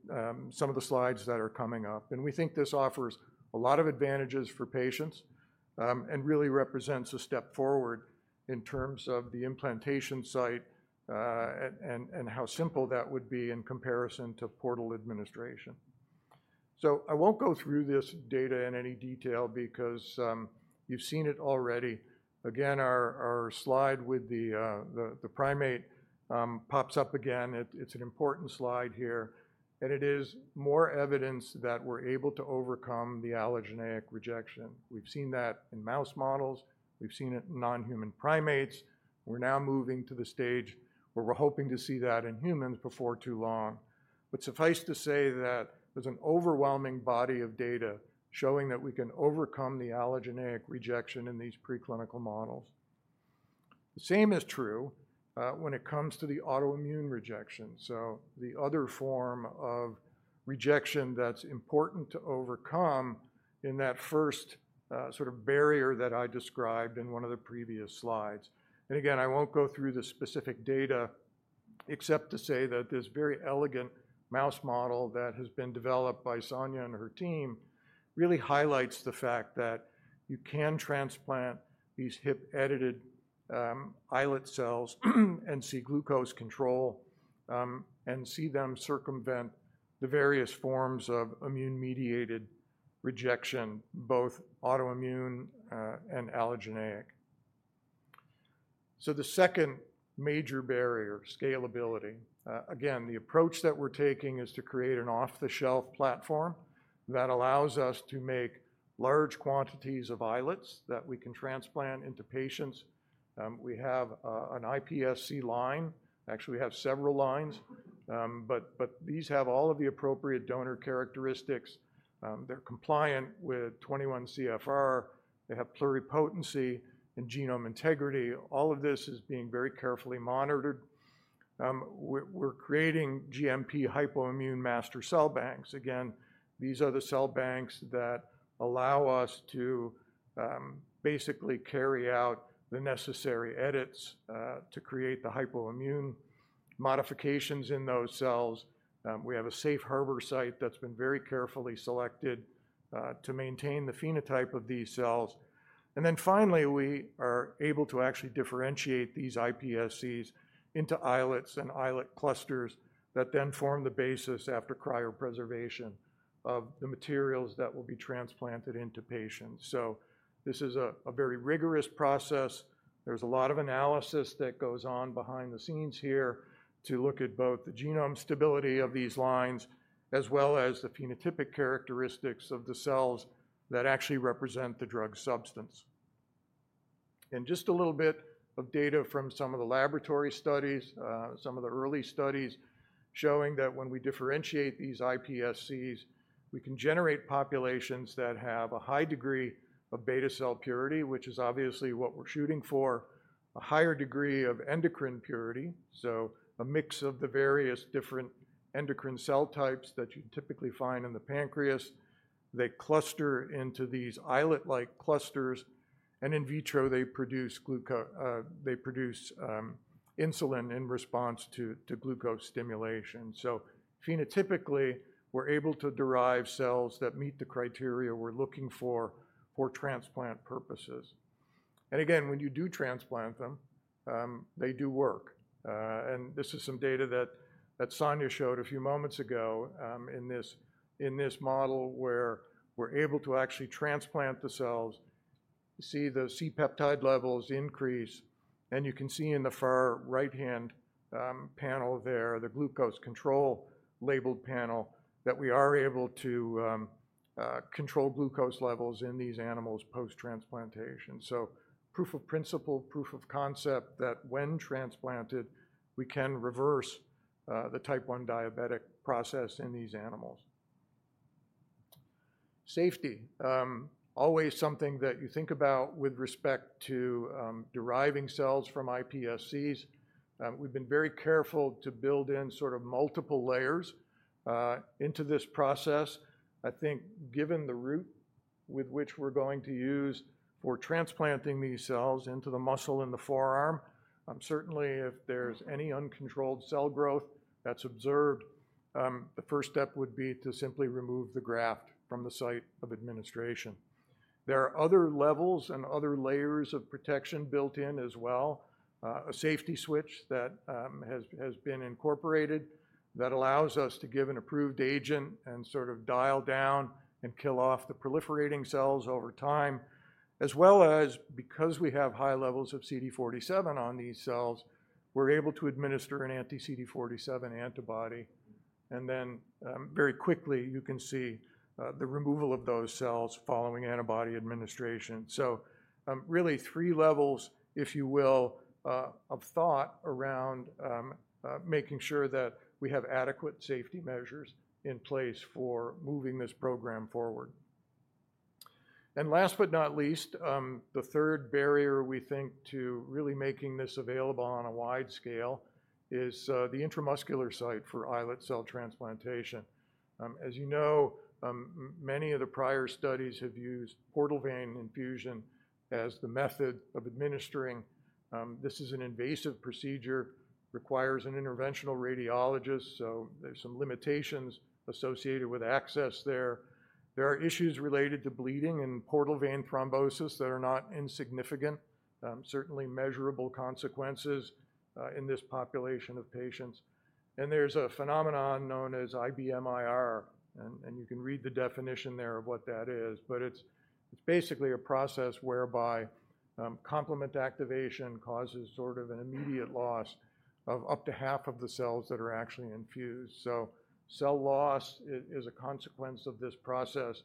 some of the slides that are coming up. We think this offers a lot of advantages for patients and really represents a step forward in terms of the implantation site and how simple that would be in comparison to portal administration. I won't go through this data in any detail because you've seen it already. Our slide with the primate pops up again. It's an important slide here. It is more evidence that we're able to overcome the allogeneic rejection. We've seen that in mouse models. We've seen it in non-human primates. We're now moving to the stage where we're hoping to see that in humans before too long. Suffice to say that there's an overwhelming body of data showing that we can overcome the allogeneic rejection in these preclinical models. The same is true when it comes to the autoimmune rejection, so the other form of rejection that's important to overcome in that first sort of barrier that I described in one of the previous slides. Again, I won't go through the specific data except to say that this very elegant mouse model that has been developed by Sonja and her team really highlights the fact that you can transplant these HIP-edited islet cells and see glucose control and see them circumvent the various forms of immune-mediated rejection, both autoimmune and allogeneic. The second major barrier, scalability. Again, the approach that we're taking is to create an off-the-shelf platform that allows us to make large quantities of islets that we can transplant into patients. We have an iPSC line. Actually, we have several lines. These have all of the appropriate donor characteristics. They're compliant with 21 CFR. They have pluripotency and genome integrity. All of this is being very carefully monitored. We're creating GMP hypoimmune master cell banks. These are the cell banks that allow us to basically carry out the necessary edits to create the hypoimmune modifications in those cells. We have a safe harbor site that's been very carefully selected to maintain the phenotype of these cells. Finally, we are able to actually differentiate these iPSCs into islets and islet clusters that then form the basis after cryopreservation of the materials that will be transplanted into patients. This is a very rigorous process. There's a lot of analysis that goes on behind the scenes here to look at both the genome stability of these lines as well as the phenotypic characteristics of the cells that actually represent the drug substance. Just a little bit of data from some of the laboratory studies, some of the early studies showing that when we differentiate these iPSCs, we can generate populations that have a high degree of beta cell purity, which is obviously what we're shooting for, a higher degree of endocrine purity, so a mix of the various different endocrine cell types that you typically find in the pancreas. They cluster into these islet-like clusters. In vitro they produce insulin in response to glucose stimulation. Phenotypically, we're able to derive cells that meet the criteria we're looking for for transplant purposes. Again, when you do transplant them, they do work. This is some data that Sonja showed a few moments ago in this model where we're able to actually transplant the cells, see the C-peptide levels increase, and you can see in the far right-hand panel there, the glucose control labeled panel, that we are able to control glucose levels in these animals post-transplantation. Proof of principle, proof of concept that when transplanted, we can reverse the Type I diabetic process in these animals. Safety, always something that you think about with respect to, deriving cells from iPSCs. We've been very careful to build in sort of multiple layers, into this process. I think given the route with which we're going to use for transplanting these cells into the muscle in the forearm, certainly if there's any uncontrolled cell growth that's observed, the first step would be to simply remove the graft from the site of administration. There are other levels and other layers of protection built in as well. A safety switch that has been incorporated that allows us to give an approved agent and sort of dial down and kill off the proliferating cells over time, as well as because we have high levels of CD47 on these cells, we're able to administer an anti-CD47 antibody, and then very quickly you can see the removal of those cells following antibody administration. Really 3 levels, if you will, of thought around making sure that we have adequate safety measures in place for moving this program forward. Last but not least, the third barrier we think to really making this available on a wide scale is the intramuscular site for islet cell transplantation. As you know, many of the prior studies have used portal vein infusion as the method of administering. This is an invasive procedure, requires an interventional radiologist. There's some limitations associated with access there. There are issues related to bleeding and portal vein thrombosis that are not insignificant, certainly measurable consequences in this population of patients. There's a phenomenon known as IBMIR, and you can read the definition there of what that is. It's basically a process whereby complement activation causes sort of an immediate loss of up to half of the cells that are actually infused. Cell loss is a consequence of this process,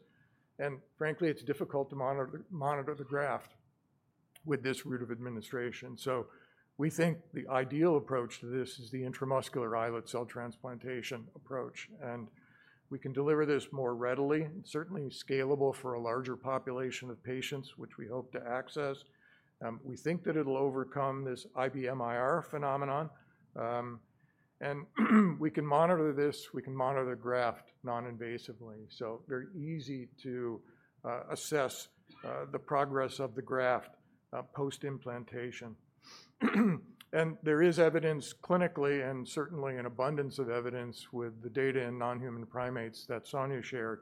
and frankly, it's difficult to monitor the graft with this route of administration. We think the ideal approach to this is the intramuscular islet cell transplantation approach, we can deliver this more readily, certainly scalable for a larger population of patients which we hope to access. We think that it'll overcome this IBMIR phenomenon. We can monitor this, we can monitor the graft non-invasively. Very easy to assess the progress of the graft post-implantation. There is evidence clinically and certainly an abundance of evidence with the data in non-human primates that Sonja shared,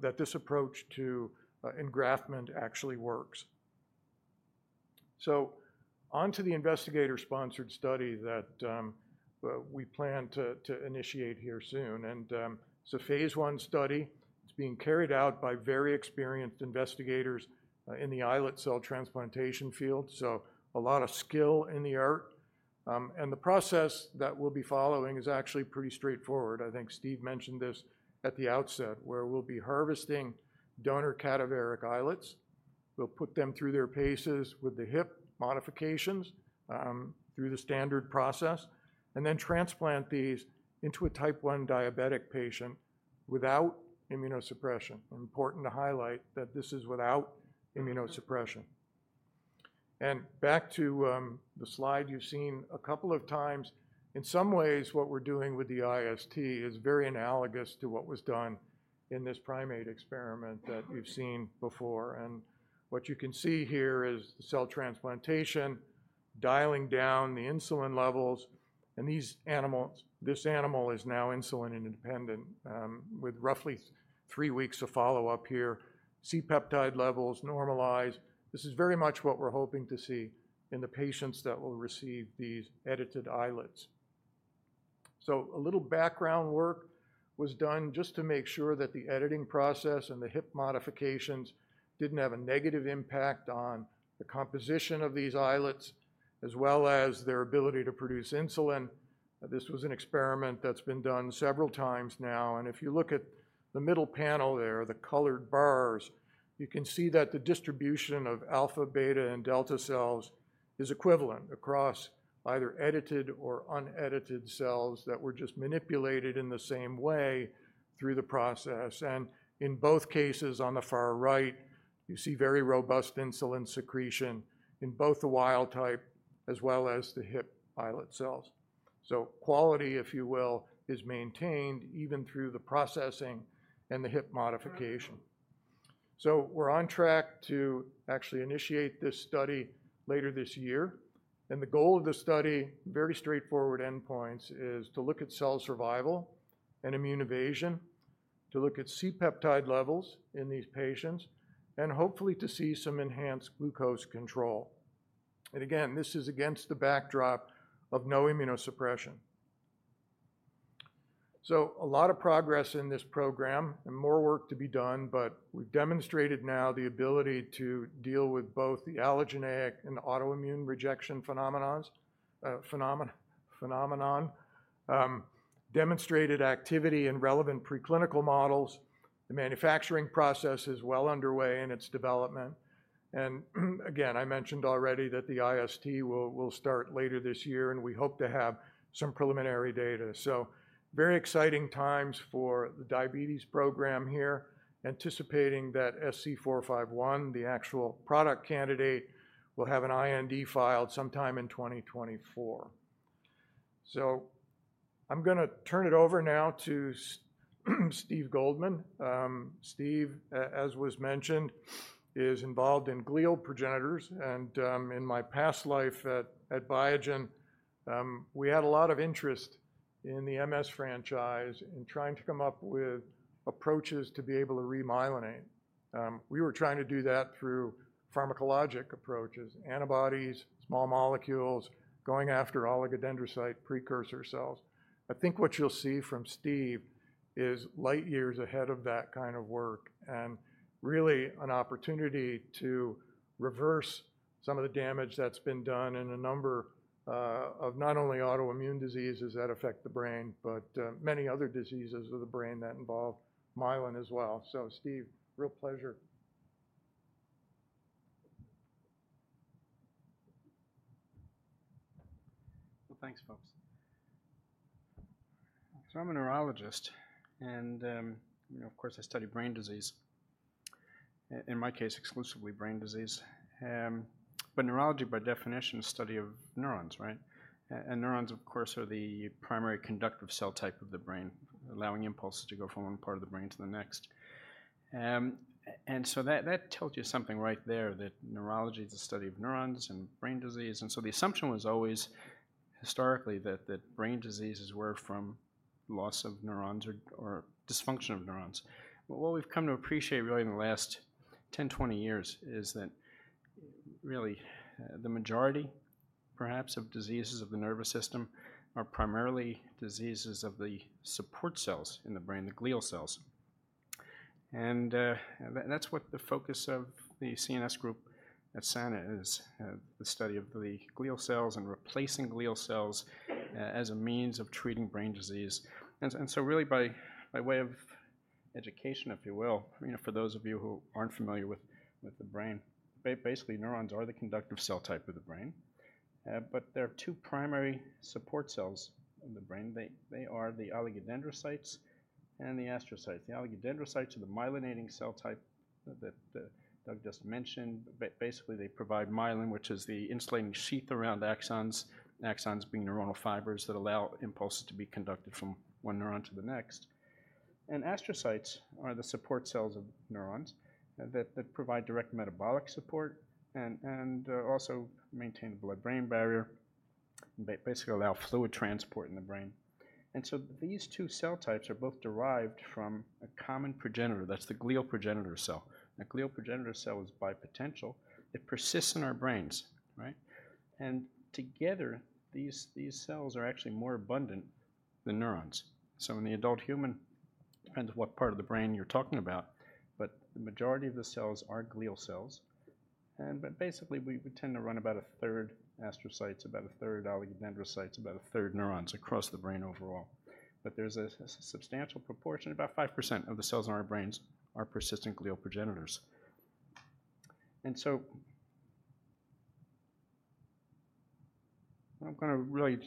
that this approach to engraftment actually works. Onto the investigator-sponsored study that we plan to initiate here soon. It's a phase I study. It's being carried out by very experienced investigators in the islet cell transplantation field, so a lot of skill in the art. The process that we'll be following is actually pretty straightforward. I think Steve mentioned this at the outset, where we'll be harvesting donor cadaveric islets. We'll put them through their paces with the HIP modifications through the standard process, then transplant these into a Type 1 diabetic patient without immunosuppression. Important to highlight that this is without immunosuppression. Back to the slide you've seen a couple of times. In some ways, what we're doing with the IST is very analogous to what was done in this primate experiment that you've seen before. What you can see here is the cell transplantation dialing down the insulin levels. This animal is now insulin independent with roughly three weeks of follow-up here. C-peptide levels normalize. This is very much what we're hoping to see in the patients that will receive these edited islets. A little background work was done just to make sure that the editing process and the HIP modifications didn't have a negative impact on the composition of these islets as well as their ability to produce insulin. This was an experiment that's been done several times now. If you look at the middle panel there, the colored bars, you can see that the distribution of alpha, beta, and delta cells is equivalent across either edited or unedited cells that were just manipulated in the same way through the process. In both cases, on the far right, you see very robust insulin secretion in both the wild type as well as the HIP islet cells. Quality, if you will, is maintained even through the processing and the HIP modification. We're on track to actually initiate this study later this year. The goal of the study, very straightforward endpoints, is to look at cell survival and immune evasion, to look at C-peptide levels in these patients, and hopefully to see some enhanced glucose control. Again, this is against the backdrop of no immunosuppression. A lot of progress in this program and more work to be done, but we've demonstrated now the ability to deal with both the allogeneic and autoimmune rejection phenomenon. Demonstrated activity in relevant preclinical models. The manufacturing process is well underway in its development. Again, I mentioned already that the IST will start later this year, and we hope to have some preliminary data. Very exciting times for the diabetes program here, anticipating that SC451, the actual product candidate, will have an IND filed sometime in 2024. I'm gonna turn it over now to Steve Goldman. Steve, as was mentioned, is involved in glial progenitors. In my past life at Biogen, we had a lot of interest in the MS franchise in trying to come up with approaches to be able to remyelinate. We were trying to do that through pharmacologic approaches, antibodies, small molecules, going after oligodendrocyte precursor cells. I think what you'll see from Steve is light years ahead of that kind of work and really an opportunity to reverse some of the damage that's been done in a number of not only autoimmune diseases that affect the brain, but many other diseases of the brain that involve myelin as well. Steve, real pleasure. Thanks, folks. I'm a neurologist, and, you know, of course, I study brain disease. In my case, exclusively brain disease. But neurology by definition is study of neurons, right? And neurons, of course, are the primary conductive cell type of the brain, allowing impulses to go from one part of the brain to the next. That tells you something right there, that neurology is the study of neurons and brain disease. The assumption was always historically that brain diseases were from loss of neurons or dysfunction of neurons. What we've come to appreciate really in the last 10, 20 years is that really the majority perhaps of diseases of the nervous system are primarily diseases of the support cells in the brain, the glial cells. That's what the focus of the CNS group at Sana is, the study of the glial cells and replacing glial cells as a means of treating brain disease. Really by way of education, if you will, you know, for those of you who aren't familiar with the brain, basically neurons are the conductive cell type of the brain. There are two primary support cells in the brain. They are the oligodendrocytes and the astrocytes. The oligodendrocytes are the myelinating cell type that Doug just mentioned. Basically, they provide myelin, which is the insulating sheath around axons being neuronal fibers that allow impulses to be conducted from one neuron to the next. Astrocytes are the support cells of neurons that provide direct metabolic support and, also maintain the blood-brain barrier, basically allow fluid transport in the brain. These two cell types are both derived from a common progenitor. That's the glial progenitor cell. Glial progenitor cell is by potential. It persists in our brains, right? Together, these cells are actually more abundant than neurons. In the adult human, depends on what part of the brain you're talking about, but the majority of the cells are glial cells. Basically, we tend to run about a third astrocytes, about a third oligodendrocytes, about a third neurons across the brain overall. There's a substantial proportion, about 5% of the cells in our brains are persistent glial progenitors. What I'm gonna really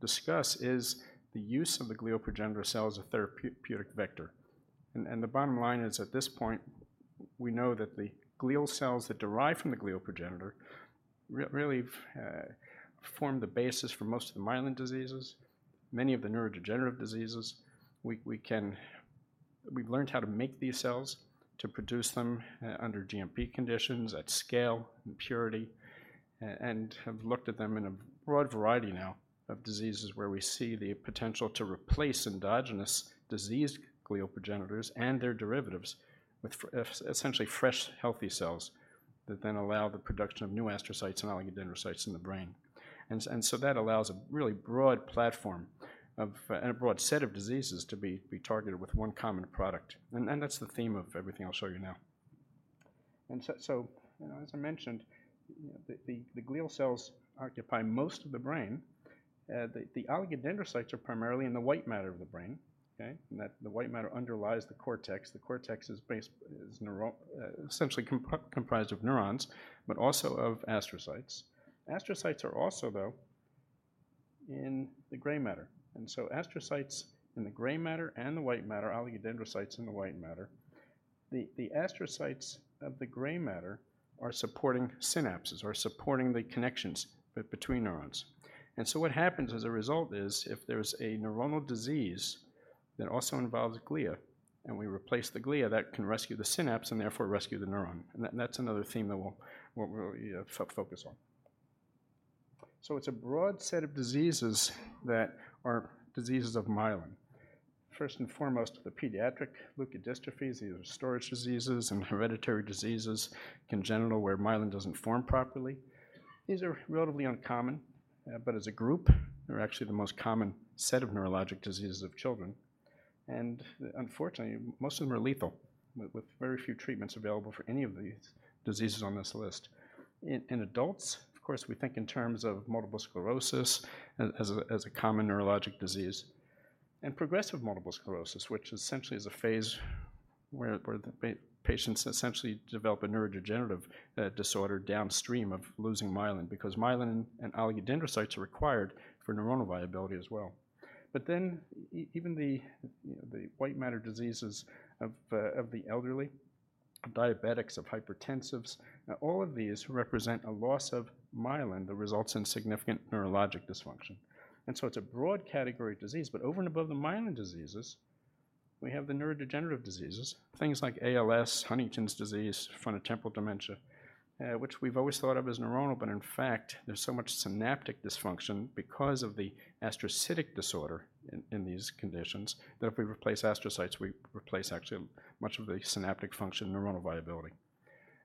discuss is the use of the glial progenitor cell as a therapeutic vector. The bottom line is, at this point, we know that the glial cells that derive from the glial progenitor really form the basis for most of the myelin diseases, many of the neurodegenerative diseases. We've learned how to make these cells, to produce them under GMP conditions at scale and purity, and have looked at them in a broad variety now of diseases where we see the potential to replace endogenous diseased glial progenitors and their derivatives with essentially fresh, healthy cells that then allow the production of new astrocytes and oligodendrocytes in the brain. That allows a really broad platform of and a broad set of diseases to be targeted with one common product. That's the theme of everything I'll show you now. So, you know, as I mentioned, the glial cells occupy most of the brain. The oligodendrocytes are primarily in the white matter of the brain, okay? The white matter underlies the cortex. The cortex is essentially comprised of neurons, but also of astrocytes. Astrocytes are also, though, in the gray matter. Astrocytes in the gray matter and the white matter, oligodendrocytes in the white matter, the astrocytes of the gray matter are supporting synapses, are supporting the connections between neurons. What happens as a result is if there's a neuronal disease that also involves glia, and we replace the glia, that can rescue the synapse and therefore rescue the neuron. That's another theme that we'll focus on. It's a broad set of diseases that are diseases of myelin. First and foremost are the pediatric leukodystrophies. These are storage diseases and hereditary diseases, congenital, where myelin doesn't form properly. These are relatively uncommon, but as a group, they're actually the most common set of neurologic diseases of children. Unfortunately, most of them are lethal with very few treatments available for any of these diseases on this list. In adults, of course, we think in terms of multiple sclerosis as a common neurologic disease. Progressive multiple sclerosis, which essentially is a phase where patients essentially develop a neurodegenerative disorder downstream of losing myelin because myelin and oligodendrocytes are required for neuronal viability as well. Even the white matter diseases of the elderly, diabetics, of hypertensives, all of these represent a loss of myelin that results in significant neurologic dysfunction. It's a broad category of disease. Over and above the myelin diseases, we have the neurodegenerative diseases, things like ALS, Huntington's disease, frontotemporal dementia, which we've always thought of as neuronal. In fact, there's so much synaptic dysfunction because of the astrocytic disorder in these conditions that if we replace astrocytes, we replace actually much of the synaptic function neuronal viability.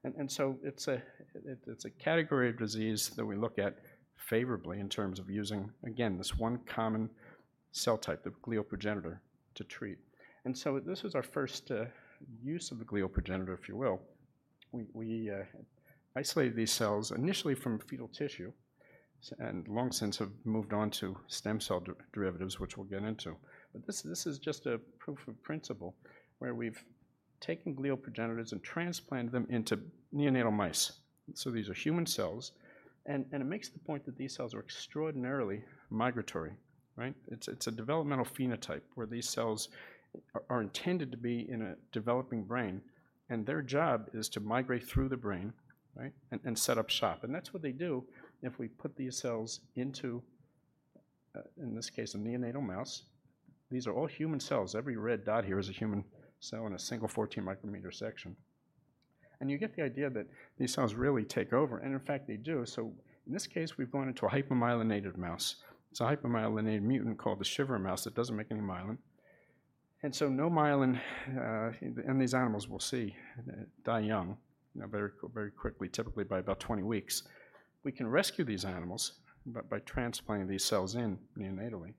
It's a category of disease that we look at favorably in terms of using, again, this one common cell type of glial progenitor to treat. This was our first use of the glial progenitor, if you will. We isolated these cells initially from fetal tissue and long since have moved on to stem cell derivatives, which we'll get into. This is just a proof of principle where we've taken glial progenitors and transplanted them into neonatal mice. These are human cells, and it makes the point that these cells are extraordinarily migratory, right? It's a developmental phenotype where these cells are intended to be in a developing brain, and their job is to migrate through the brain, right, and set up shop. That's what they do if we put these cells into, in this case, a neonatal mouse. These are all human cells. Every red dot here is a human cell in a single 14-micrometer section. You get the idea that these cells really take over, and in fact, they do. In this case, we've gone into a hypomyelinated mouse. It's a hypomyelinated mutant called the shiverer mouse that doesn't make any myelin. No myelin in these animals we'll see die young, you know, very, very quickly, typically by about 20 weeks. We can rescue these animals by transplanting these cells in neonatally.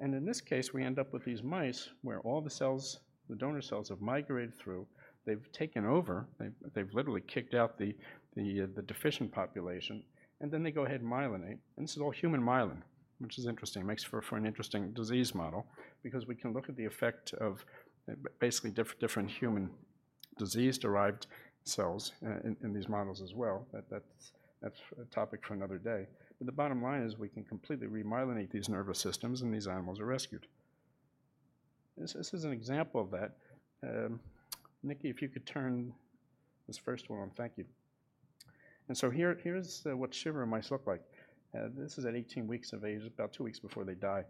In this case, we end up with these mice where all the cells, the donor cells, have migrated through. They've taken over. They've literally kicked out the deficient population, and then they go ahead and myelinate. This is all human myelin, which is interesting. Makes for an interesting disease model because we can look at the effect of basically different human-disease-derived cells in these models as well. That's a topic for another day. The bottom line is we can completely remyelinate these nervous systems, and these animals are rescued. This is an example of that. Nikki, if you could turn this first one on. Thank you. Here's what Shiver mice look like. This is at 18 weeks of age, about two weeks before they die,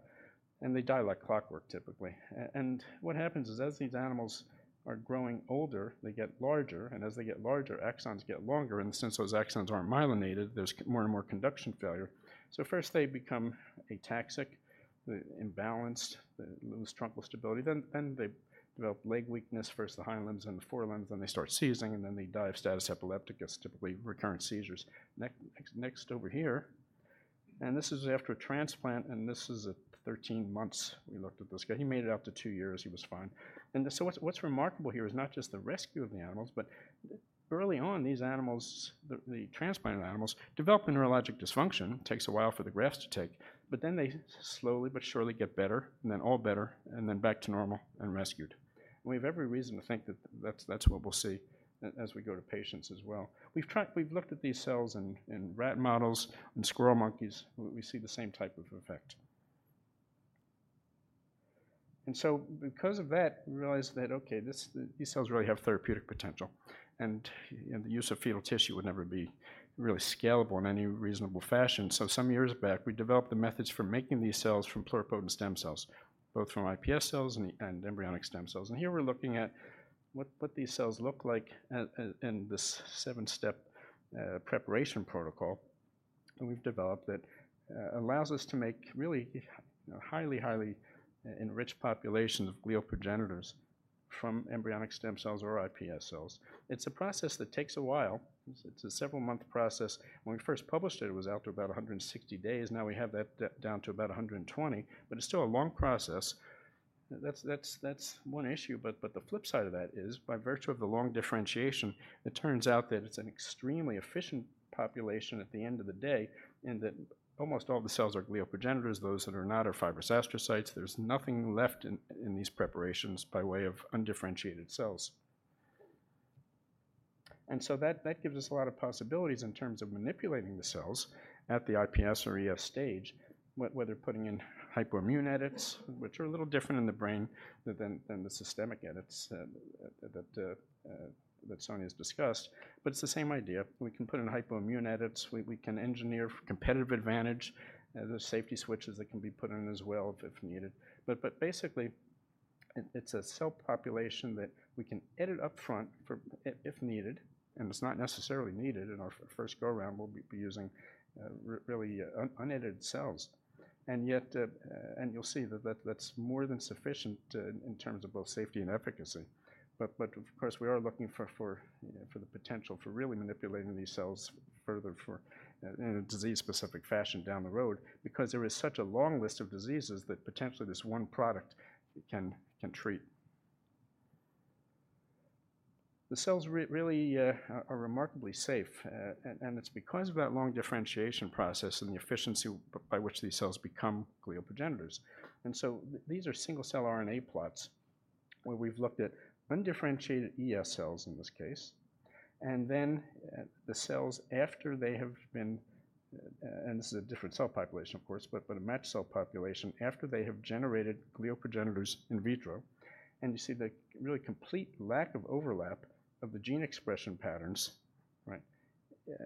and they die like clockwork typically. And what happens is as these animals are growing older, they get larger, and as they get larger, axons get longer, and since those axons aren't myelinated, there's more and more conduction failure. First they become ataxic, imbalanced, lose trunk stability. Then they develop leg weakness, first the hind limbs then the forelimbs, then they start seizing, and then they die of status epilepticus, typically recurrent seizures. Next over here, this is after a transplant, and this is at 13 months we looked at this guy. He made it up to 2 years. He was fine. What's remarkable here is not just the rescue of the animals, but early on, these animals, the transplanted animals, develop a neurologic dysfunction. Takes a while for the grafts to take, they slowly but surely get better, all better, back to normal and rescued. We have every reason to think that that's what we'll see as we go to patients as well. We've looked at these cells in rat models and squirrel monkeys. We see the same type of effect. Because of that, we realized that, okay, these cells really have therapeutic potential, and the use of fetal tissue would never be really scalable in any reasonable fashion. Some years back, we developed the methods for making these cells from pluripotent stem cells, both from iPS cells and embryonic stem cells. Here we're looking at what these cells look like in this 7-step preparation protocol that we've developed that allows us to make really, you know, highly enriched populations of glial progenitors from embryonic stem cells or iPS cells. It's a process that takes a while. It's a several-month process. When we first published it was out to about 160 days. Now we have that down to about 120, but it's still a long process. That's one issue, but the flip side of that is by virtue of the long differentiation, it turns out that it's an extremely efficient population at the end of the day, and that almost all the cells are glial progenitors. Those that are not are fibrous astrocytes. There's nothing left in these preparations by way of undifferentiated cells. That gives us a lot of possibilities in terms of manipulating the cells at the iPS or ES stage, whether putting in hypoimmune edits, which are a little different in the brain than the systemic edits that Sonja's discussed. It's the same idea. We can put in hypoimmune edits. We can engineer for competitive advantage. There's safety switches that can be put in as well if needed. Basically, it's a cell population that we can edit up front for if needed, and it's not necessarily needed. In our first go-around, we'll be using really unedited cells. You'll see that that's more than sufficient in terms of both safety and efficacy. Of course, we are looking for, you know, for the potential for really manipulating these cells further for, in a disease-specific fashion down the road because there is such a long list of diseases that potentially this one product can treat. The cells really are remarkably safe, and it's because of that long differentiation process and the efficiency by which these cells become glial progenitors. These are single-cell RNA plots where we've looked at undifferentiated ES cells in this case, and then, the cells after they have been. This is a different cell population, of course, but a matched cell population after they have generated glial progenitors in vitro. You see the really complete lack of overlap of the gene expression patterns, right,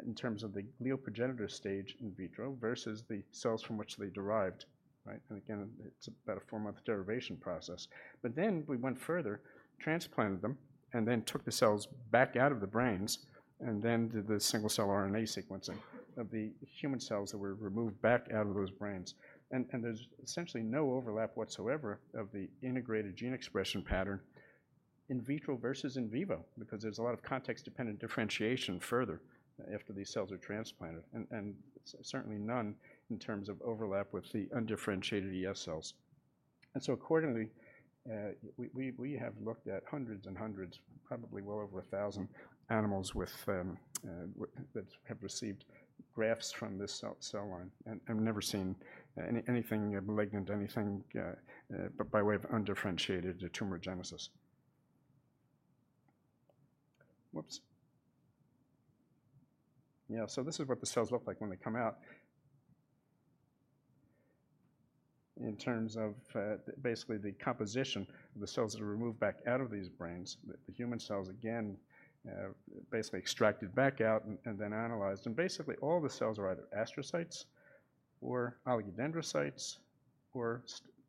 in terms of the glial progenitor stage in vitro versus the cells from which they derived, right? Again, it's about a four-month derivation process. We went further, transplanted them, and then took the cells back out of the brains and then did the single-cell RNA sequencing of the human cells that were removed back out of those brains. There's essentially no overlap whatsoever of the integrated gene expression pattern in vitro versus in vivo because there's a lot of context-dependent differentiation further after these cells are transplanted, and certainly none in terms of overlap with the undifferentiated ES cells. Accordingly, we have looked at hundreds and hundreds, probably well over 1,000 animals with that have received grafts from this cell line, and have never seen anything malignant, anything by way of undifferentiated tumorigenesis. Whoops. This is what the cells look like when they come out in terms of basically the composition of the cells that are removed back out of these brains. The human cells again, basically extracted back out and then analyzed. Basically, all the cells are either astrocytes or oligodendrocytes or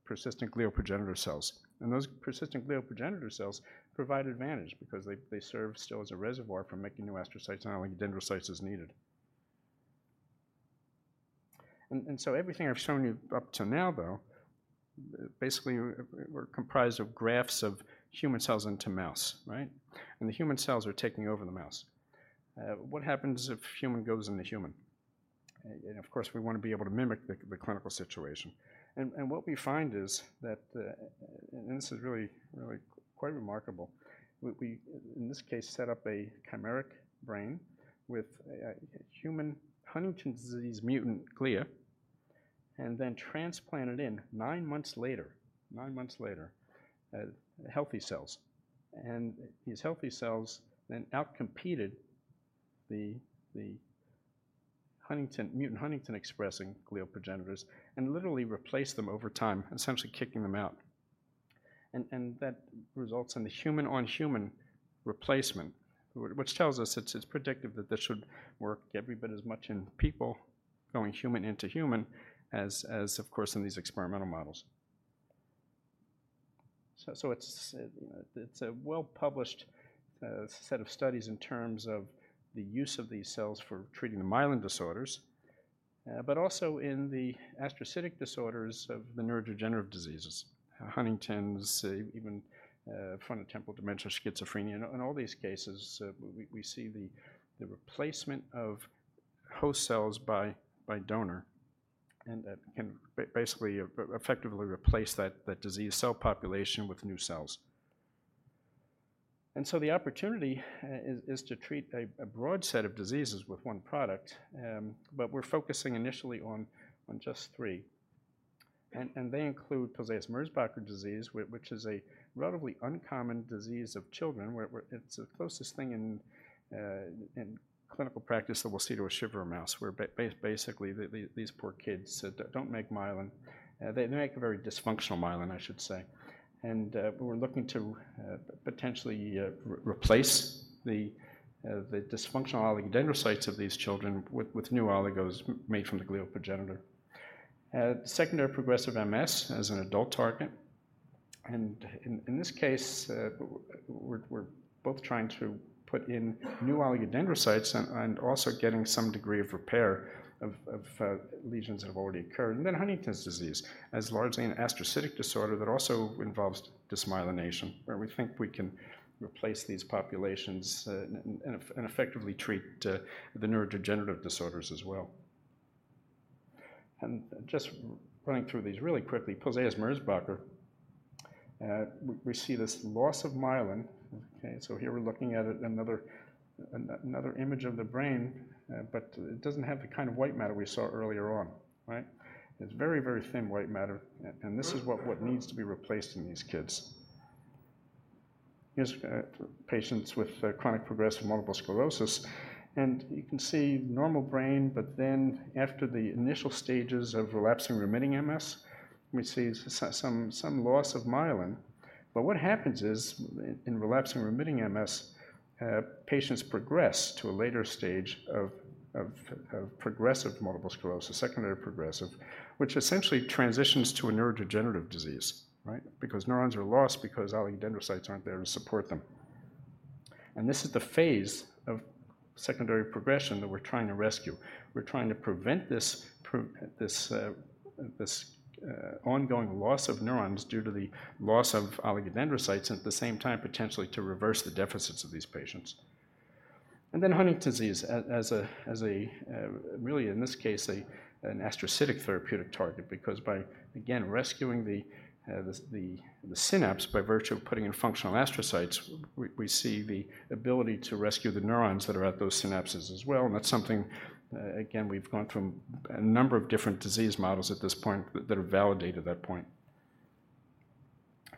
persistent glial progenitor cells. Those persistent glial progenitor cells provide advantage because they serve still as a reservoir for making new astrocytes and oligodendrocytes as needed. So everything I've shown you up to now, though, basically were comprised of grafts of human cells into mouse, right? The human cells are taking over the mouse. What happens if human goes into human? Of course, we wanna be able to mimic the clinical situation. What we find is that, and this is really, really quite remarkable. We in this case set up a chimeric brain with a human Huntington's disease mutant glia and then transplanted in nine months later, healthy cells. These healthy cells then outcompeted the mutant Huntington-expressing glial progenitors and literally replaced them over time, essentially kicking them out. That results in the human-on-human replacement, which tells us it's predictive that this should work every bit as much in people going human into human as, of course, in these experimental models. It's, you know, it's a well-published set of studies in terms of the use of these cells for treating the myelin disorders, but also in the astrocytic disorders of the neurodegenerative diseases, Huntington's, even, frontotemporal dementia, schizophrenia. In all these cases, we see the replacement of host cells by donor. That can basically, effectively replace that diseased cell population with new cells. The opportunity is to treat a broad set of diseases with one product, but we're focusing initially on just 3. They include Pelizaeus-Merzbacher disease, which is a relatively uncommon disease of children where it's the closest thing in clinical practice that we'll see to a shiver mouse, where basically the these poor kids don't make myelin. They make a very dysfunctional myelin, I should say. But we're looking to potentially replace the dysfunctional oligodendrocytes of these children with new oligos made from the glial progenitor. Secondary progressive MS as an adult target. In this case, we're both trying to put in new oligodendrocytes and also getting some degree of repair of lesions that have already occurred. Huntington's disease as largely an astrocytic disorder that also involves dysmyelination, where we think we can replace these populations, and effectively treat the neurodegenerative disorders as well. Just running through these really quickly, Pelizaeus-Merzbacher, we see this loss of myelin, okay? Here we're looking at another image of the brain, but it doesn't have the kind of white matter we saw earlier on, right? It's very, very thin white matter. This is what needs to be replaced in these kids. Here's patients with chronic progressive multiple sclerosis, and you can see normal brain, but then after the initial stages of relapsing remitting MS, we see some loss of myelin. What happens is in relapsing remitting MS, patients progress to a later stage of progressive multiple sclerosis, secondary progressive, which essentially transitions to a neurodegenerative disease, right? Because neurons are lost because oligodendrocytes aren't there to support them. This is the phase of secondary progression that we're trying to rescue. We're trying to prevent this ongoing loss of neurons due to the loss of oligodendrocytes, and at the same time, potentially to reverse the deficits of these patients. Then Huntington's disease as a really in this case, an astrocytic therapeutic target. By, again, rescuing the synapse by virtue of putting in functional astrocytes, we see the ability to rescue the neurons that are at those synapses as well. That's something, again, we've gone from a number of different disease models at this point that have validated that point.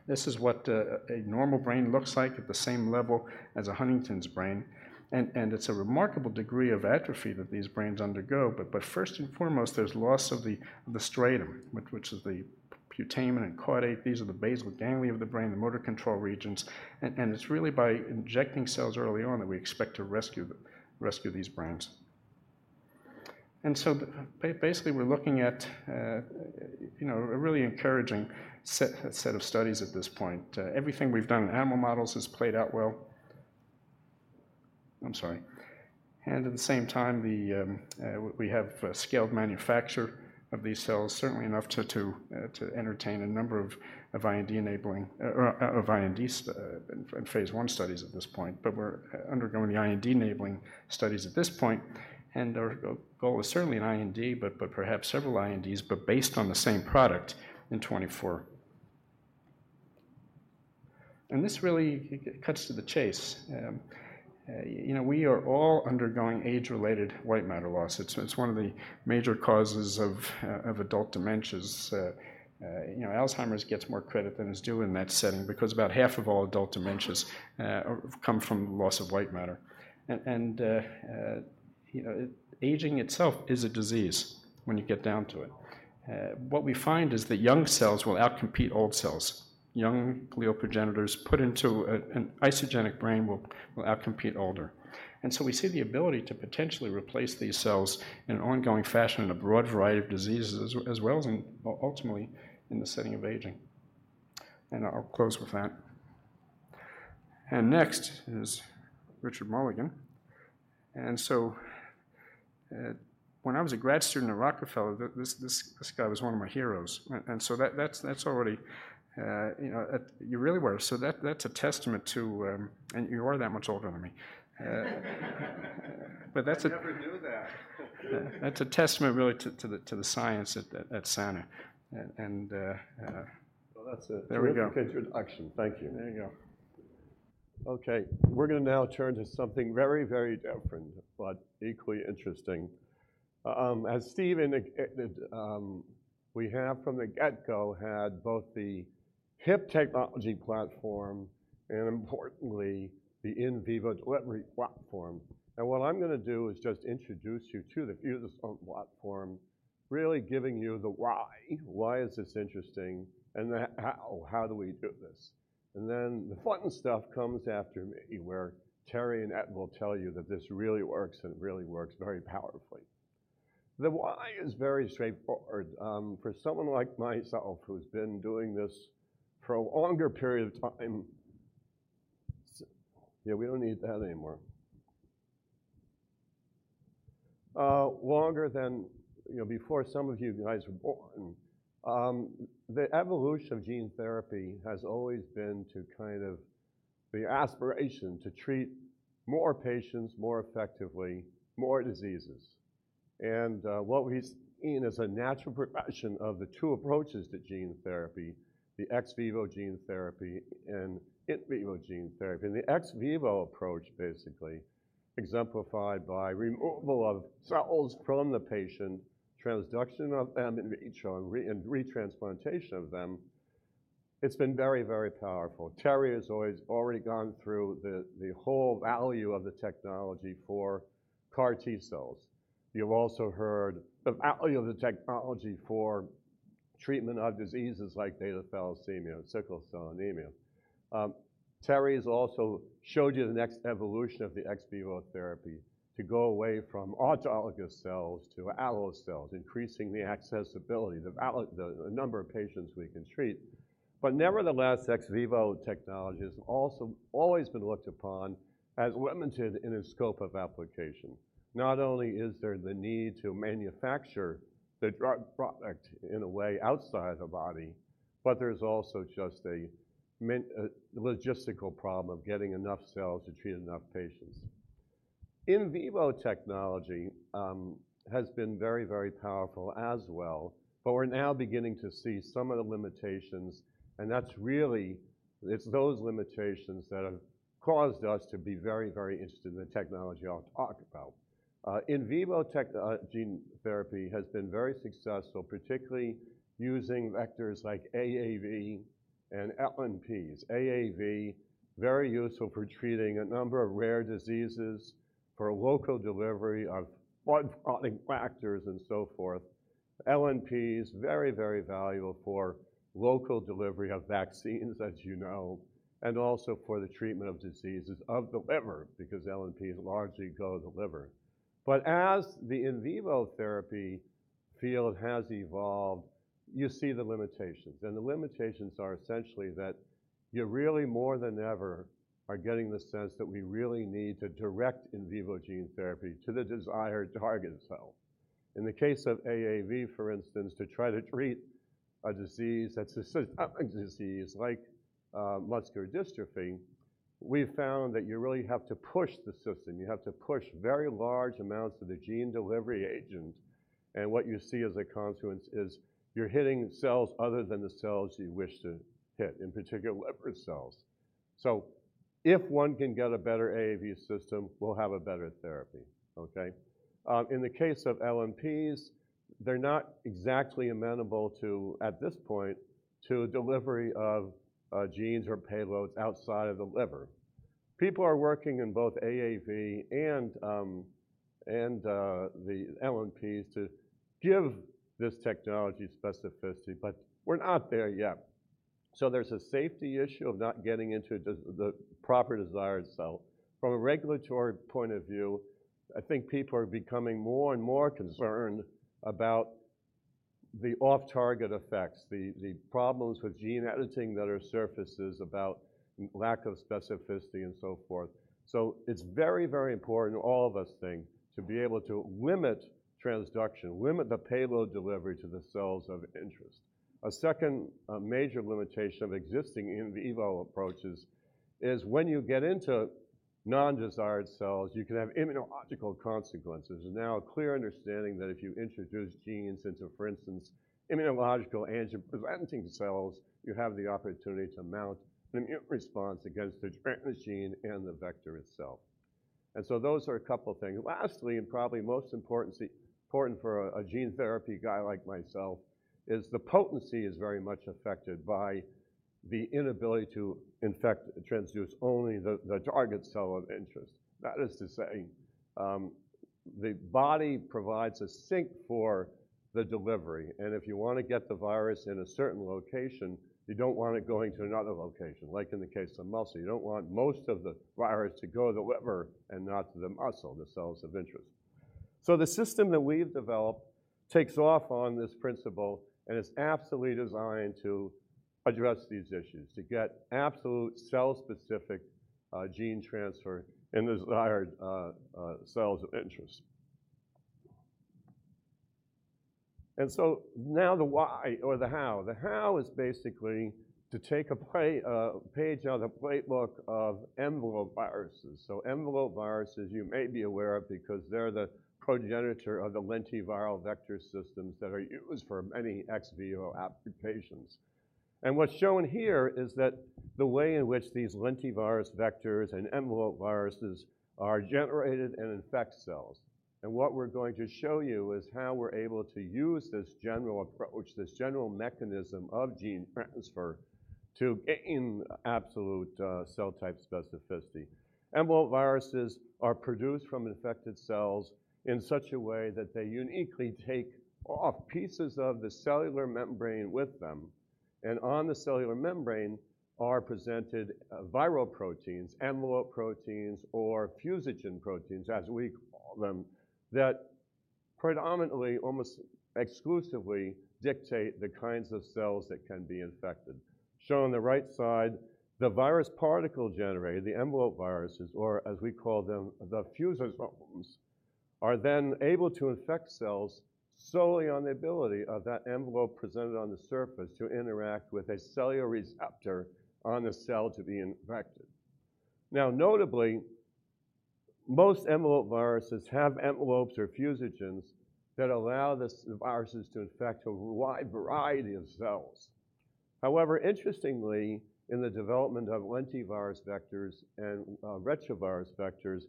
This is what a normal brain looks like at the same level as a Huntington's brain. It's a remarkable degree of atrophy that these brains undergo. First and foremost, there's loss of the striatum, which is the putamen and caudate. These are the basal ganglia of the brain, the motor control regions. It's really by injecting cells early on that we expect to rescue these brains. Basically, we're looking at, you know, a really encouraging set of studies at this point. Everything we've done in animal models has played out well. I'm sorry. At the same time, we have scaled manufacture of these cells, certainly enough to entertain a number of IND-enabling or in phase I studies at this point. We're undergoing the IND-enabling studies at this point. Our goal is certainly an IND, perhaps several INDs, based on the same product in 2024. This really cuts to the chase. You know, we are all undergoing age-related white matter loss. It's one of the major causes of adult dementias. You know, Alzheimer's gets more credit than is due in that setting because about half of all adult dementias come from loss of white matter. You know, aging itself is a disease when you get down to it. What we find is that young cells will outcompete old cells. Young glial progenitors put into an isogenic brain will outcompete older. We see the ability to potentially replace these cells in an ongoing fashion in a broad variety of diseases as well as in, ultimately in the setting of aging. I'll close with that. Next is Richard Mulligan. When I was a grad student at Rockefeller, this guy was one of my heroes. That's already, you know. You really were. That's a testament to. You are that much older than me. I never knew that. That's a testament really to the science at Sana. Well, that's. There we go.... terrific introduction. Thank you. There you go. Okay. We're gonna now turn to something very, very different, equally interesting. As Steve indicated, we have from the get-go had both the HIP technology platform and importantly, the in vivo delivery platform. What I'm gonna do is just introduce you to the fuses of platform, really giving you the why is this interesting, and the how do we do this? Then the fun stuff comes after me, where Terry and Ed will tell you that this really works, and it really works very powerfully. The why is very straightforward. For someone like myself who's been doing this for a longer period of time... yeah, we don't need that anymore. Longer than, you know, before some of you guys were born, the evolution of gene therapy has always been to kind of the aspiration to treat more patients more effectively, more diseases. What we've seen is a natural progression of the two approaches to gene therapy, the ex vivo gene therapy and in vivo gene therapy. The ex vivo approach basically exemplified by removal of cells from the patient, transduction of them in vitro, and retransplantation of them. It's been very, very powerful. Terry has always already gone through the whole value of the technology for CAR T cells. You've also heard the value of the technology for treatment of diseases like beta thalassemia and sickle cell anemia. Terry's also showed you the next evolution of the ex vivo therapy to go away from autologous cells to allo cells, increasing the accessibility, the number of patients we can treat. Ex vivo technology has also always been looked upon as limited in its scope of application. Not only is there the need to manufacture the product in a way outside the body, but there's also just a logistical problem of getting enough cells to treat enough patients. In vivo technology has been very, very powerful as well, but we're now beginning to see some of the limitations. It's those limitations that have caused us to be very, very interested in the technology I'll talk about. In vivo gene therapy has been very successful, particularly using vectors like AAV and LNPs. AAV, very useful for treating a number of rare diseases for local delivery of blood clotting factors and so forth. LNP is very, very valuable for local delivery of vaccines, as you know, and also for the treatment of diseases of the liver because LNPs largely go to the liver. As the in vivo therapy field has evolved, you see the limitations, and the limitations are essentially that you really more than ever are getting the sense that we really need to direct in vivo gene therapy to the desired target cell. In the case of AAV, for instance, to try to treat a disease that's a disease like muscular dystrophy, we found that you really have to push the system. You have to push very large amounts of the gene delivery agent, what you see as a consequence is you're hitting cells other than the cells you wish to hit, in particular liver cells. If one can get a better AAV system, we'll have a better therapy, okay? In the case of LNPs, they're not exactly amenable to, at this point, to delivery of genes or payloads outside of the liver. People are working in both AAV and the LNPs to give this technology specificity, we're not there yet. There's a safety issue of not getting into the proper desired cell. From a regulatory point of view, I think people are becoming more and more concerned about the off-target effects, the problems with gene editing that are surfaces about lack of specificity and so forth. It's very, very important, all of us think, to be able to limit transduction, limit the payload delivery to the cells of interest. A second major limitation of existing in vivo approaches is when you get into non-desired cells, you can have immunological consequences. A clear understanding that if you introduce genes into, for instance, immunological antigen-presenting cells, you have the opportunity to mount an immune response against the gene and the vector itself. Those are a couple things. Lastly, and probably most important for a gene therapy guy like myself is the potency is very much affected by the inability to infect, transduce only the target cell of interest. That is to say, the body provides a sink for the delivery, and if you wanna get the virus in a certain location, you don't want it going to another location, like in the case of muscle, you don't want most of the virus to go to the liver and not to the muscle, the cells of interest. The system that we've developed takes off on this principle, and it's absolutely designed to address these issues, to get absolute cell-specific gene transfer in the desired cells of interest. Now the why or the how. The how is basically to take a page out of the playbook of envelope viruses. Envelope viruses you may be aware of because they're the progenitor of the lentiviral vector systems that are used for many ex vivo applications. What's shown here is that the way in which these lentivirus vectors and envelope viruses are generated and infect cells, and what we're going to show you is how we're able to use this general approach, this general mechanism of gene transfer to gain absolute cell type specificity. Envelope viruses are produced from infected cells in such a way that they uniquely take off pieces of the cellular membrane with them, and on the cellular membrane are presented viral proteins, envelope proteins, or fusogen proteins, as we call them, that predominantly, almost exclusively dictate the kinds of cells that can be infected. Shown on the right side, the virus particle generated, the envelope viruses, or as we call them, the fusogens, are then able to infect cells solely on the ability of that envelope presented on the surface to interact with a cellular receptor on the cell to be infected. Notably, most envelope viruses have envelopes or fusogens that allow the viruses to infect a wide variety of cells. Interestingly, in the development of lentivirus vectors and retrovirus vectors,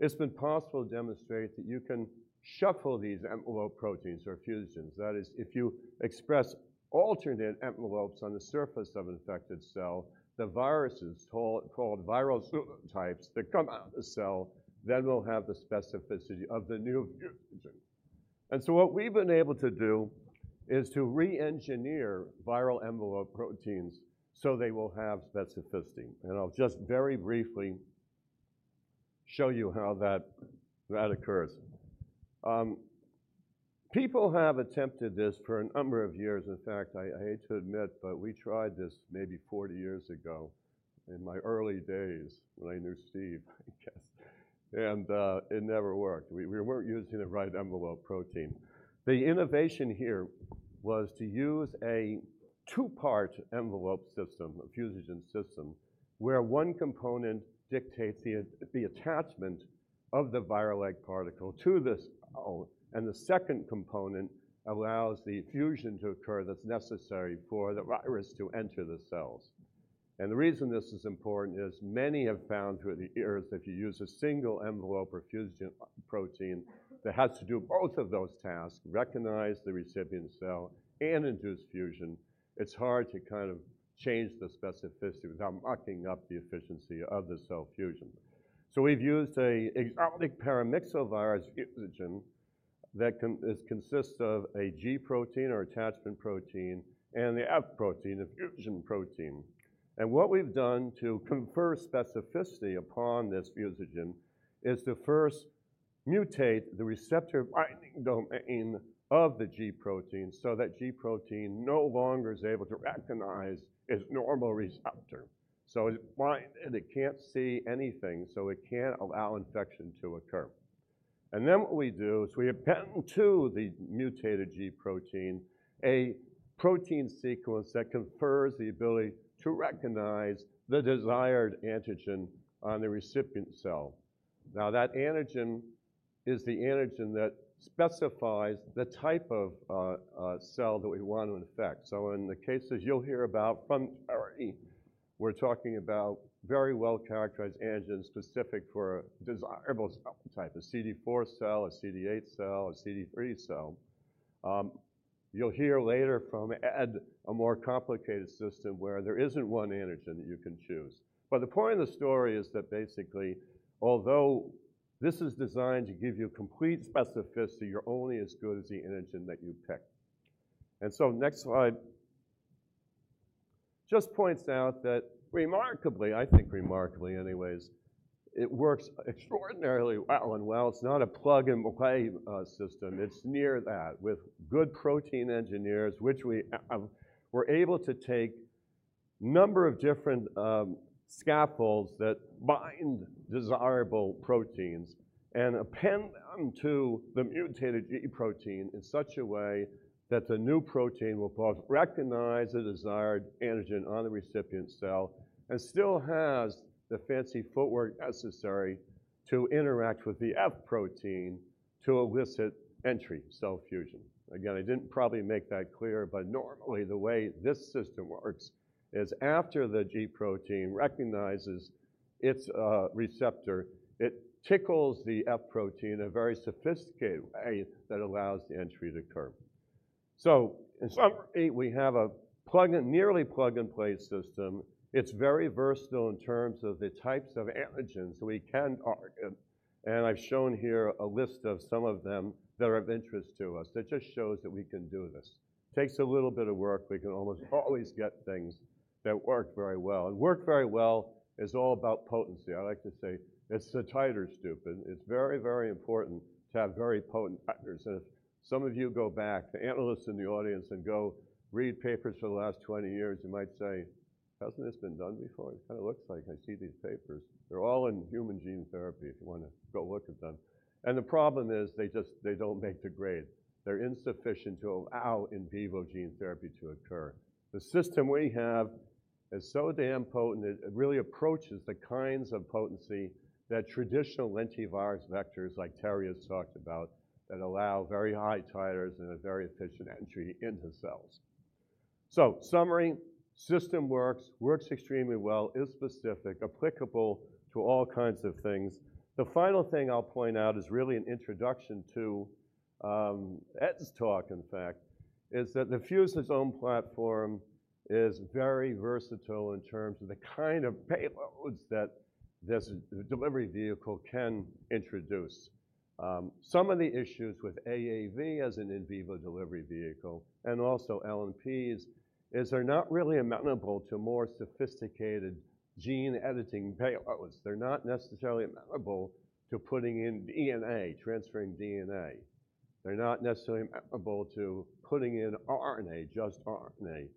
it's been possible to demonstrate that you can shuffle these envelope proteins or fusogens. That is, if you express alternate envelopes on the surface of an infected cell, the viruses called viral types that come out of the cell then will have the specificity of the new fusogen. What we've been able to do is to re-engineer viral envelope proteins, so they will have specificity. I'll just very briefly show you how that occurs. People have attempted this for a number of years. In fact, I hate to admit, we tried this maybe 40 years ago in my early days when I knew Steve, I guess, it never worked. We weren't using the right envelope protein. The innovation here was to use a two-part envelope system, a fusogen system, where one component dictates the attachment of the viral-like particle to this cell, and the second component allows the fusion to occur that's necessary for the virus to enter the cells. The reason this is important is many have found through the years, if you use a single envelope or fusogen protein that has to do both of those tasks, recognize the recipient cell and induce fusion, it's hard to kind of change the specificity without mucking up the efficiency of the cell fusion. We've used a exotic paramyxovirus fusogen that consists of a G protein or attachment protein and the F protein, a fusion protein. What we've done to confer specificity upon this fusogen is to first mutate the receptor binding domain of the G protein so that G protein no longer is able to recognize its normal receptor. It can't see anything, so it can't allow infection to occur. What we do is we append to the mutated G protein, a protein sequence that confers the ability to recognize the desired antigen on the recipient cell. That antigen is the antigen that specifies the type of cell that we want to infect. In the cases you'll hear about from Ari, we're talking about very well-characterized antigens specific for desirable cell type, a CD4 cell, a CD8 cell, a CD3 cell. You'll hear later from Ed a more complicated system where there isn't one antigen that you can choose. The point of the story is that basically, although this is designed to give you complete specificity, you're only as good as the antigen that you pick. Next slide just points out that remarkably, I think remarkably anyways, it works extraordinarily well. Well, it's not a plug-and-play system. It's near that. With good protein engineers, which we have, we're able to take a number of different scaffolds that bind desirable proteins and append them to the mutated G protein in such a way that the new protein will both recognize the desired antigen on the recipient cell and still has the fancy footwork necessary to interact with the F protein to elicit entry, cell fusion. I didn't probably make that clear, but normally the way this system works is after the G protein recognizes its receptor, it tickles the F protein in a very sophisticated way that allows the entry to occur. In summary, we have a nearly plug-and-play system. It's very versatile in terms of the types of antigens we can target. I've shown here a list of some of them that are of interest to us. That just shows that we can do this. Takes a little bit of work, we can almost always get things that work very well. Work very well is all about potency. I like to say it's the titer, stupid. It's very, very important to have very potent partners. If some of you go back, the analysts in the audience, and go read papers for the last 20 years, you might say, "Hasn't this been done before? It kind of looks like I see these papers." They're all in human gene therapy if you wanna go look at them. The problem is they just, they don't make the grade. They're insufficient to allow in vivo gene therapy to occur. The system we have. It's so damn potent that it really approaches the kinds of potency that traditional lentivirus vectors like Terry has talked about that allow very high titers and a very efficient entry into cells. Summary, system works extremely well, is specific, applicable to all kinds of things. The final thing I'll point out is really an introduction to Ed's talk, in fact, is that the fusosome platform is very versatile in terms of the kind of payloads that this delivery vehicle can introduce. Some of the issues with AAV as an in vivo delivery vehicle and also LNPs is they're not really amenable to more sophisticated gene editing payloads. They're not necessarily amenable to putting in DNA, transferring DNA. They're not necessarily amenable to putting in RNA, just RNA.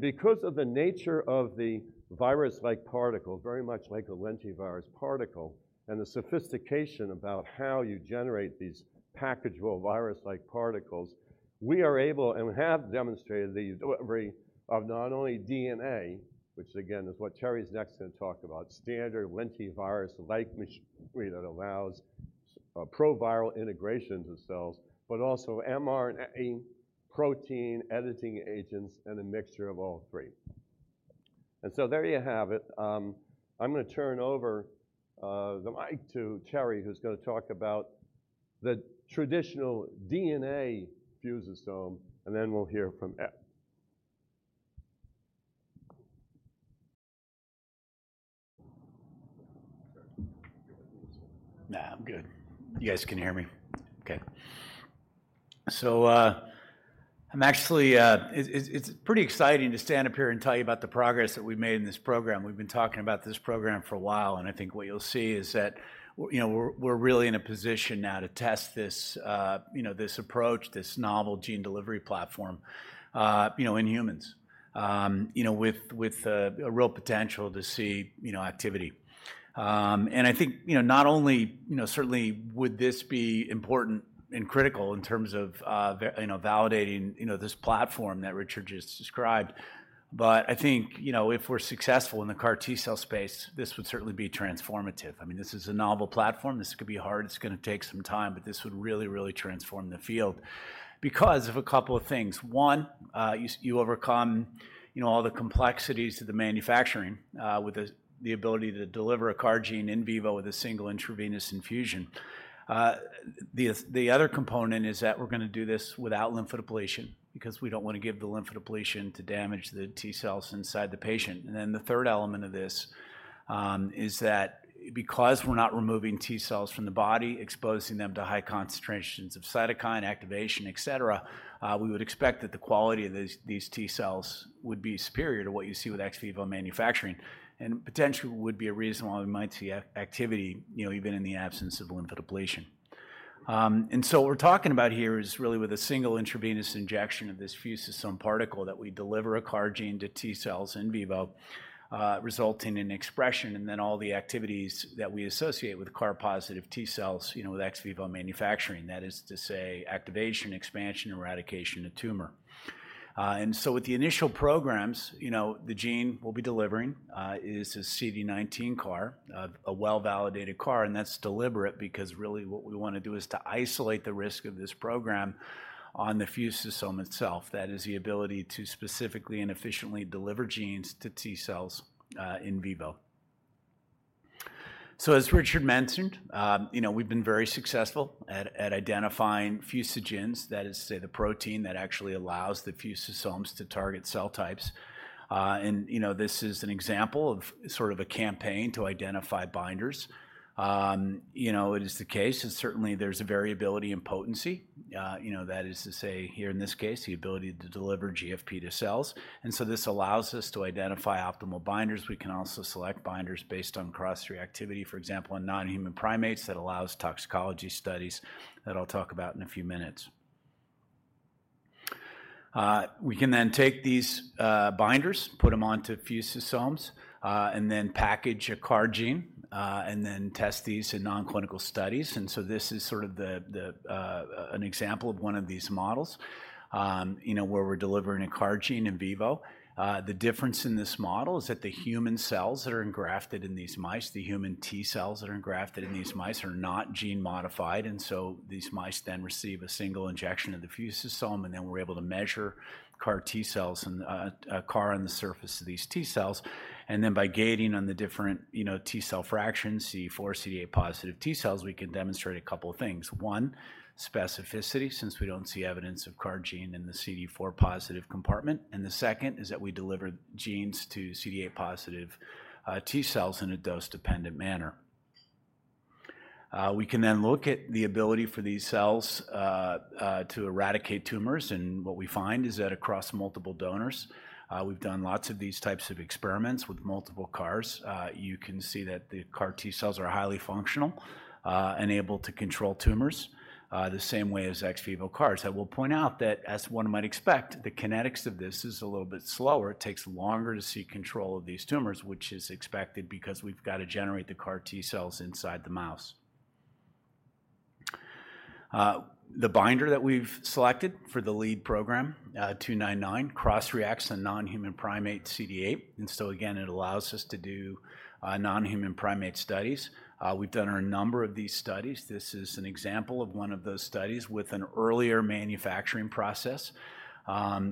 Because of the nature of the virus-like particle, very much like a lentivirus particle, and the sophistication about how you generate these packageable virus-like particles, we are able and have demonstrated the delivery of not only DNA, which again is what Terry's next gonna talk about, standard lentivirus-like machinery that allows proviral integrations of cells, but also mRNA protein editing agents and a mixture of all three. There you have it. I'm gonna turn over the mic to Terry, who's gonna talk about the traditional DNA fusosome, and then we'll hear from Ed. Nah, I'm good. You guys can hear me? Okay. I'm actually it's pretty exciting to stand up here and tell you about the progress that we've made in this program. We've been talking about this program for a while, and I think what you'll see is that you know, we're really in a position now to test this, you know, this approach, this novel gene delivery platform, you know, in humans, you know, with a real potential to see, you know, activity. I think, you know, not only, you know, certainly would this be important and critical in terms of, you know, validating, you know, this platform that Richard just described, but I think, you know, if we're successful in the CAR T-cell space, this would certainly be transformative. I mean, this is a novel platform. This could be hard. It's gonna take some time, this would really, really transform the field because of a couple of things. One, you overcome, you know, all the complexities of the manufacturing, with the ability to deliver a CAR gene in vivo with a single intravenous infusion. The other component is that we're gonna do this without lymphodepletion because we don't wanna give the lymphodepletion to damage the T-cells inside the patient. The third element of this, is that because we're not removing T-cells from the body, exposing them to high concentrations of cytokine activation, et cetera, we would expect that the quality of these T-cells would be superior to what you see with ex vivo manufacturing, and potentially would be a reason why we might see activity, you know, even in the absence of lymphodepletion. What we're talking about here is really with a single intravenous injection of this fusosome particle that we deliver a CAR gene to T-cells in vivo, resulting in expression, and then all the activities that we associate with CAR-positive T-cells, you know, with ex vivo manufacturing. That is to say activation, expansion, eradication of tumor. With the initial programs, you know, the gene we'll be delivering is a CD19 CAR, a well-validated CAR, and that's deliberate because really what we wanna do is to isolate the risk of this program on the fusosome itself. That is the ability to specifically and efficiently deliver genes to T-cells in vivo. As Richard mentioned, you know, we've been very successful at identifying fusogens. That is to say the protein that actually allows the fusosomes to target cell types. You know, this is an example of sort of a campaign to identify binders. You know, it is the case, certainly there's a variability in potency. You know, that is to say here in this case, the ability to deliver GFP to cells, this allows us to identify optimal binders. We can also select binders based on cross-reactivity, for example, in non-human primates that allows toxicology studies that I'll talk about in a few minutes. We can then take these binders, put them onto fusosomes, and then package a CAR gene, and then test these in non-clinical studies. This is sort of an example of one of these models, you know, where we're delivering a CAR gene in vivo. The difference in this model is that the human cells that are engrafted in these mice, the human T-cells that are engrafted in these mice are not gene modified, and so these mice then receive a single injection of the fusosome, and then we're able to measure CAR T-cells and CAR on the surface of these T-cells. By gating on the different, you know, T-cell fractions, CD4, CD8 positive T-cells, we can demonstrate 2 things. 1, specificity, since we don't see evidence of CAR gene in the CD4 positive compartment, and the 2nd is that we deliver genes to CD8 positive T-cells in a dose-dependent manner. We can then look at the ability for these cells to eradicate tumors, and what we find is that across multiple donors, we've done lots of these types of experiments with multiple CARs. You can see that the CAR T-cells are highly functional and able to control tumors the same way as ex vivo CARs. I will point out that as 1 might expect, the kinetics of this is a little bit slower. It takes longer to see control of these tumors, which is expected because we've got to generate the CAR T-cells inside the mouse. The binder that we've selected for the lead program, 299, cross-reacts a non-human primate CD8, and so again, it allows us to do non-human primate studies. We've done a number of these studies. This is an example of one of those studies with an earlier manufacturing process,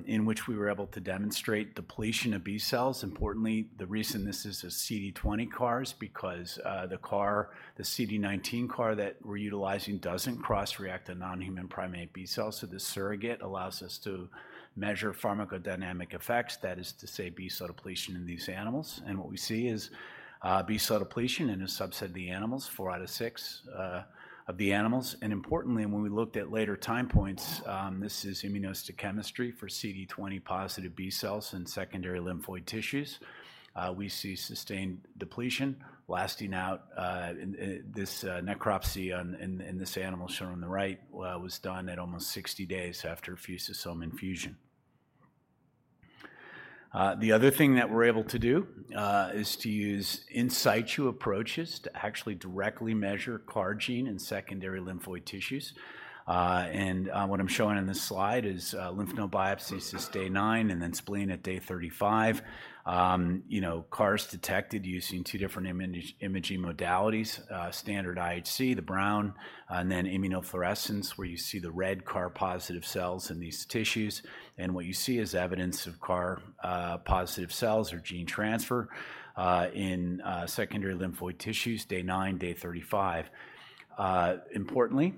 in which we were able to demonstrate depletion of B cells. Importantly, the reason this is a CD20 CAR is because the CAR, the CD19 CAR that we're utilizing doesn't cross-react to non-human primate B cells, so this surrogate allows us to measure pharmacodynamic effects, that is to say B cell depletion in these animals. What we see is B cell depletion in a subset of the animals, 4 out of 6 of the animals. Importantly, when we looked at later time points, this is immunohistochemistry for CD20 positive B cells in secondary lymphoid tissues. We see sustained depletion lasting out in this necropsy in this animal shown on the right, was done at almost 60 days after fusosome infusion. The other thing that we're able to do is to use in situ approaches to actually directly measure CAR gene in secondary lymphoid tissues. What I'm showing on this slide is lymph node biopsies since day 9, and then spleen at day 35. You know, CAR's detected using two different imaging modalities, standard IHC, the brown, and then immunofluorescence where you see the red CAR positive cells in these tissues. What you see is evidence of CAR positive cells or gene transfer in secondary lymphoid tissues, day 9, day 35. Importantly,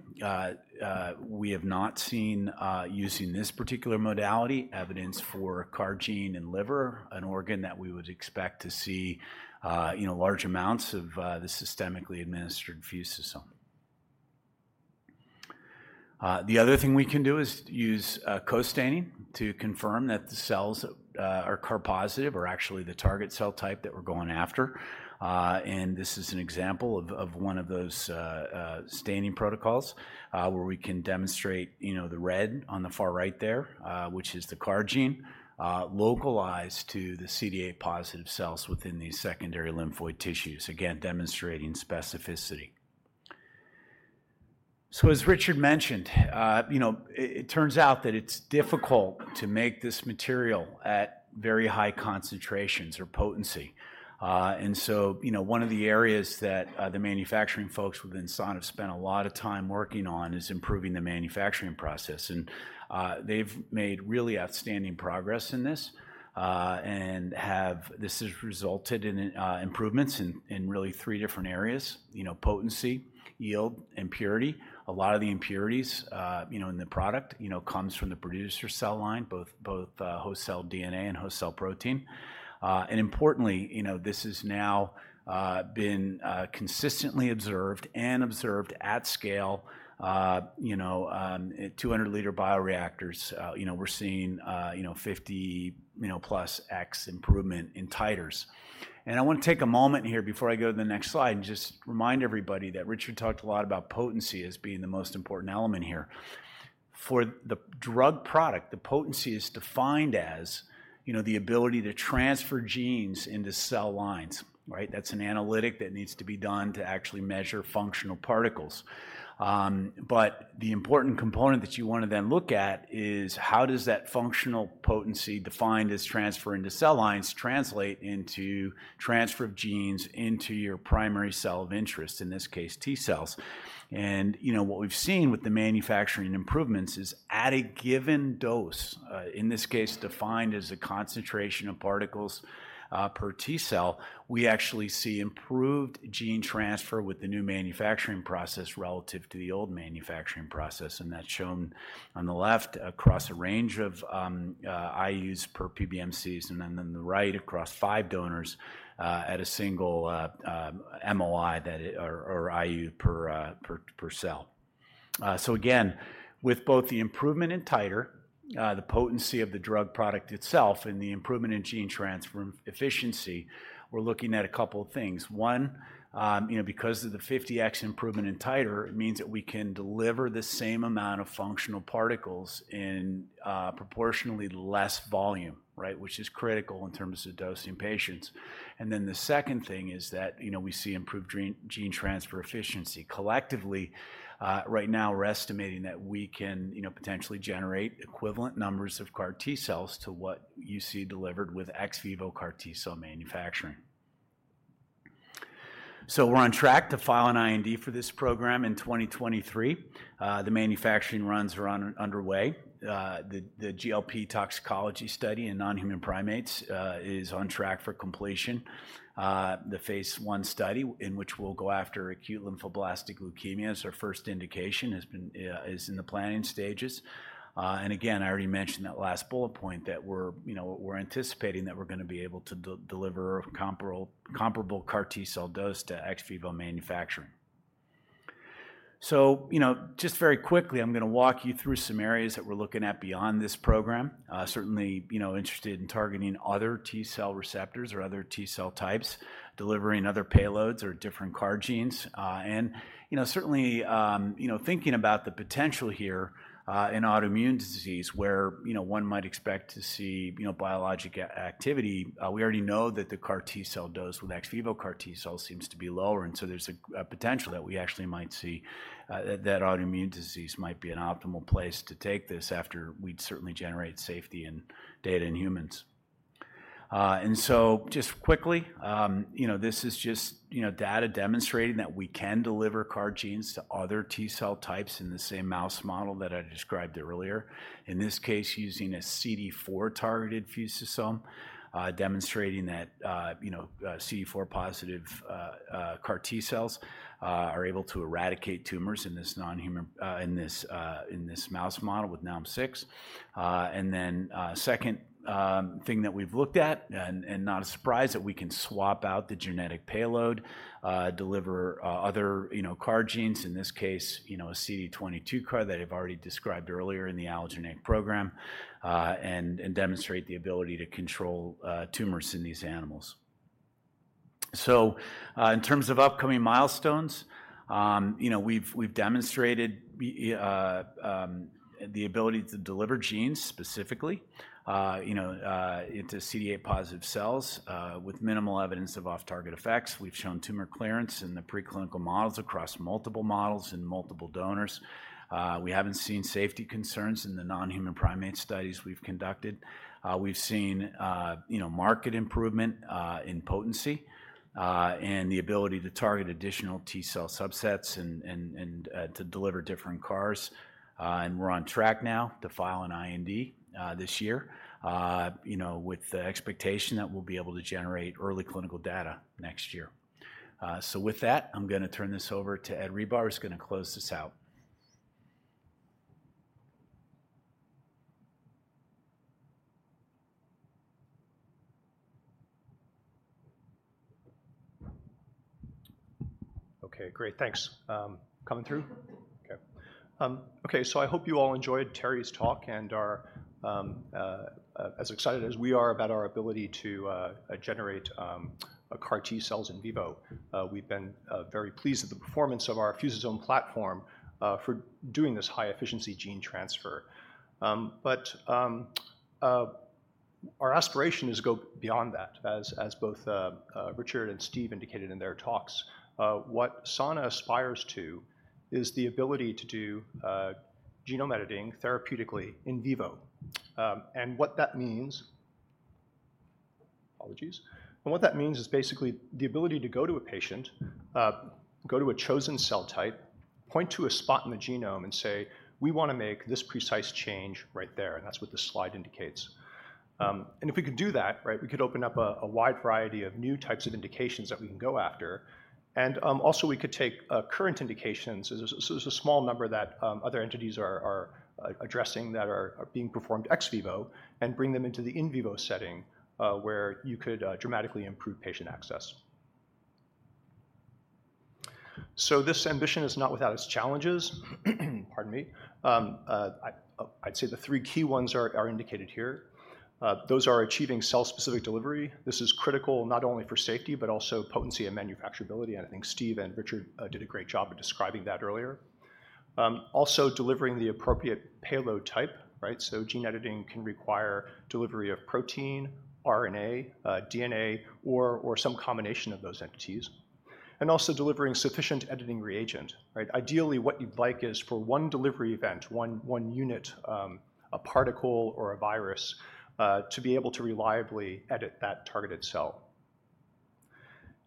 we have not seen, using this particular modality, evidence for CAR gene in liver, an organ that we would expect to see, you know, large amounts of the systemically administered fusosome. The other thing we can do is use co-staining to confirm that the cells are CAR positive or actually the target cell type that we're going after. This is an example of one of those staining protocols, where we can demonstrate, you know, the red on the far right there, which is the CAR gene, localized to the CD8 positive cells within these secondary lymphoid tissues, again demonstrating specificity. As Richard mentioned, you know, it turns out that it's difficult to make this material at very high concentrations or potency. One of the areas that the manufacturing folks within Sana have spent a lot of time working on is improving the manufacturing process. They've made really outstanding progress in this has resulted in improvements in really three different areas, you know, potency, yield, and purity. A lot of the impurities, you know, in the product, you know, comes from the producer cell line, both host cell DNA and host cell protein. Importantly, you know, this has now been consistently observed and observed at scale, you know, 200 liter bioreactors. You know, we're seeing, you know, 50, you know, plus X improvement in titers. I want to take a moment here before I go to the next slide and just remind everybody that Richard talked a lot about potency as being the most important element here. For the drug product, the potency is defined as, you know, the ability to transfer genes into cell lines, right? That's an analytic that needs to be done to actually measure functional particles. The important component that you want to then look at is how does that functional potency defined as transfer into cell lines translate into transfer of genes into your primary cell of interest, in this case T cells. You know, what we've seen with the manufacturing improvements is at a given dose, in this case defined as a concentration of particles, per T cell, we actually see improved gene transfer with the new manufacturing process relative to the old manufacturing process. That's shown on the left across a range of IUs per PBMCs, and then on the right across five donors, at a single MOI that, or IU per cell. Again, with both the improvement in titer, the potency of the drug product itself, and the improvement in gene transfer efficiency, we're looking at a couple of things. One, you know, because of the 50x improvement in titer, it means that we can deliver the same amount of functional particles in proportionally less volume, right? Which is critical in terms of dosing patients. The second thing is that, you know, we see improved gene transfer efficiency. Collectively, right now we're estimating that we can, you know, potentially generate equivalent numbers of CAR T cells to what you see delivered with ex vivo CAR T cell manufacturing. We're on track to file an IND for this program in 2023. The manufacturing runs are underway. The GLP toxicology study in non-human primates is on track for completion. The phase I study in which we'll go after acute lymphoblastic leukemia as our first indication has been is in the planning stages. Again, I already mentioned that last bullet point that we're, you know, we're anticipating that we're gonna be able to deliver comparable CAR T-cell dose to ex vivo manufacturing. You know, just very quickly, I'm gonna walk you through some areas that we're looking at beyond this program. Certainly, you know, interested in targeting other T-cell receptors or other T-cell types, delivering other payloads or different CAR genes. You know, certainly, you know, thinking about the potential here, in autoimmune disease where, you know, one might expect to see, you know, biologic activity, we already know that the CAR T-cell dose with ex vivo CAR T-cells seems to be lower. There's a potential that we actually might see that autoimmune disease might be an optimal place to take this after we'd certainly generate safety and data in humans. Just quickly, you know, this is just, you know, data demonstrating that we can deliver CAR genes to other T-cell types in the same mouse model that I described earlier. In this case, using a CD4-targeted fusosome, demonstrating that, you know, CD4-positive CAR T-cells are able to eradicate tumors in this mouse model with NALM-6. Second, thing that we've looked at, and not a surprise that we can swap out the genetic payload, deliver other, you know, CAR genes, in this case, you know, a CD22 CAR that I've already described earlier in the allogeneic program, and demonstrate the ability to control tumors in these animals. In terms of upcoming milestones, you know, we've demonstrated the ability to deliver genes specifically, you know, into CD8-positive cells, with minimal evidence of off-target effects. We've shown tumor clearance in the preclinical models across multiple models and multiple donors. We haven't seen safety concerns in the non-human primate studies we've conducted. We've seen, you know, market improvement, in potency, and the ability to target additional T cell subsets and to deliver different CARs. We're on track now to file an IND, this year, you know, with the expectation that we'll be able to generate early clinical data next year. With that, I'm gonna turn this over to Ed Rebar who's gonna close this out. Great. Thanks. Coming through? I hope you all enjoyed Terry Fry's talk and are as excited as we are about our ability to generate CAR T-cells in vivo. We've been very pleased with the performance of our fusosome platform for doing this high efficiency gene transfer. Our aspiration is to go beyond that as both Richard and Steve indicated in their talks. What Sana aspires to is the ability to do genome editing therapeutically in vivo. Apologies. What that means is basically the ability to go to a patient, go to a chosen cell type, point to a spot in the genome and say, "We wanna make this precise change right there," and that's what this slide indicates. If we could do that, right, we could open up a wide variety of new types of indications that we can go after, and also we could take current indications, so there's a small number that other entities are addressing that are being performed ex vivo, and bring them into the in vivo setting, where you could dramatically improve patient access. This ambition is not without its challenges. Pardon me. I'd say the three key ones are indicated here. Those are achieving cell-specific delivery. This is critical not only for safety, but also potency and manufacturability, and I think Steve Goldman and Richard Mulligan did a great job of describing that earlier. Also delivering the appropriate payload type, right? Gene editing can require delivery of protein, RNA, DNA, or some combination of those entities, and also delivering sufficient editing reagent, right? Ideally, what you'd like is for one delivery event, one unit, a particle or a virus, to be able to reliably edit that targeted cell.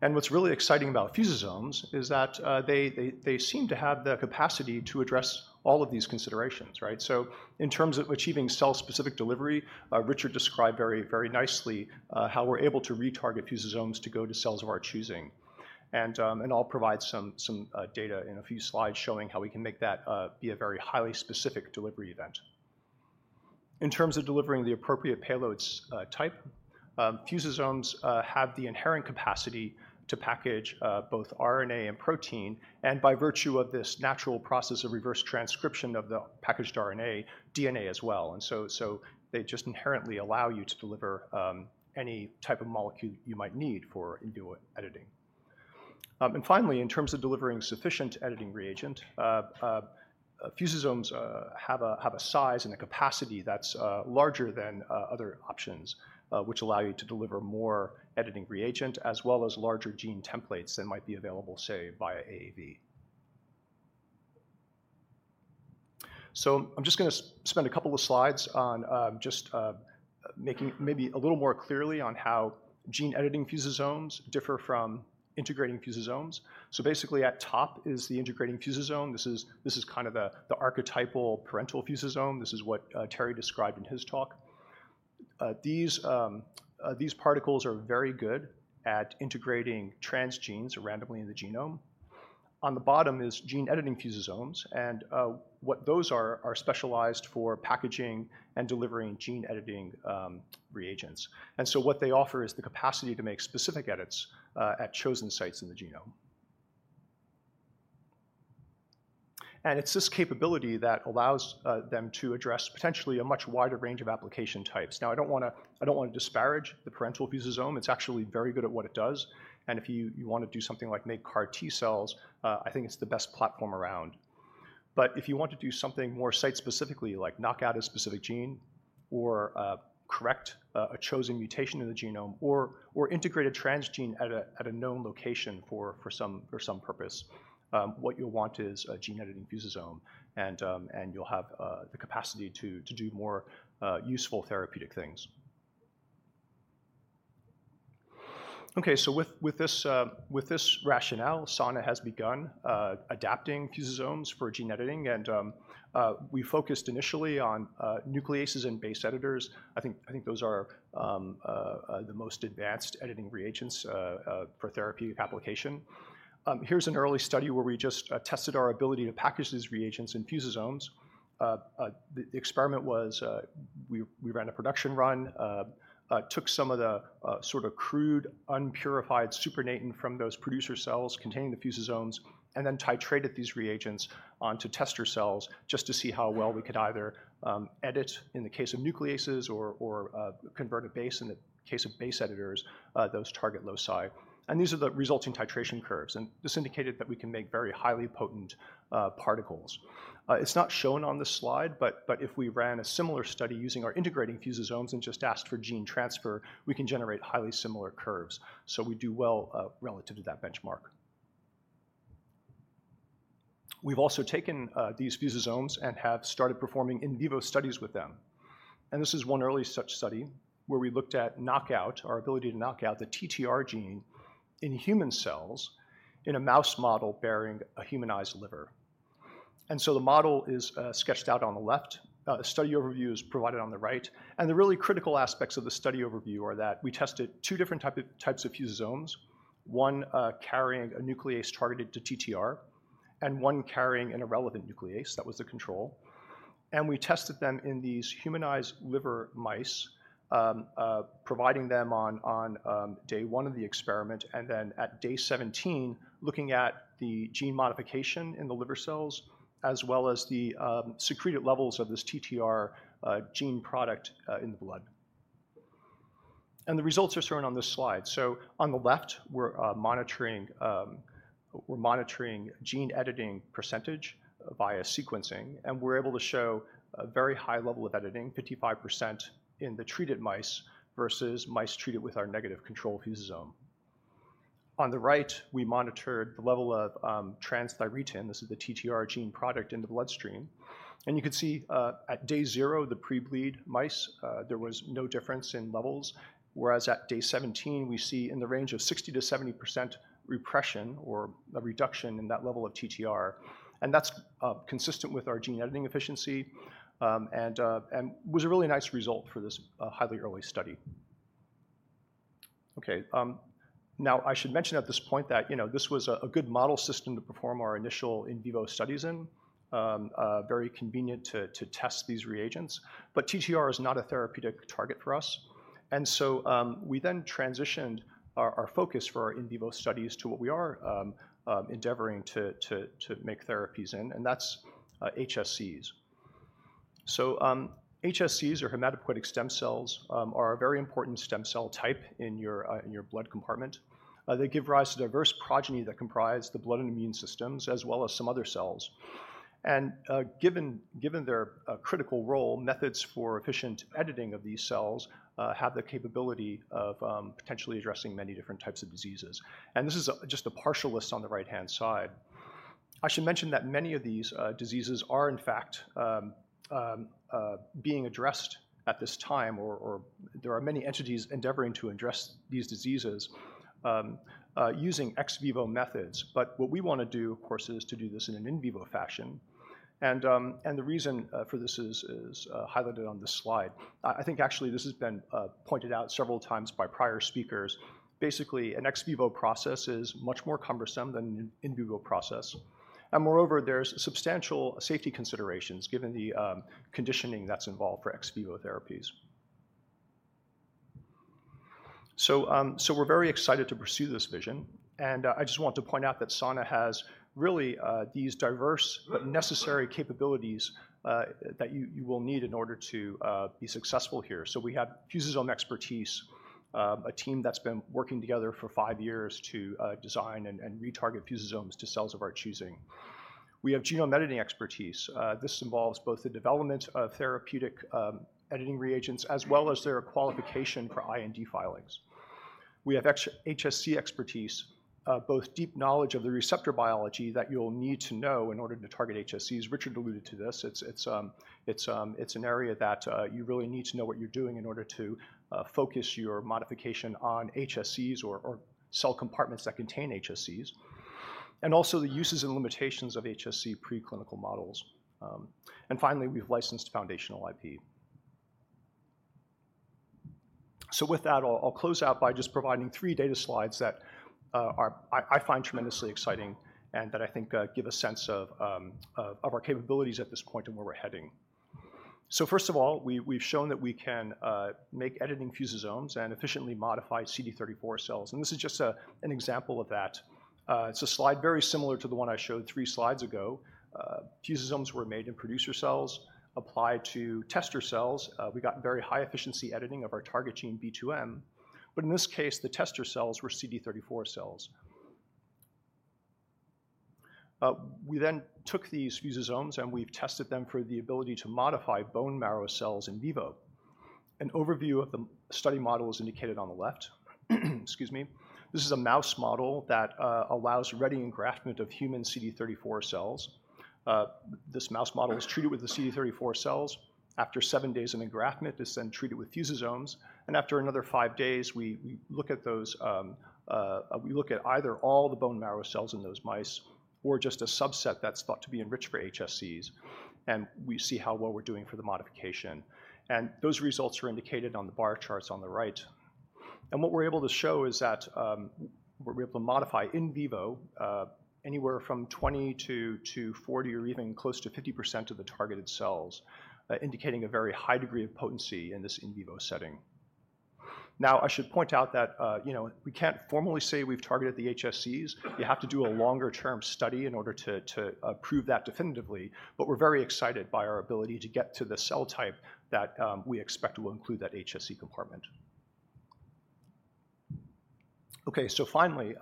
What's really exciting about fusosomes is that they seem to have the capacity to address all of these considerations, right? In terms of achieving cell-specific delivery, Richard described very, very nicely, how we're able to retarget fusosomes to go to cells of our choosing, and I'll provide some data in a few slides showing how we can make that be a very highly specific delivery event. In terms of delivering the appropriate payloads, type, fusosomes have the inherent capacity to package both RNA and protein, and by virtue of this natural process of reverse transcription of the packaged RNA, DNA as well. They just inherently allow you to deliver any type of molecule you might need for in vivo editing. Finally, in terms of delivering sufficient editing reagent, fusosomes have a size and a capacity that's larger than other options, which allow you to deliver more editing reagent as well as larger gene templates that might be available, say, via AAV. I'm just gonna spend a couple of slides on making maybe a little more clearly on how gene editing fusosomes differ from integrating fusosomes. Basically at top is the integrating fusosome. This is kind of the archetypal parental fusosome. This is what Terry described in his talk. These particles are very good at integrating transgenes randomly in the genome. On the bottom is gene editing fusosomes, what those are specialized for packaging and delivering gene editing reagents. What they offer is the capacity to make specific edits at chosen sites in the genome. It's this capability that allows them to address potentially a much wider range of application types. I don't wanna disparage the parental fusosome. It's actually very good at what it does, and if you wanna do something like make CAR T cells, I think it's the best platform around. If you want to do something more site-specifically, like knock out a specific gene or correct a chosen mutation in the genome or integrate a transgene at a known location for some purpose, what you'll want is a gene editing fusosome, and you'll have the capacity to do more useful therapeutic things. Okay, with this rationale, Sana has begun adapting fusosomes for gene editing, and we focused initially on nucleases and base editors. I think those are the most advanced editing reagents for therapy application. Here's an early study where we just tested our ability to package these reagents in fusosomes. The experiment was, we ran a production run, took some of the sort of crude, unpurified supernatant from those producer cells containing the fusosomes, and then titrated these reagents onto tester cells just to see how well we could either edit in the case of nucleases or convert a base in the case of base editors, those target loci. These are the resulting titration curves, and this indicated that we can make very highly potent particles. It's not shown on this slide, but if we ran a similar study using our integrating fusosomes and just asked for gene transfer, we can generate highly similar curves. We do well relative to that benchmark. We've also taken these fusosomes and have started performing in vivo studies with them. This is one early such study where we looked at knockout, our ability to knock out the TTR gene in human cells in a mouse model bearing a humanized liver. So the model is sketched out on the left. The study overview is provided on the right, and the really critical aspects of the study overview are that we tested two different types of fusosomes, one carrying a nuclease targeted to TTR and one carrying an irrelevant nuclease that was the control. We tested them in these humanized liver mice, providing them on day one of the experiment, and then at day 17, looking at the gene modification in the liver cells as well as the secreted levels of this TTR gene product in the blood. The results are shown on this slide. On the left, we're monitoring gene editing percentage via sequencing, and we're able to show a very high level of editing, 55% in the treated mice versus mice treated with our negative control fusosome. On the right, we monitored the level of transthyretin, this is the TTR gene product in the bloodstream. You can see at day 0, the pre-bleed mice, there was no difference in levels, whereas at day 17 we see in the range of 60%-70% repression or a reduction in that level of TTR. That's consistent with our gene editing efficiency, and was a really nice result for this highly early study. Okay. Now I should mention at this point that, you know, this was a good model system to perform our initial in vivo studies in, very convenient to test these reagents, but TTR is not a therapeutic target for us. We then transitioned our focus for our in vivo studies to what we are endeavoring to make therapies in, and that's HSCs. HSCs or hematopoietic stem cells are a very important stem cell type in your blood compartment. They give rise to diverse progeny that comprise the blood and immune systems as well as some other cells. Given their critical role, methods for efficient editing of these cells have the capability of potentially addressing many different types of diseases. This is just a partial list on the right-hand side. I should mention that many of these diseases are in fact being addressed at this time or there are many entities endeavoring to address these diseases using ex vivo methods. What we wanna do, of course, is to do this in an in vivo fashion. The reason for this is highlighted on this slide. I think actually this has been pointed out several times by prior speakers. Basically, an ex vivo process is much more cumbersome than an in vivo process. Moreover, there's substantial safety considerations given the conditioning that's involved for ex vivo therapies. We're very excited to pursue this vision. I just want to point out that Sana has these diverse but necessary capabilities that you will need in order to be successful here. We have fusosome expertise, a team that's been working together for five years to design and retarget fusosomes to cells of our choosing. We have genome editing expertise. This involves both the development of therapeutic editing reagents as well as their qualification for IND filings. We have HSC expertise, both deep knowledge of the receptor biology that you'll need to know in order to target HSCs. Richard alluded to this. It's an area that you really need to know what you're doing in order to focus your modification on HSCs or cell compartments that contain HSCs, and also the uses and limitations of HSC preclinical models. Finally, we've licensed foundational IP. With that, I'll close out by just providing three data slides that I find tremendously exciting and that I think give a sense of our capabilities at this point and where we're heading. First of all, we've shown that we can make editing fusosomes and efficiently modify CD34 cells, and this is just an example of that. It's a slide very similar to the one I showed three slides ago. Fusosomes were made in producer cells applied to tester cells. We got very high efficiency editing of our target gene B2M, but in this case, the tester cells were CD34 cells. We then took these fusosomes, and we've tested them for the ability to modify bone marrow cells in vivo. An overview of the study model is indicated on the left. Excuse me. This is a mouse model that allows ready engraftment of human CD34 cells. This mouse model is treated with the CD34 cells. After seven days in the engraftment, it's then treated with fusosomes, and after another five days, we look at either all the bone marrow cells in those mice or just a subset that's thought to be enriched for HSCs, and we see how well we're doing for the modification. Those results are indicated on the bar charts on the right. What we're able to show is that, we're able to modify in vivo, anywhere from 20% to 40% or even close to 50% of the targeted cells, indicating a very high degree of potency in this in vivo setting. Now, I should point out that, you know, we can't formally say we've targeted the HSCs. You have to do a longer term study in order to prove that definitively. We're very excited by our ability to get to the cell type that, we expect will include that HSC compartment. Finally,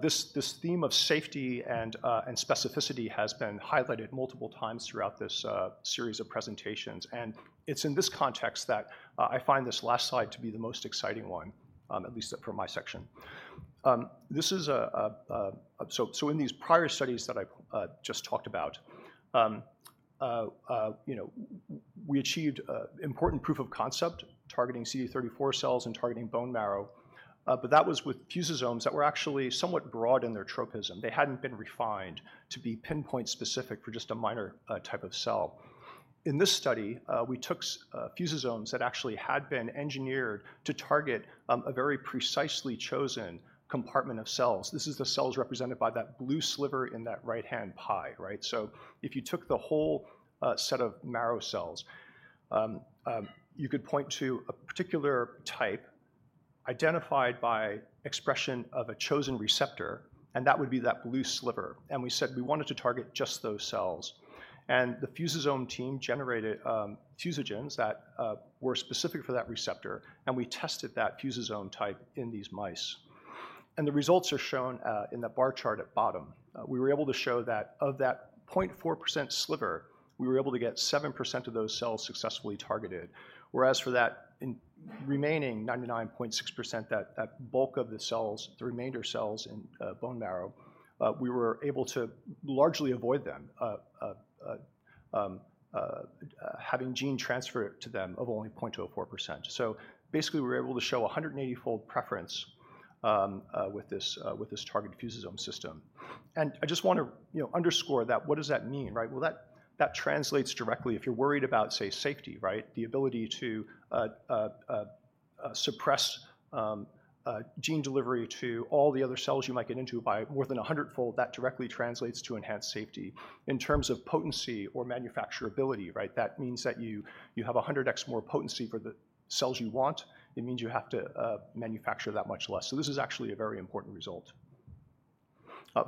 this theme of safety and specificity has been highlighted multiple times throughout this series of presentations, and it's in this context that I find this last slide to be the most exciting one, at least for my section. In these prior studies that I've just talked about, you know, we achieved important proof of concept targeting CD34 cells and targeting bone marrow, but that was with fusosomes that were actually somewhat broad in their tropism. They hadn't been refined to be pinpoint specific for just a minor type of cell. In this study, we took fusosomes that actually had been engineered to target a very precisely chosen compartment of cells. This is the cells represented by that blue sliver in that right-hand pie, right? If you took the whole set of marrow cells, you could point to a particular type identified by expression of a chosen receptor, and that would be that blue sliver. We said we wanted to target just those cells. The fusosome team generated fusogens that were specific for that receptor, and we tested that fusosome type in these mice. The results are shown in the bar chart at bottom. We were able to show that of that 0.4% sliver, we were able to get 7% of those cells successfully targeted. Whereas for that remaining 99.6%, that bulk of the cells, the remainder cells in bone marrow, we were able to largely avoid them having gene transfer to them of only 0.04%. Basically, we were able to show a 180-fold preference with this targeted fusosome system. I just wanna, you know, underscore that what does that mean, right? That translates directly if you're worried about, say, safety, right? The ability to suppress gene delivery to all the other cells you might get into by more than 100-fold, that directly translates to enhanced safety. In terms of potency or manufacturability, right? That means that you have 100x more potency for the cells you want. It means you have to manufacture that much less. This is actually a very important result.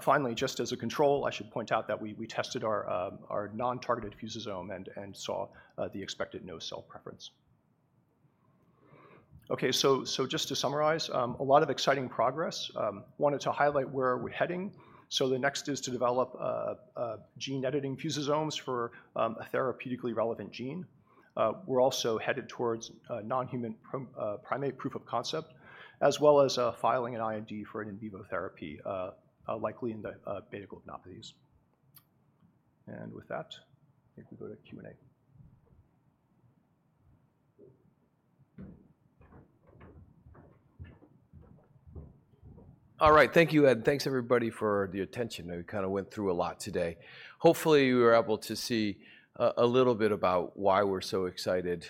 Finally, just as a control, I should point out that we tested our non-targeted fusosome and saw the expected no cell preference. Just to summarize, a lot of exciting progress. Wanted to highlight where we're heading. The next is to develop gene editing fusosomes for a therapeutically relevant gene. We're also headed towards non-human primate proof of concept, as well as filing an IND for an in vivo therapy, likely in the β-globinopathies. With that, I think we go to Q&A. All right. Thank you, Ed. Thanks, everybody, for the attention. We kind of went through a lot today. Hopefully, you were able to see a little bit about why we're so excited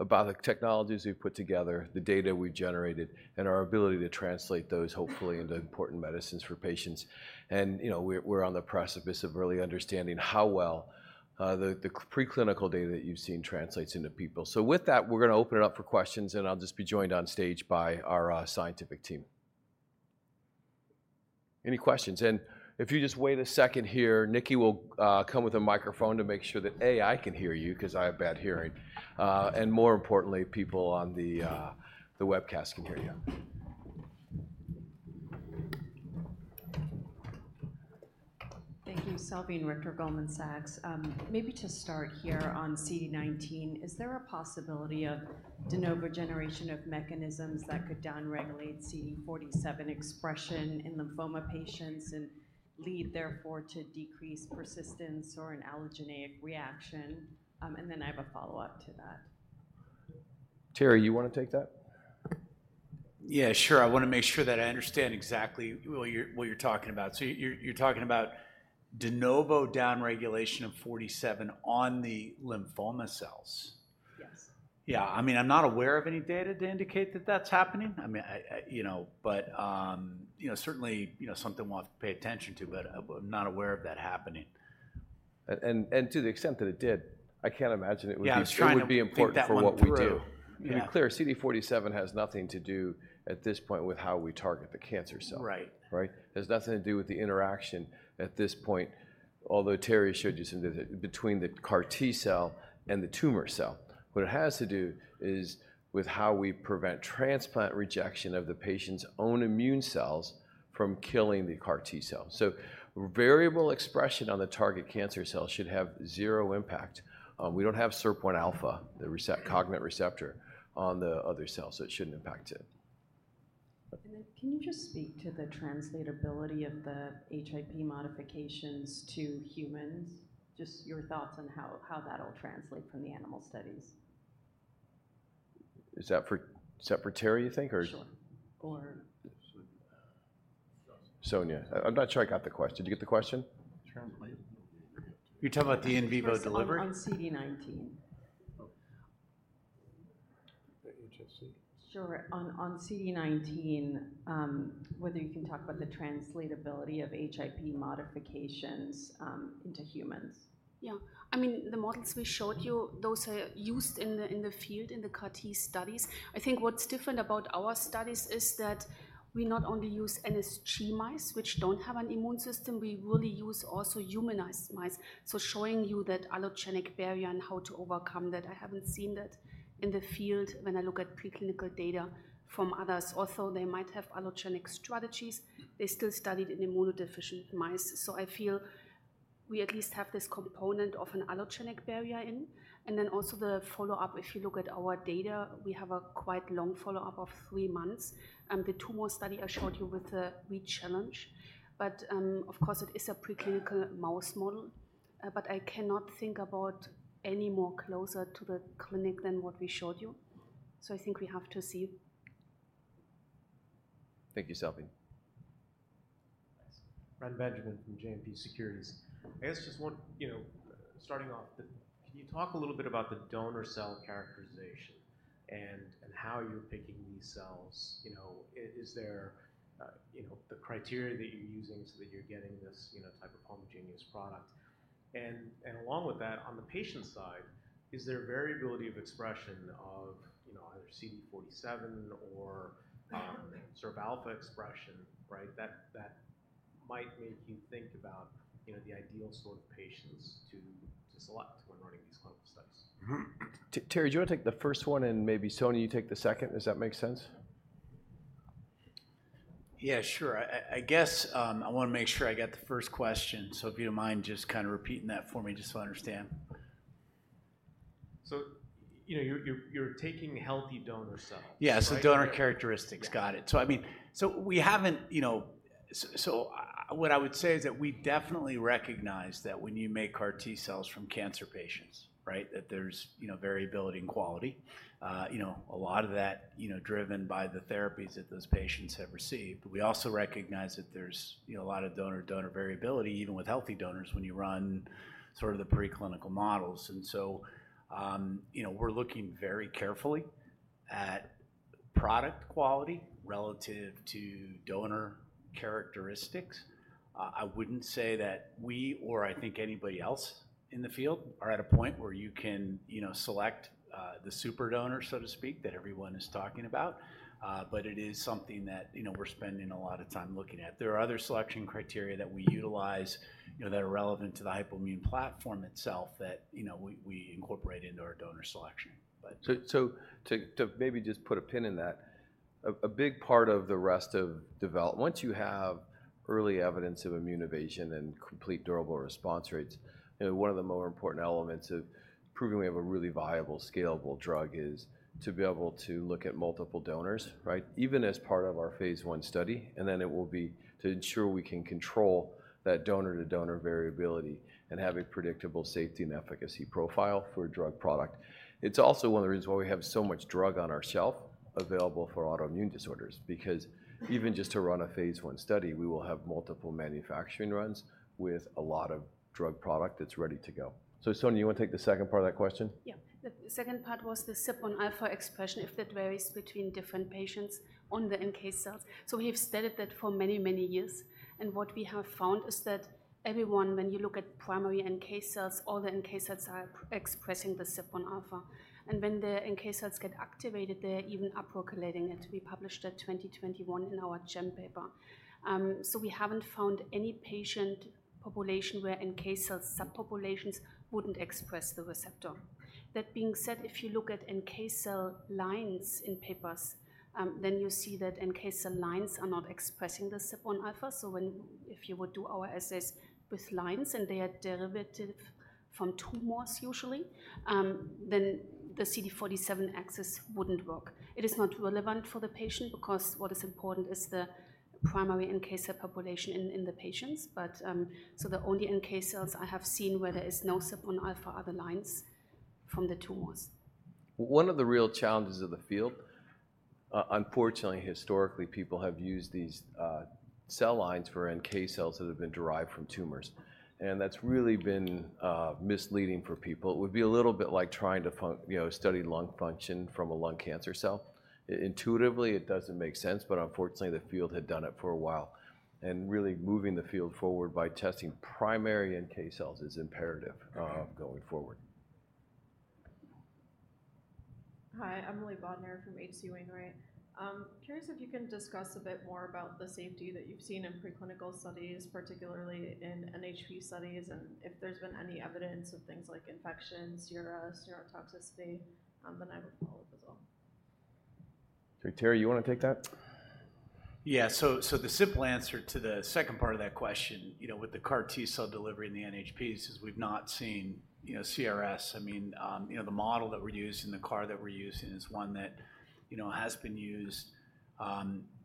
about the technologies we've put together, the data we've generated, and our ability to translate those hopefully into important medicines for patients. You know, we're on the precipice of really understanding how well the preclinical data that you've seen translates into people. With that, we're gonna open it up for questions, and I'll just be joined on stage by our scientific team. Any questions? If you just wait a second here, Nikki will come with a microphone to make sure that, A, I can hear you because I have bad hearing, and more importantly, people on the webcast can hear you. Thank you. Salveen Richter-Goldman Sachs. maybe to start here on CD19, is there a possibility of de novo generation of mechanisms that could down-regulate CD47 expression in lymphoma patients and lead therefore to decreased persistence or an allogeneic reaction? I have a follow-up to that. Terry, you wanna take that? Yeah, sure. I wanna make sure that I understand exactly what you're talking about. You're talking about de novo downregulation of 47 on the lymphoma cells? Yes. Yeah, I mean, I'm not aware of any data to indicate that that's happening. I mean, I, you know, but, you know, certainly, you know, something we'll have to pay attention to, but I'm not aware of that happening. To the extent that it did, I can't imagine it would be. Yeah, I was trying to think that one through. it would be important for what we do. Yeah. To be clear, CD47 has nothing to do at this point with how we target the cancer cell. Right. Right? It has nothing to do with the interaction at this point, although Terry showed you some data, between the CAR T-cell and the tumor cell. What it has to do is with how we prevent transplant rejection of the patient's own immune cells from killing the CAR T-cell. Variable expression on the target cancer cell should have zero impact. We don't have SIRPα, the cognate receptor, on the other cells, so it shouldn't impact it. Can you just speak to the translatability of the HIP modifications to humans? Just your thoughts on how that'll translate from the animal studies. Is that for Terry, you think? Or... Sonia. Or- Sonia. Sonja. I'm not sure I got the question. Did you get the question? Translate? You're talking about the in vivo delivery? On CD19. The HSC. Sure. On CD19, whether you can talk about the translatability of HIP modifications into humans? Yeah. I mean, the models we showed you, those are used in the, in the field, in the CAR T studies. I think what's different about our studies is that we not only use NSG mice, which don't have an immune system, we really use also humanized mice. Showing you that allogeneic barrier and how to overcome that, I haven't seen that in the field when I look at preclinical data from others. Also, they might have allogeneic strategies. They still studied in immunodeficient mice. I feel we at least have this component of an allogeneic barrier in. Also the follow-up, if you look at our data, we have a quite long follow-up of 3 months. The tumor study I showed you with the re-challenge. Of course, it is a preclinical mouse model. I cannot think about any more closer to the clinic than what we showed you. I think we have to see. Thank you, Sophie. Thanks. Brian Benjamin from JMP Securities. I guess just one, you know, starting off, can you talk a little bit about the donor cell characterization and how you're picking these cells? You know, is there, you know, the criteria that you're using so that you're getting this, you know, type of homogeneous product. Along with that, on the patient side, is there variability of expression of, you know, either CD47 or sort of alpha expression, right, that might make you think about, you know, the ideal sort of patients to select when running these clinical studies? Terry, do you want to take the first one and maybe Sonia, you take the second? Does that make sense? Yeah, sure. I guess, I wanna make sure I get the first question. If you don't mind just kind of repeating that for me, just so I understand. You're taking healthy donor cells. Yeah. donor characteristics. Yeah. Got it. We haven't, you know, what I would say is that we definitely recognize that when you make CAR T-cells from cancer patients, right, that there's, you know, variability in quality. You know, a lot of that, you know, driven by the therapies that those patients have received. We also recognize that there's, you know, a lot of donor variability, even with healthy donors when you run sort of the preclinical models. We're looking very carefully at product quality relative to donor characteristics. I wouldn't say that we or I think anybody else in the field are at a point where you can, you know, select the super donor, so to speak, that everyone is talking about. It is something that, you know, we're spending a lot of time looking at. There are other selection criteria that we utilize, you know, that are relevant to the hypoimmune platform itself that, you know, we incorporate into our donor selection. To maybe just put a pin in that, a big part of the rest of development once you have early evidence of immune evasion and complete durable response rates, you know, one of the more important elements of proving we have a really viable, scalable drug is to be able to look at multiple donors, right? Even as part of our phase I study, it will be to ensure we can control that donor-to-donor variability and have a predictable safety and efficacy profile for a drug product. It's also one of the reasons why we have so much drug on our shelf available for autoimmune disorders, because even just to run a phase I study, we will have multiple manufacturing runs with a lot of drug product that's ready to go. Sonja, you wanna take the second part of that question? Yeah. The second part was the SIRPα expression, if that varies between different patients on the NK cells. We've studied that for many, many years, and what we have found is that everyone, when you look at primary NK cells, all the NK cells are expressing the SIRPα. When the NK cells get activated, they're even up-regulating it. We published that 2021 in our Nature paper. We haven't found any patient population where NK cells subpopulations wouldn't express the receptor. That being said, if you look at NK cell lines in papers, then you see that NK cell lines are not expressing the SIRPα. If you would do our assays with lines, and they are derivative from tumors usually, then the CD47 axis wouldn't work. It is not relevant for the patient because what is important is the primary NK cell population in the patients. The only NK cells I have seen where there is no SIRPα are the lines from the tumors. One of the real challenges of the field, unfortunately, historically, people have used these cell lines for NK cells that have been derived from tumors, and that's really been misleading for people. It would be a little bit like trying to you know, study lung function from a lung cancer cell. Intuitively, it doesn't make sense, but unfortunately, the field had done it for a while. Really moving the field forward by testing primary NK cells is imperative. Okay going forward. Hi, Emily Bodnar from H.C. Wainwright. Curious if you can discuss a bit more about the safety that you've seen in preclinical studies, particularly in NHP studies, and if there's been any evidence of things like infections, CRS, neurotoxicity, then I would follow up as well. Okay, Terry, you wanna take that? Yeah. The simple answer to the second part of that question, you know, with the CAR T-cell delivery in the NHPs is we've not seen, you know, CRS. I mean, you know, the model that we're using, the CAR that we're using is one that, you know, has been used,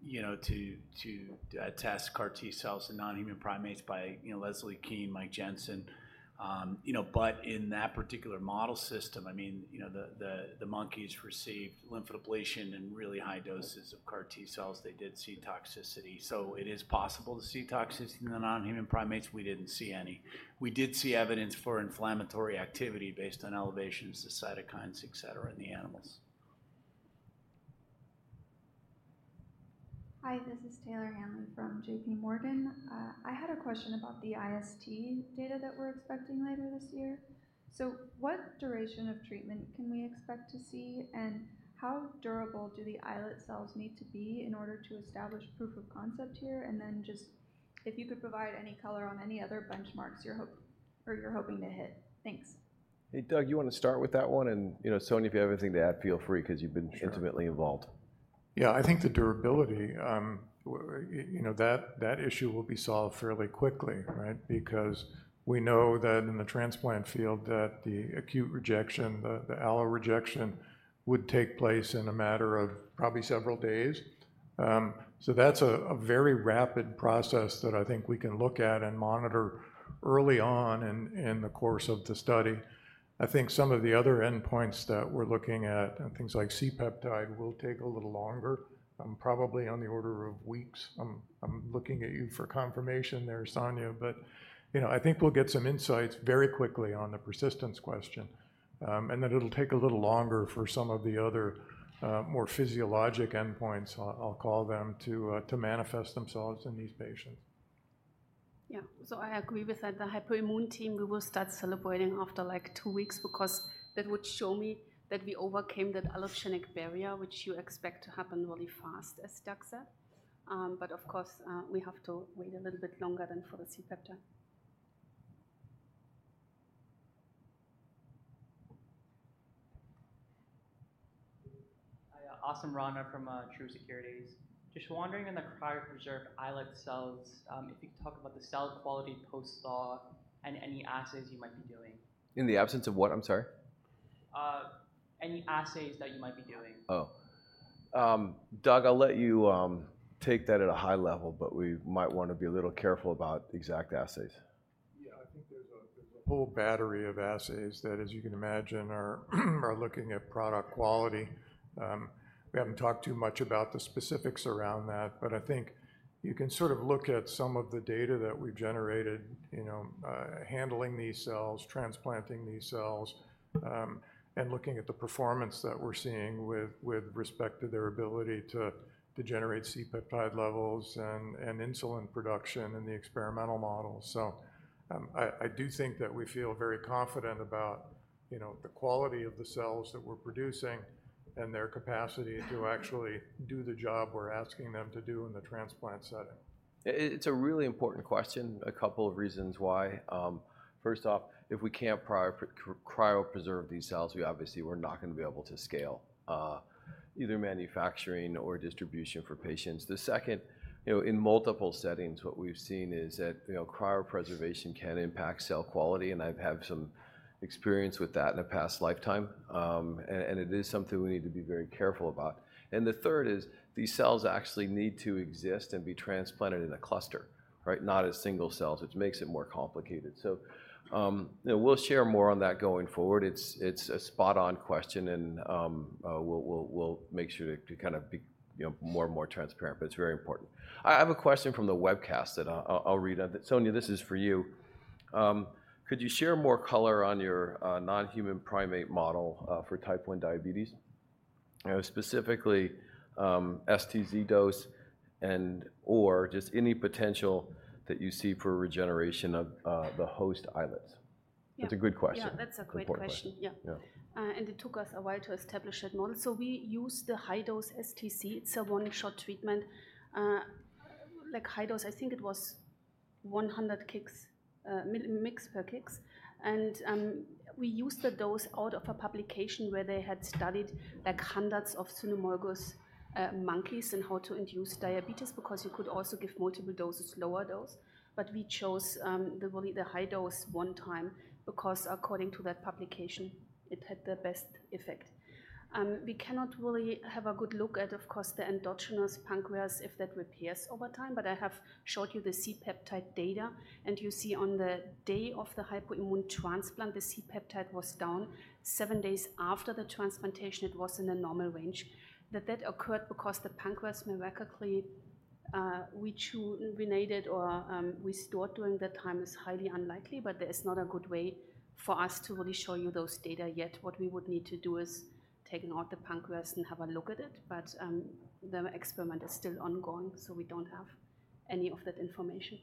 you know, to test CAR T-cells in non-human primates by, you know, Leslie Kean, Mike Jensen. You know, but in that particular model system, I mean, you know, the monkeys received lymphodepletion and really high doses of CAR T-cells. They did see toxicity. It is possible to see toxicity in the non-human primates. We didn't see any. We did see evidence for inflammatory activity based on elevations to cytokines, et cetera, in the animals. Hi, this is Taylor Hanley from J.P. Morgan. I had a question about the IST data that we're expecting later this year. What duration of treatment can we expect to see, and how durable do the islet cells need to be in order to establish proof of concept here? Just if you could provide any color on any other benchmarks you're hoping to hit. Thanks. Hey, Doug, you wanna start with that one? You know, Sonja, if you have anything to add, feel free 'cause you've been. Sure... intimately involved. Yeah, I think the durability, you know, that issue will be solved fairly quickly, right? Because we know that in the transplant field that the acute rejection, the allo rejection would take place in a matter of probably several days. So that's a very rapid process that I think we can look at and monitor early on in the course of the study. I think some of the other endpoints that we're looking at and things like C-peptide will take a little longer, probably on the order of weeks. I'm looking at you for confirmation there, Sonja. You know, I think we'll get some insights very quickly on the persistence question, and that it'll take a little longer for some of the other more physiologic endpoints I'll call them to manifest themselves in these patients. Yeah. I agree with that. The hypoimmune team, we will start celebrating after, like, 2 weeks because that would show me that we overcame that allogeneic barrier which you expect to happen really fast as Doug said. Of course, we have to wait a little bit longer than for the C-peptide. Hiya. Asim Rana from Truist Securities. Just wondering in the cryopreserved islet cells, if you could talk about the cell quality post-thaw and any assays you might be doing? In the absence of what? I'm sorry. Any assays that you might be doing. Doug, I'll let you take that at a high level, but we might wanna be a little careful about exact assays. I think there's a whole battery of assays that, as you can imagine, are looking at product quality. We haven't talked too much about the specifics around that, but I think you can sort of look at some of the data that we've generated, you know, handling these cells, transplanting these cells, and looking at the performance that we're seeing with respect to their ability to generate C-peptide levels and insulin production in the experimental models. I do think that we feel very confident about, you know, the quality of the cells that we're producing and their capacity to actually do the job we're asking them to do in the transplant setting. It's a really important question, a couple of reasons why. First off, if we can't cryopreserve these cells, we obviously we're not gonna be able to scale either manufacturing or distribution for patients. The second, you know, in multiple settings, what we've seen is that, you know, cryopreservation can impact cell quality, and I've had some experience with that in a past lifetime. It is something we need to be very careful about. The third is these cells actually need to exist and be transplanted in a cluster, right? Not as single cells, which makes it more complicated. You know, we'll share more on that going forward. It's, it's a spot on question, and we'll make sure to kind of be, you know, more and more transparent, but it's very important. I have a question from the webcast that I'll read out. Sonja, this is for you. Could you share more color on your non-human primate model for type 1 diabetes? You know, specifically, STZ dose and/or just any potential that you see for regeneration of the host islets. Yeah. It's a good question. Yeah. That's a great question. Important question. Yeah. Yeah. It took us a while to establish that model. We used the high-dose STC. It's a one-shot treatment. High dose, I think it was 100 kgs mix per kgs. We used the dose out of a publication where they had studied hundreds of cynomolgus monkeys and how to induce diabetes because you could also give multiple doses, lower dose. We chose the high dose one time because according to that publication, it had the best effect. We cannot really have a good look at, of course, the endogenous pancreas if that repairs over time, but I have showed you the C-peptide data. You see on the day of the hypoimmune transplant, the C-peptide was down. 7 days after the transplantation, it was in a normal range. That occurred because the pancreas miraculously renated or restored during that time is highly unlikely, but there is not a good way for us to really show you those data yet. What we would need to do is taken out the pancreas and have a look at it, but the experiment is still ongoing, so we don't have any of that information.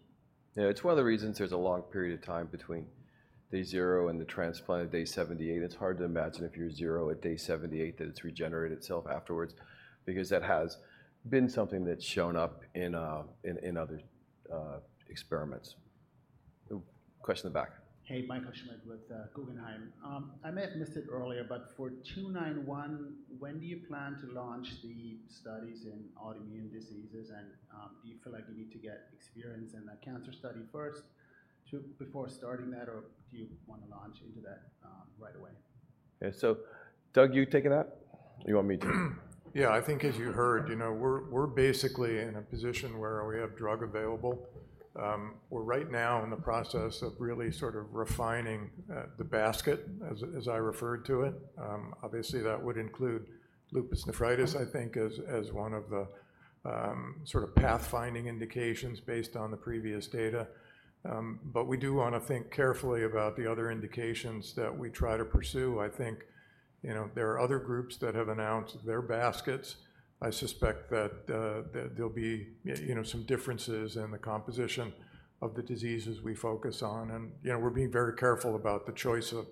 Yeah. It's one of the reasons there's a long period of time between day 0 and the transplant at day 78. It's hard to imagine if you're 0 at day 78 that it's regenerated itself afterwards because that has been something that's shown up in other experiments. A question in the back. Hey, Michael Schmidt with Guggenheim. I might have missed it earlier, for SC291, when do you plan to launch the studies in autoimmune diseases? Do you feel like you need to get experience in a cancer study first before starting that, or do you wanna launch into that right away? Doug, you taking that? Or you want me to? Yeah, I think as you heard, you know, we're basically in a position where we have drug available. We're right now in the process of really sort of refining the basket, as I referred to it. Obviously, that would include lupus nephritis, I think as one of the sort of pathfinding indications based on the previous data. We do wanna think carefully about the other indications that we try to pursue. I think, you know, there are other groups that have announced their baskets. I suspect that there'll be, you know, some differences in the composition of the diseases we focus on. You know, we're being very careful about the choice of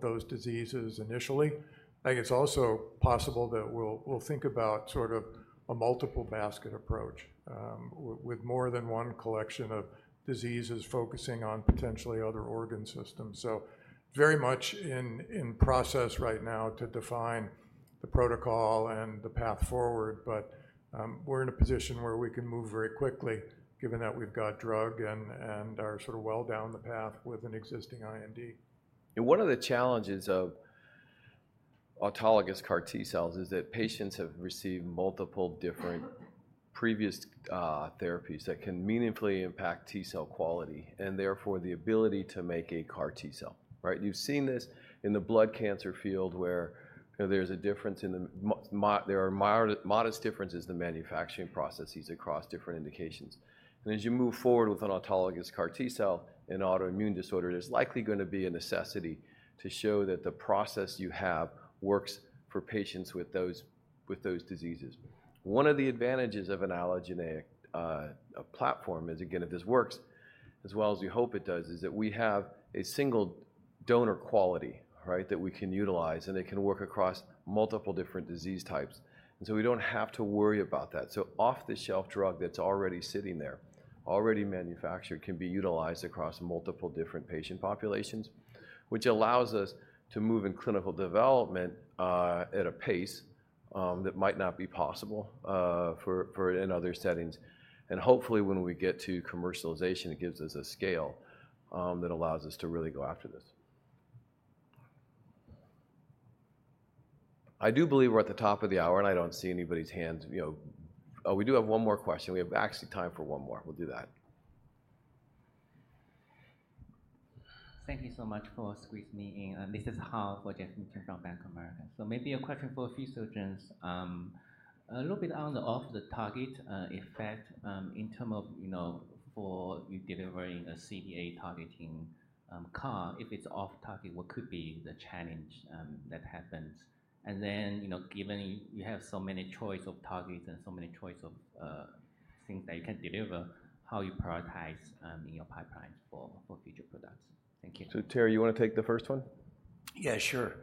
those diseases initially. I think it's also possible that we'll think about sort of a multiple basket approach, with more than one collection of diseases focusing on potentially other organ systems. Very much in process right now to define the protocol and the path forward. We're in a position where we can move very quickly given that we've got drug and are sort of well down the path with an existing IND. One of the challenges of autologous CAR T-cells is that patients have received multiple different previous therapies that can meaningfully impact T-cell quality and therefore the ability to make a CAR T-cell, right? You've seen this in the blood cancer field where, you know, there are modest differences in the manufacturing processes across different indications. As you move forward with an autologous CAR T-cell in autoimmune disorder, there's likely gonna be a necessity to show that the process you have works for patients with those diseases. One of the advantages of an allogeneic platform is, again, if this works as well as we hope it does, is that we have a single donor quality, right? That we can utilize, and it can work across multiple different disease types. We don't have to worry about that. Off-the-shelf drug that's already sitting there, already manufactured, can be utilized across multiple different patient populations, which allows us to move in clinical development at a pace that might not be possible for in other settings. Hopefully, when we get to commercialization, it gives us a scale that allows us to really go after this. I do believe we're at the top of the hour, and I don't see anybody's hands, you know... We do have one more question. We have actually time for one more. We'll do that. Thank you so much for squeezing me in. This is Hao for Jefferies from Bank of America. Maybe a question for Fusogens. A little bit on the off-the-target effect, in term of, you know, for you delivering a CD8 targeting CAR. If it's off-target, what could be the challenge that happens? You know, given you have so many choice of targets and so many choice of things that you can deliver, how you prioritize in your pipelines for future products? Thank you. Terry, you wanna take the first one? Yeah, sure.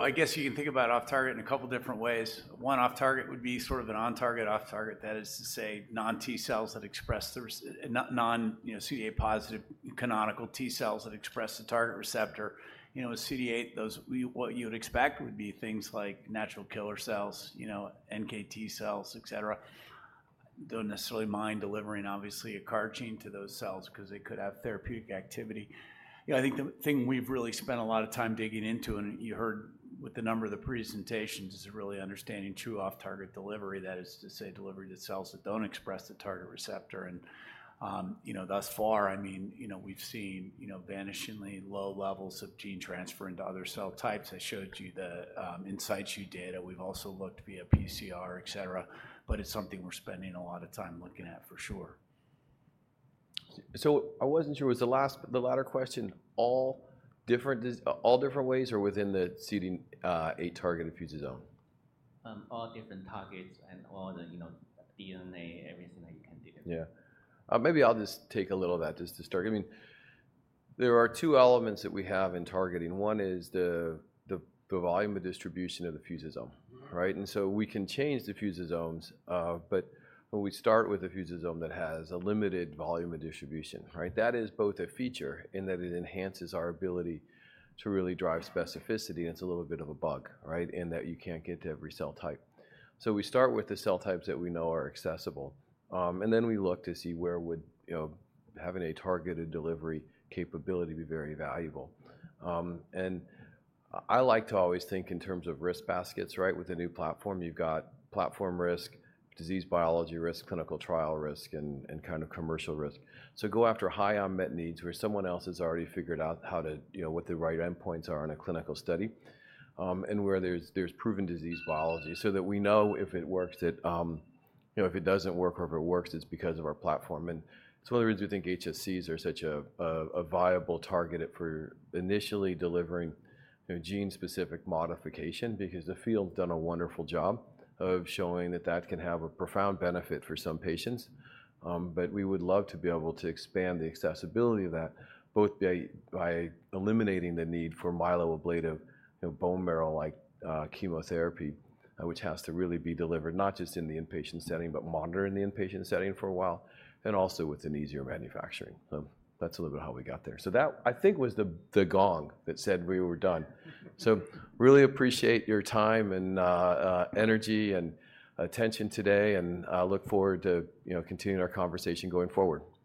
I guess you can think about off-target in a couple different ways. One off-target would be sort of an on-target/off-target, that is to say non-T cells that express the non, you know, CD8 positive canonical T cells that express the target receptor. You know, with CD8, what you would expect would be things like natural killer cells, you know, NKT cells, et cetera. Don't necessarily mind delivering obviously a CAR chain to those cells 'cause they could have therapeutic activity. You know, I think the thing we've really spent a lot of time digging into, and you heard with a number of the presentations, is really understanding true off-target delivery. That is to say, delivery to cells that don't express the target receptor. You know, thus far, I mean, you know, we've seen, you know, vanishingly low levels of gene transfer into other cell types. I showed you the in situ data. We've also looked via PCR, et cetera. It's something we're spending a lot of time looking at for sure. I wasn't sure, was the latter question all different ways or within the CD8 target fusosome? All different targets and all the, you know, DNA, everything that you can deliver. Yeah. Maybe I'll just take a little of that just to start. I mean, there are two elements that we have in targeting. One is the volume of distribution of the fusosome, right? We can change the fusosomes, but when we start with a fusosome that has a limited volume of distribution, right? That is both a feature in that it enhances our ability to really drive specificity, and it's a little bit of a bug, right? In that you can't get to every cell type. We start with the cell types that we know are accessible, and then we look to see where would, you know, having a targeted delivery capability be very valuable. I like to always think in terms of risk baskets, right? With a new platform, you've got platform risk, disease biology risk, clinical trial risk, and kind of commercial risk. Go after high unmet needs where someone else has already figured out how to, you know, what the right endpoints are in a clinical study, and where there's proven disease biology so that we know if it works, it, you know, if it doesn't work or if it works, it's because of our platform. That's one of the reasons we think HSCs are such a viable target at for initially delivering, you know, gene-specific modification because the field's done a wonderful job of showing that that can have a profound benefit for some patients. We would love to be able to expand the accessibility of that both by eliminating the need for myeloablative, you know, bone marrow, like, chemotherapy, which has to really be delivered not just in the inpatient setting, but monitored in the inpatient setting for a while, and also with an easier manufacturing. That's a little bit how we got there. That, I think, was the gong that said we were done. Really appreciate your time and, energy and attention today, and I look forward to, you know, continuing our conversation going forward. Thank you.